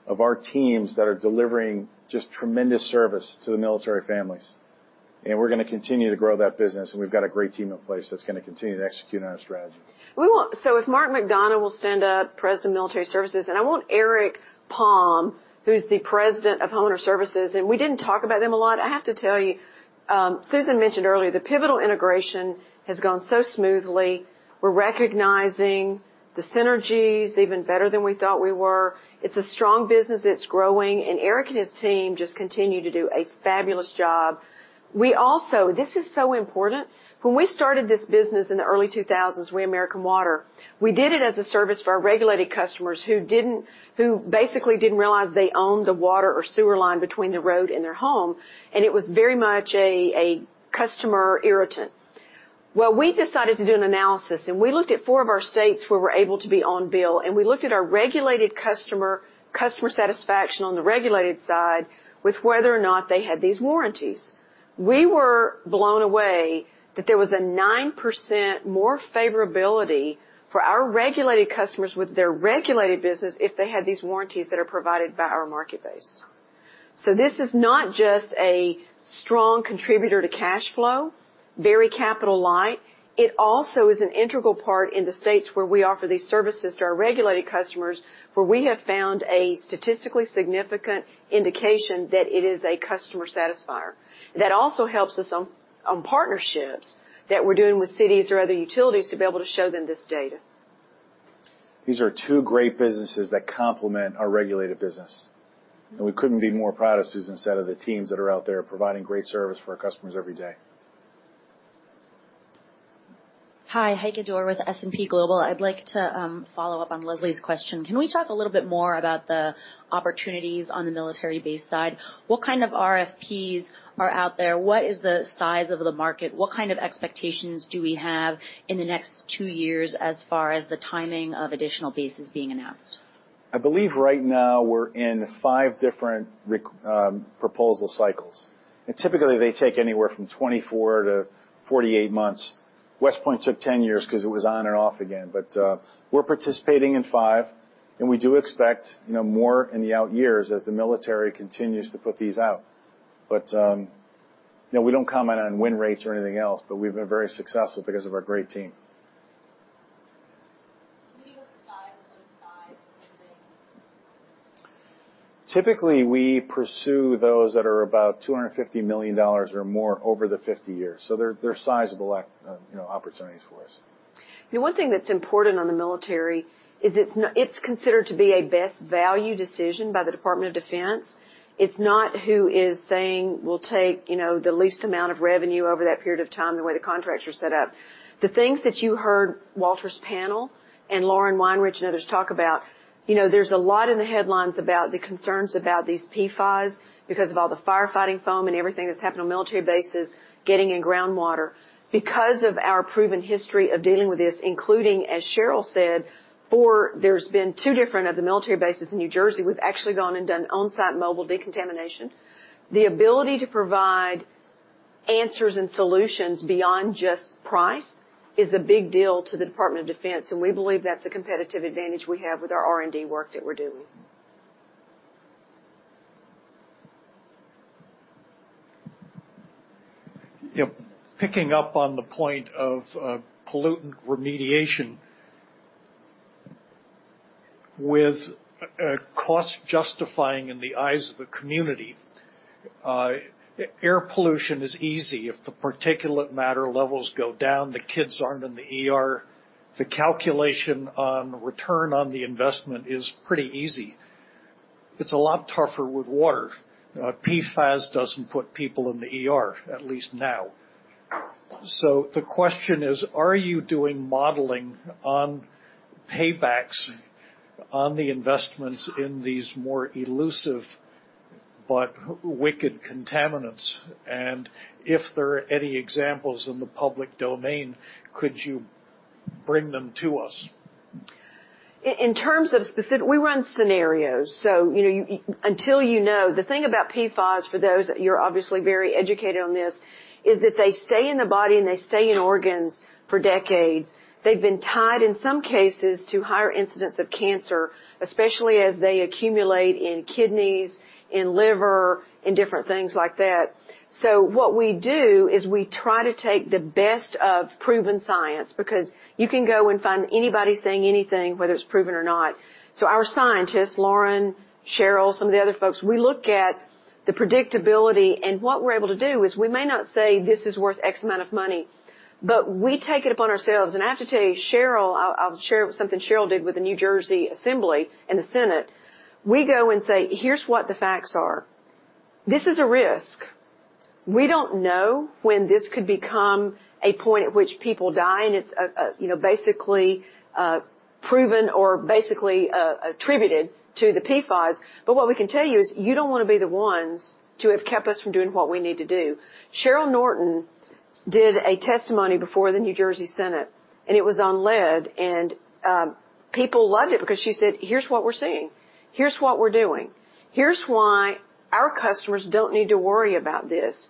of our teams that are delivering just tremendous service to the military families. We're going to continue to grow that business, and we've got a great team in place that's going to continue to execute on our strategy. If Mark McDonough will stand up, President of Military Services, I want Eric Palm, who's the President of Homeowner Services, we didn't talk about them a lot. I have to tell you, Susan mentioned earlier, the Pivotal integration has gone so smoothly. We're recognizing the synergies, even better than we thought we were. It's a strong business that's growing, Eric and his team just continue to do a fabulous job. This is so important. When we started this business in the early 2000s, we, American Water, we did it as a service for our regulated customers who basically didn't realize they owned the water or sewer line between the road and their home, it was very much a customer irritant. Well, we decided to do an analysis, and we looked at four of our states where we're able to be on bill, and we looked at our regulated customer satisfaction on the regulated side with whether or not they had these warranties. We were blown away that there was a nine percent more favorability for our regulated customers with their regulated business if they had these warranties that are provided by our market base. This is not just a strong contributor to cash flow, very capital light, it also is an integral part in the states where we offer these services to our regulated customers, where we have found a statistically significant indication that it is a customer satisfier. That also helps us on partnerships that we're doing with cities or other utilities to be able to show them this data. These are two great businesses that complement our regulated business, and we couldn't be more proud, as Susan said, of the teams that are out there providing great service for our customers every day. Hi, Heya Doerr with S&P Global. I'd like to follow up on Leslie's question. Can we talk a little bit more about the opportunities on the military base side? What kind of RFPs are out there? What is the size of the market? What kind of expectations do we have in the next two years, as far as the timing of additional bases being announced? I believe right now we're in five different proposal cycles, and typically they take anywhere from 24-48 months. West Point took 10 years because it was on and off again. We're participating in five, and we do expect more in the out years as the military continues to put these out. We don't comment on win rates or anything else, but we've been very successful because of our great team Typically, we pursue those that are about $250 million or more over the 50-year. They're sizable opportunities for us. The one thing that's important on the military is it's considered to be a best value decision by the Department of Defense. It's not who is saying, "We'll take the least amount of revenue over that period of time," the way the contracts are set up. The things that you heard Walter's panel and Lauren Weinrich and others talk about, there's a lot in the headlines about the concerns about these PFAS because of all the firefighting foam and everything that's happened on military bases getting in groundwater. Because of our proven history of dealing with this, including, as Cheryl said, there's been two different other military bases in New Jersey, we've actually gone and done on-site mobile decontamination. The ability to provide answers and solutions beyond just price is a big deal to the Department of Defense, and we believe that's a competitive advantage we have with our R&D work that we're doing. Yep. Picking up on the point of pollutant remediation with cost-justifying in the eyes of the community, air pollution is easy. If the particulate matter levels go down, the kids aren't in the ER, the calculation on return on the investment is pretty easy. It's a lot tougher with water. PFAS doesn't put people in the ER, at least now. The question is, are you doing modeling on paybacks on the investments in these more elusive but wicked contaminants? If there are any examples in the public domain, could you bring them to us? We run scenarios. The thing about PFAS, for those, you're obviously very educated on this, is that they stay in the body and they stay in organs for decades. They've been tied in some cases to higher incidents of cancer, especially as they accumulate in kidneys, in liver, in different things like that. What we do is we try to take the best of proven science, because you can go and find anybody saying anything, whether it's proven or not. Our scientists, Lauren, Cheryl, some of the other folks, we look at the predictability and what we're able to do is we may not say this is worth X amount of money, but we take it upon ourselves, and I have to tell you, Cheryl, I'll share something Cheryl did with the New Jersey Assembly and the Senate. We go and say, "Here's what the facts are. This is a risk. We don't know when this could become a point at which people die, and it's basically proven or basically attributed to the PFAS. What we can tell you is you don't want to be the ones to have kept us from doing what we need to do. Cheryl Norton did a testimony before the New Jersey Senate, and it was on lead, and people loved it because she said, "Here's what we're seeing. Here's what we're doing. Here's why our customers don't need to worry about this."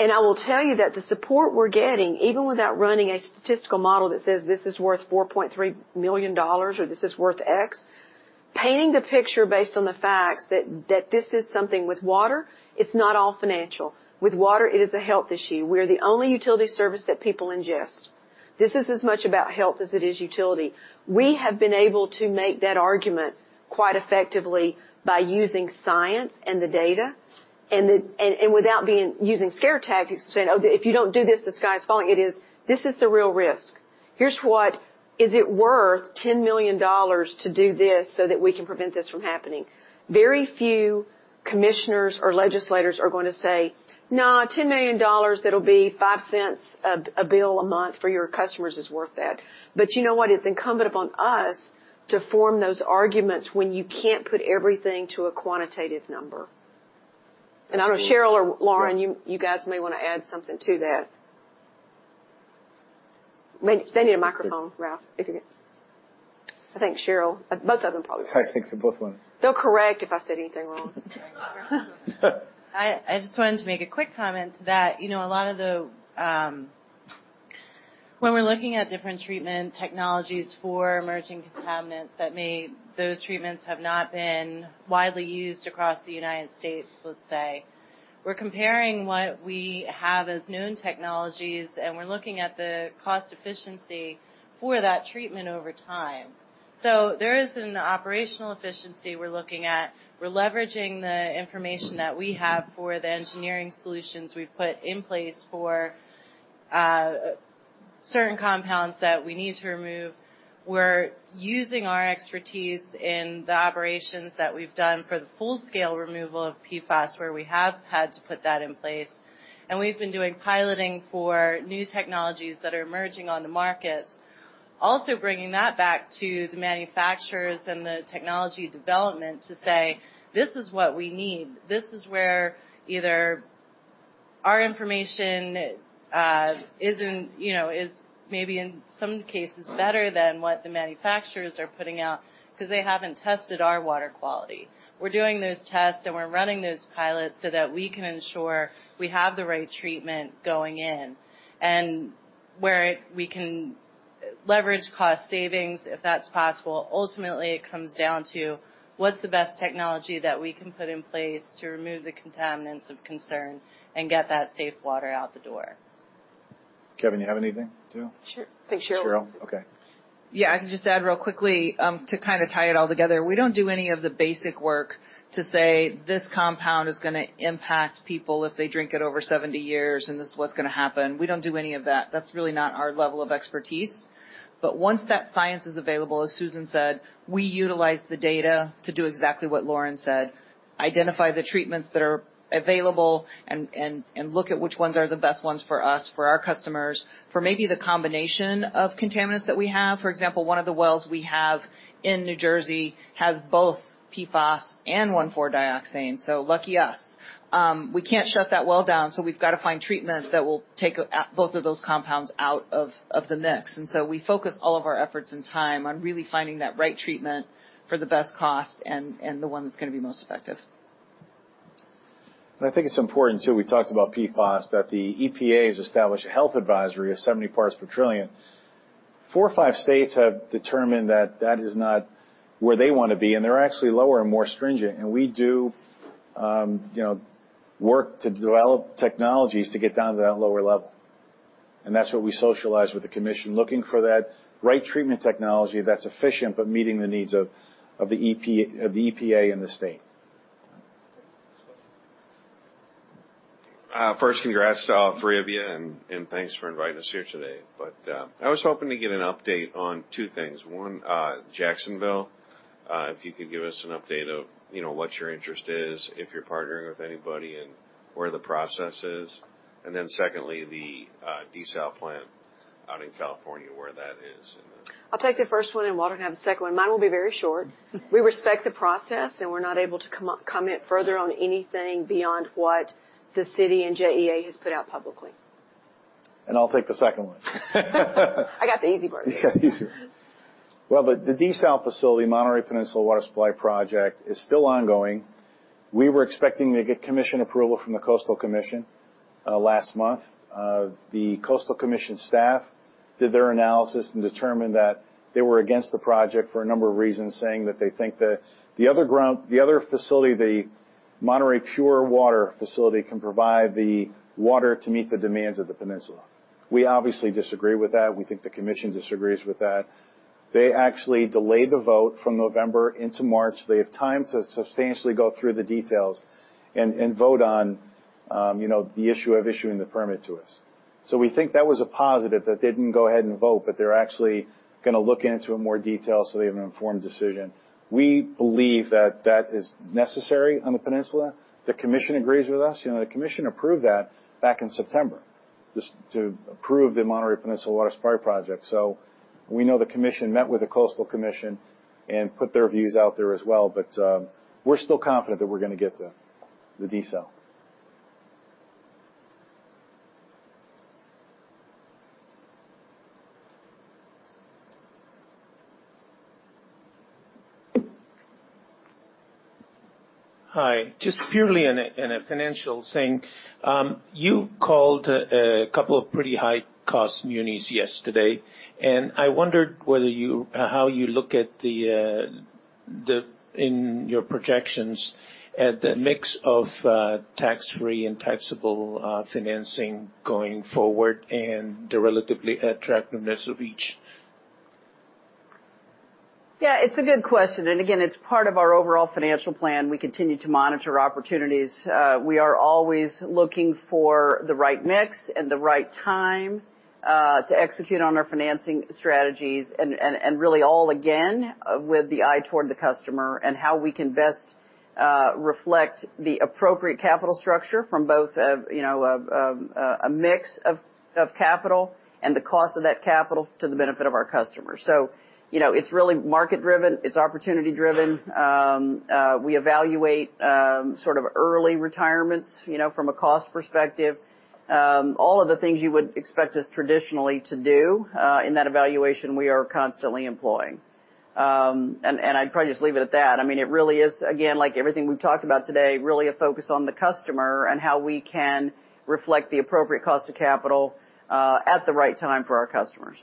I will tell you that the support we're getting, even without running a statistical model that says this is worth $4.3 million or this is worth X, painting the picture based on the facts that this is something with water, it's not all financial. With water, it is a health issue. We're the only utility service that people ingest. This is as much about health as it is utility. We have been able to make that argument quite effectively by using science and the data, without using scare tactics saying, "If you don't do this, the sky's falling." It is, "This is the real risk. Is it worth $10 million to do this so that we can prevent this from happening?" Very few commissioners or legislators are going to say, "No, $10 million, that'll be $0.05 a bill a month for your customers, is worth that." You know what? It's incumbent upon us to form those arguments when you can't put everything to a quantitative number. I know Cheryl or Lauren, you guys may want to add something to that. They need a microphone, Ralph, if you can I think Cheryl, both of them probably. I think they both want it. They'll correct if I said anything wrong. I just wanted to make a quick comment to that. When we're looking at different treatment technologies for emerging contaminants, those treatments have not been widely used across the U.S., let's say. We're comparing what we have as known technologies, and we're looking at the cost efficiency for that treatment over time. There is an operational efficiency we're looking at. We're leveraging the information that we have for the engineering solutions we've put in place for certain compounds that we need to remove. We're using our expertise in the operations that we've done for the full-scale removal of PFAS, where we have had to put that in place, and we've been doing piloting for new technologies that are emerging on the markets. Also bringing that back to the manufacturers and the technology development to say, "This is what we need." This is where either our information is maybe in some cases better than what the manufacturers are putting out because they haven't tested our water quality. We're doing those tests, and we're running those pilots so that we can ensure we have the right treatment going in and where we can leverage cost savings if that's possible. Ultimately, it comes down to what's the best technology that we can put in place to remove the contaminants of concern and get that safe water out the door. Kevin, you have anything too? Sure. I think Cheryl. Cheryl? Okay. Yeah. I can just add real quickly, to kind of tie it all together. We don't do any of the basic work to say, "This compound is going to impact people if they drink it over 70 years, and this is what's going to happen." We don't do any of that. That's really not our level of expertise. Once that science is available, as Susan said, we utilize the data to do exactly what Lauren said, identify the treatments that are available and look at which ones are the best ones for us, for our customers, for maybe the combination of contaminants that we have. For example, one of the wells we have in New Jersey has both PFOS and one,4-dioxane. Lucky us. We can't shut that well down, we've got to find treatment that will take both of those compounds out of the mix. We focus all of our efforts and time on really finding that right treatment for the best cost and the one that's going to be most effective. I think it's important, too, we talked about PFOS, that the EPA has established a health advisory of 70 parts per trillion. Four or five states have determined that that is not where they want to be, and they're actually lower and more stringent. We do work to develop technologies to get down to that lower level. That's what we socialize with the commission, looking for that right treatment technology that's efficient, but meeting the needs of the EPA and the state. Congrats to all three of you, thanks for inviting us here today. I was hoping to get an update on two things. Jacksonville, if you could give us an update of what your interest is, if you're partnering with anybody, where the process is. Secondly, the desalination plant out in California, where that is. I'll take the first one, and Walter can have the second one. Mine will be very short. We respect the process. We're not able to comment further on anything beyond what the city and JEA has put out publicly. I'll take the second one. I got the easy part. You got the easy one. Well, the desal facility, Monterey Peninsula Water Supply Project, is still ongoing. We were expecting to get commission approval from the Coastal Commission last month. The Coastal Commission staff did their analysis and determined that they were against the project for a number of reasons, saying that they think that the other facility, the Pure Water Monterey facility, can provide the water to meet the demands of the peninsula. We obviously disagree with that. We think the Commission disagrees with that. They actually delayed the vote from November into March. They have time to substantially go through the details and vote on the issue of issuing the permit to us. We think that was a positive that they didn't go ahead and vote, but they're actually going to look into it in more detail so they have an informed decision. We believe that that is necessary on the peninsula. The commission agrees with us. The commission approved that back in September, to approve the Monterey Peninsula Water Supply Project. We know the commission met with the Coastal Commission and put their views out there as well, but we're still confident that we're going to get the desal. Hi. Just purely in a financial sense, you called a couple of pretty high-cost munis yesterday, and I wondered how you look at, in your projections, at the mix of tax-free and taxable financing going forward and the relatively attractiveness of each. Yeah, it's a good question. Again, it's part of our overall financial plan. We continue to monitor opportunities. We are always looking for the right mix and the right time to execute on our financing strategies and really all again with the eye toward the customer and how we can best reflect the appropriate capital structure from both a mix of capital and the cost of that capital to the benefit of our customers. It's really market-driven. It's opportunity-driven. We evaluate sort of early retirements from a cost perspective. All of the things you would expect us traditionally to do in that evaluation, we are constantly employing. I'd probably just leave it at that. It really is, again, like everything we've talked about today, really a focus on the customer and how we can reflect the appropriate cost of capital at the right time for our customers.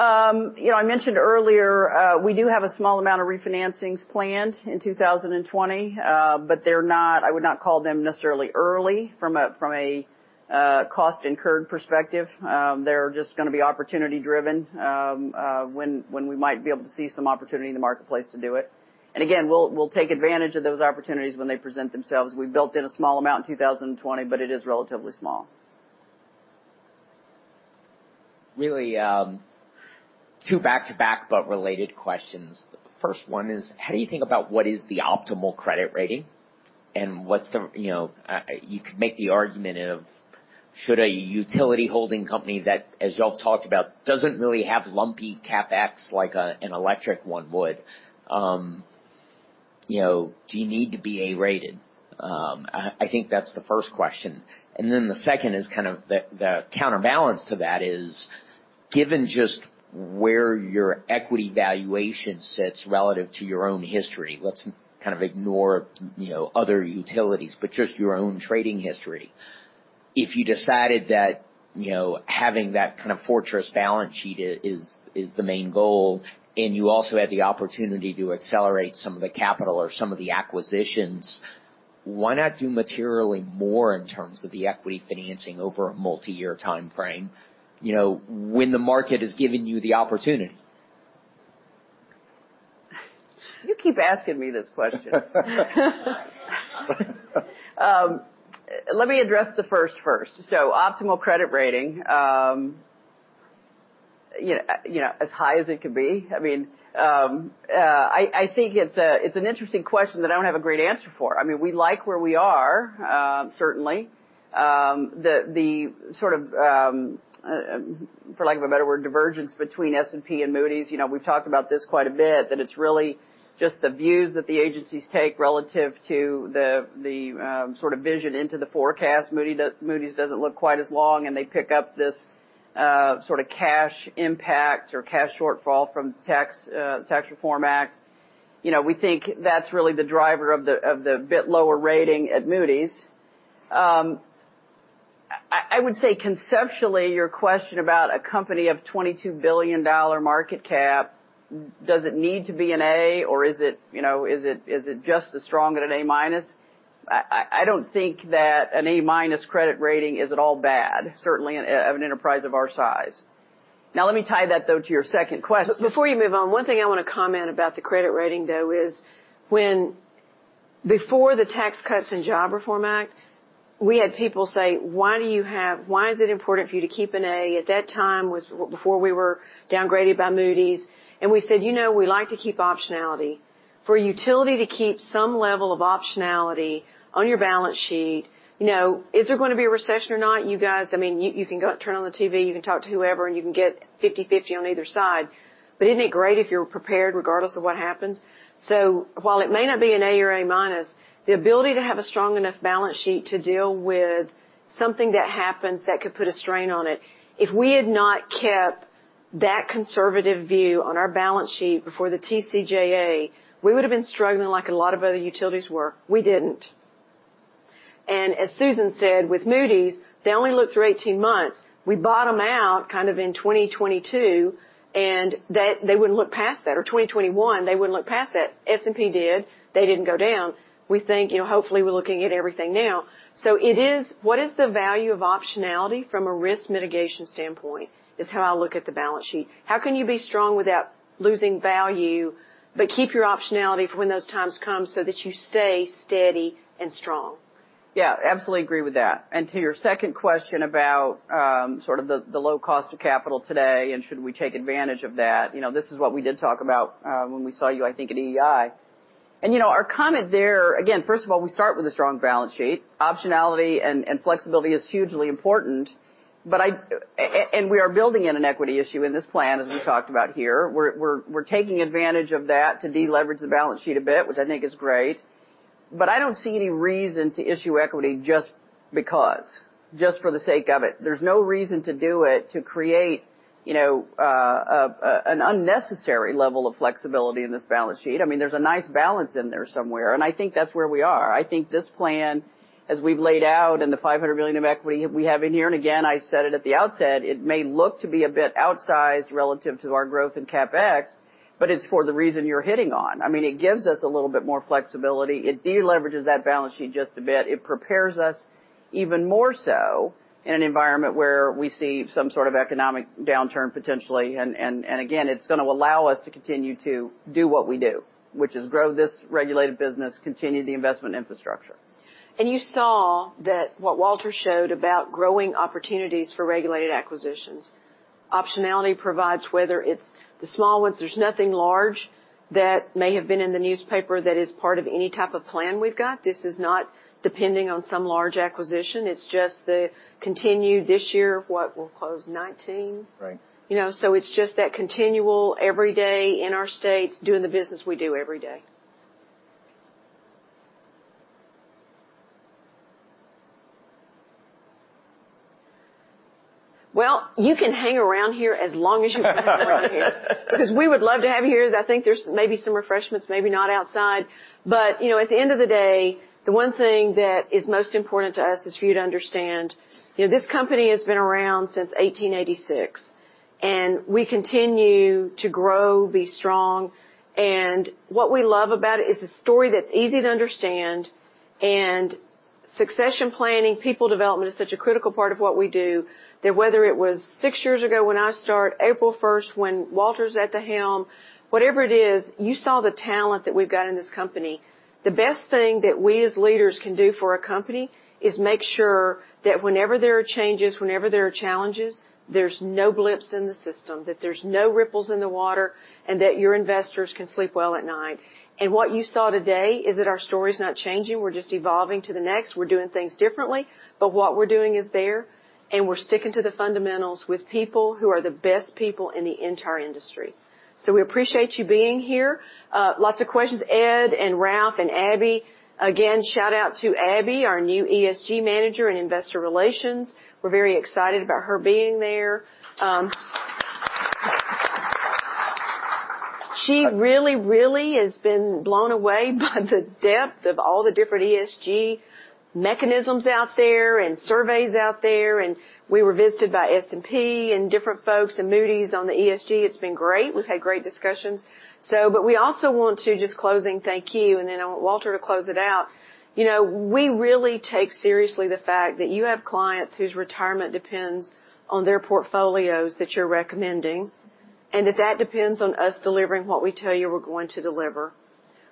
Do you have any sort of reduction in cost of financing in that projection? I mentioned earlier, we do have a small amount of refinancings planned in 2020. I would not call them necessarily early from a cost incurred perspective. They're just going to be opportunity-driven, when we might be able to see some opportunity in the marketplace to do it. Again, we'll take advantage of those opportunities when they present themselves. We built in a small amount in 2020, but it is relatively small. Really two back-to-back, but related questions. The first one is, how do you think about what is the optimal credit rating? You could make the argument of should a utility holding company that, as you all talked about, doesn't really have lumpy CapEx like an electric one would. Do you need to be A-rated? I think that's the first question. The second is kind of the counterbalance to that is, given just where your equity valuation sits relative to your own history, let's kind of ignore other utilities, but just your own trading history. If you decided that having that kind of fortress balance sheet is the main goal, and you also had the opportunity to accelerate some of the capital or some of the acquisitions, why not do materially more in terms of the equity financing over a multi-year timeframe, when the market has given you the opportunity? You keep asking me this question. Let me address the first. Optimal credit rating. As high as it could be. I think it's an interesting question that I don't have a great answer for. We like where we are, certainly. The sort of, for lack of a better word, divergence between S&P and Moody's. We've talked about this quite a bit, that it's really just the views that the agencies take relative to the sort of vision into the forecast. Moody's doesn't look quite as long, and they pick up this sort of cash impact or cash shortfall from Tax Reform Act. We think that's really the driver of the bit lower rating at Moody's. I would say conceptually, your question about a company of $22 billion market cap, does it need to be an A or is it just as strong as an A-minus? I don't think that an A- credit rating is at all bad, certainly of an enterprise of our size. Let me tie that, though, to your second question. Before you move on, one thing I want to comment about the credit rating, though, is before the Tax Cuts and Jobs Act, we had people say, "Why is it important for you to keep an A?" At that time was before we were downgraded by Moody's, and we said, "We like to keep optionality." For a utility to keep some level of optionality on your balance sheet, is there going to be a recession or not? You guys, you can go turn on the TV, you can talk to whoever, and you can get 50/50 on either side. Isn't it great if you're prepared regardless of what happens? While it may not be an A or A-minus, the ability to have a strong enough balance sheet to deal with something that happens that could put a strain on it. If we had not kept that conservative view on our balance sheet before the TCJA, we would've been struggling like a lot of other utilities were. We didn't. As Susan said, with Moody's, they only look through 18 months. We bottom out kind of in 2022, and they wouldn't look past that. 2021, they wouldn't look past that. S&P did. They didn't go down. We think, hopefully, we're looking at everything now. It is, what is the value of optionality from a risk mitigation standpoint, is how I look at the balance sheet. How can you be strong without losing value, but keep your optionality for when those times come so that you stay steady and strong? Yeah, absolutely agree with that. To your second question about sort of the low cost of capital today and should we take advantage of that, this is what we did talk about when we saw you, I think at EEI. Our comment there, again, first of all, we start with a strong balance sheet. Optionality and flexibility is hugely important. We are building in an equity issue in this plan, as we talked about here. We're taking advantage of that to de-leverage the balance sheet a bit, which I think is great, but I don't see any reason to issue equity just because, just for the sake of it. There's no reason to do it to create an unnecessary level of flexibility in this balance sheet. There's a nice balance in there somewhere, and I think that's where we are. I think this plan, as we've laid out, and the $500 million of equity we have in here, and again, I said it at the outset, it may look to be a bit outsized relative to our growth in CapEx, but it's for the reason you're hitting on. It gives us a little bit more flexibility. It de-leverages that balance sheet just a bit. It prepares us even more so in an environment where we see some sort of economic downturn potentially. Again, it's going to allow us to continue to do what we do, which is grow this regulated business, continue the investment infrastructure. You saw that what Walter showed about growing opportunities for regulated acquisitions. Optionality provides, whether it's the small ones, there's nothing large that may have been in the newspaper that is part of any type of plan we've got. This is not depending on some large acquisition. It's just the continue this year, what we'll close 19. Right. It's just that continual every day in our states doing the business we do every day. You can hang around here as long as you want around here. We would love to have you here. I think there's maybe some refreshments, maybe not outside, but at the end of the day, the one thing that is most important to us is for you to understand, this company has been around since 1886, and we continue to grow, be strong, and what we love about it is a story that's easy to understand and succession planning, people development is such a critical part of what we do that whether it was six years ago when I start, April 1st when Walter's at the helm, whatever it is, you saw the talent that we've got in this company. The best thing that we as leaders can do for a company is make sure that whenever there are changes, whenever there are challenges, there's no blips in the system, that there's no ripples in the water, and that your investors can sleep well at night. What you saw today is that our story's not changing. We're just evolving to the next. We're doing things differently. What we're doing is there, and we're sticking to the fundamentals with people who are the best people in the entire industry. We appreciate you being here. Lots of questions. Ed and Ralph and Abby. Again, shout out to Abby, our new ESG manager in investor relations. We're very excited about her being there. She really has been blown away by the depth of all the different ESG mechanisms out there and surveys out there, and we were visited by S&P and different folks and Moody's on the ESG. It's been great. We've had great discussions. We also want to just closing thank you, and then I want Walter to close it out. We really take seriously the fact that you have clients whose retirement depends on their portfolios that you're recommending, and that depends on us delivering what we tell you we're going to deliver.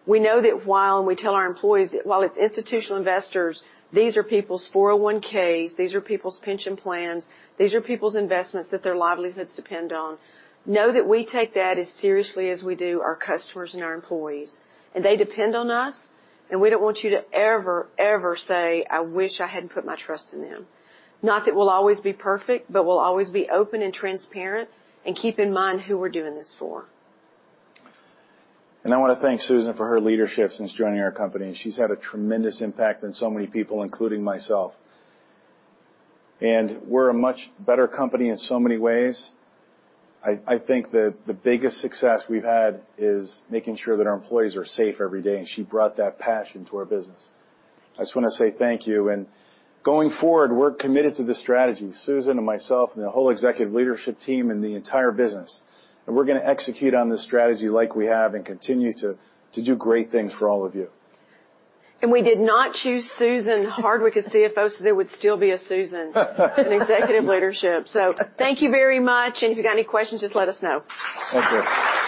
We know that while we tell our employees that while it's institutional investors, these are people's 401s, these are people's pension plans, these are people's investments that their livelihoods depend on. Know that we take that as seriously as we do our customers and our employees, and they depend on us, and we don't want you to ever say, "I wish I hadn't put my trust in them." Not that we'll always be perfect, but we'll always be open and transparent and keep in mind who we're doing this for. I want to thank Susan for her leadership since joining our company, and she's had a tremendous impact on so many people, including myself. We're a much better company in so many ways. I think that the biggest success we've had is making sure that our employees are safe every day, and she brought that passion to our business. I just want to say thank you. Going forward, we're committed to this strategy, Susan and myself and the whole executive leadership team and the entire business, and we're going to execute on this strategy like we have and continue to do great things for all of you. We did not choose Susan Hardwick as CFO, so there would still be a Susan in executive leadership. Thank you very much. If you've got any questions, just let us know. Thank you.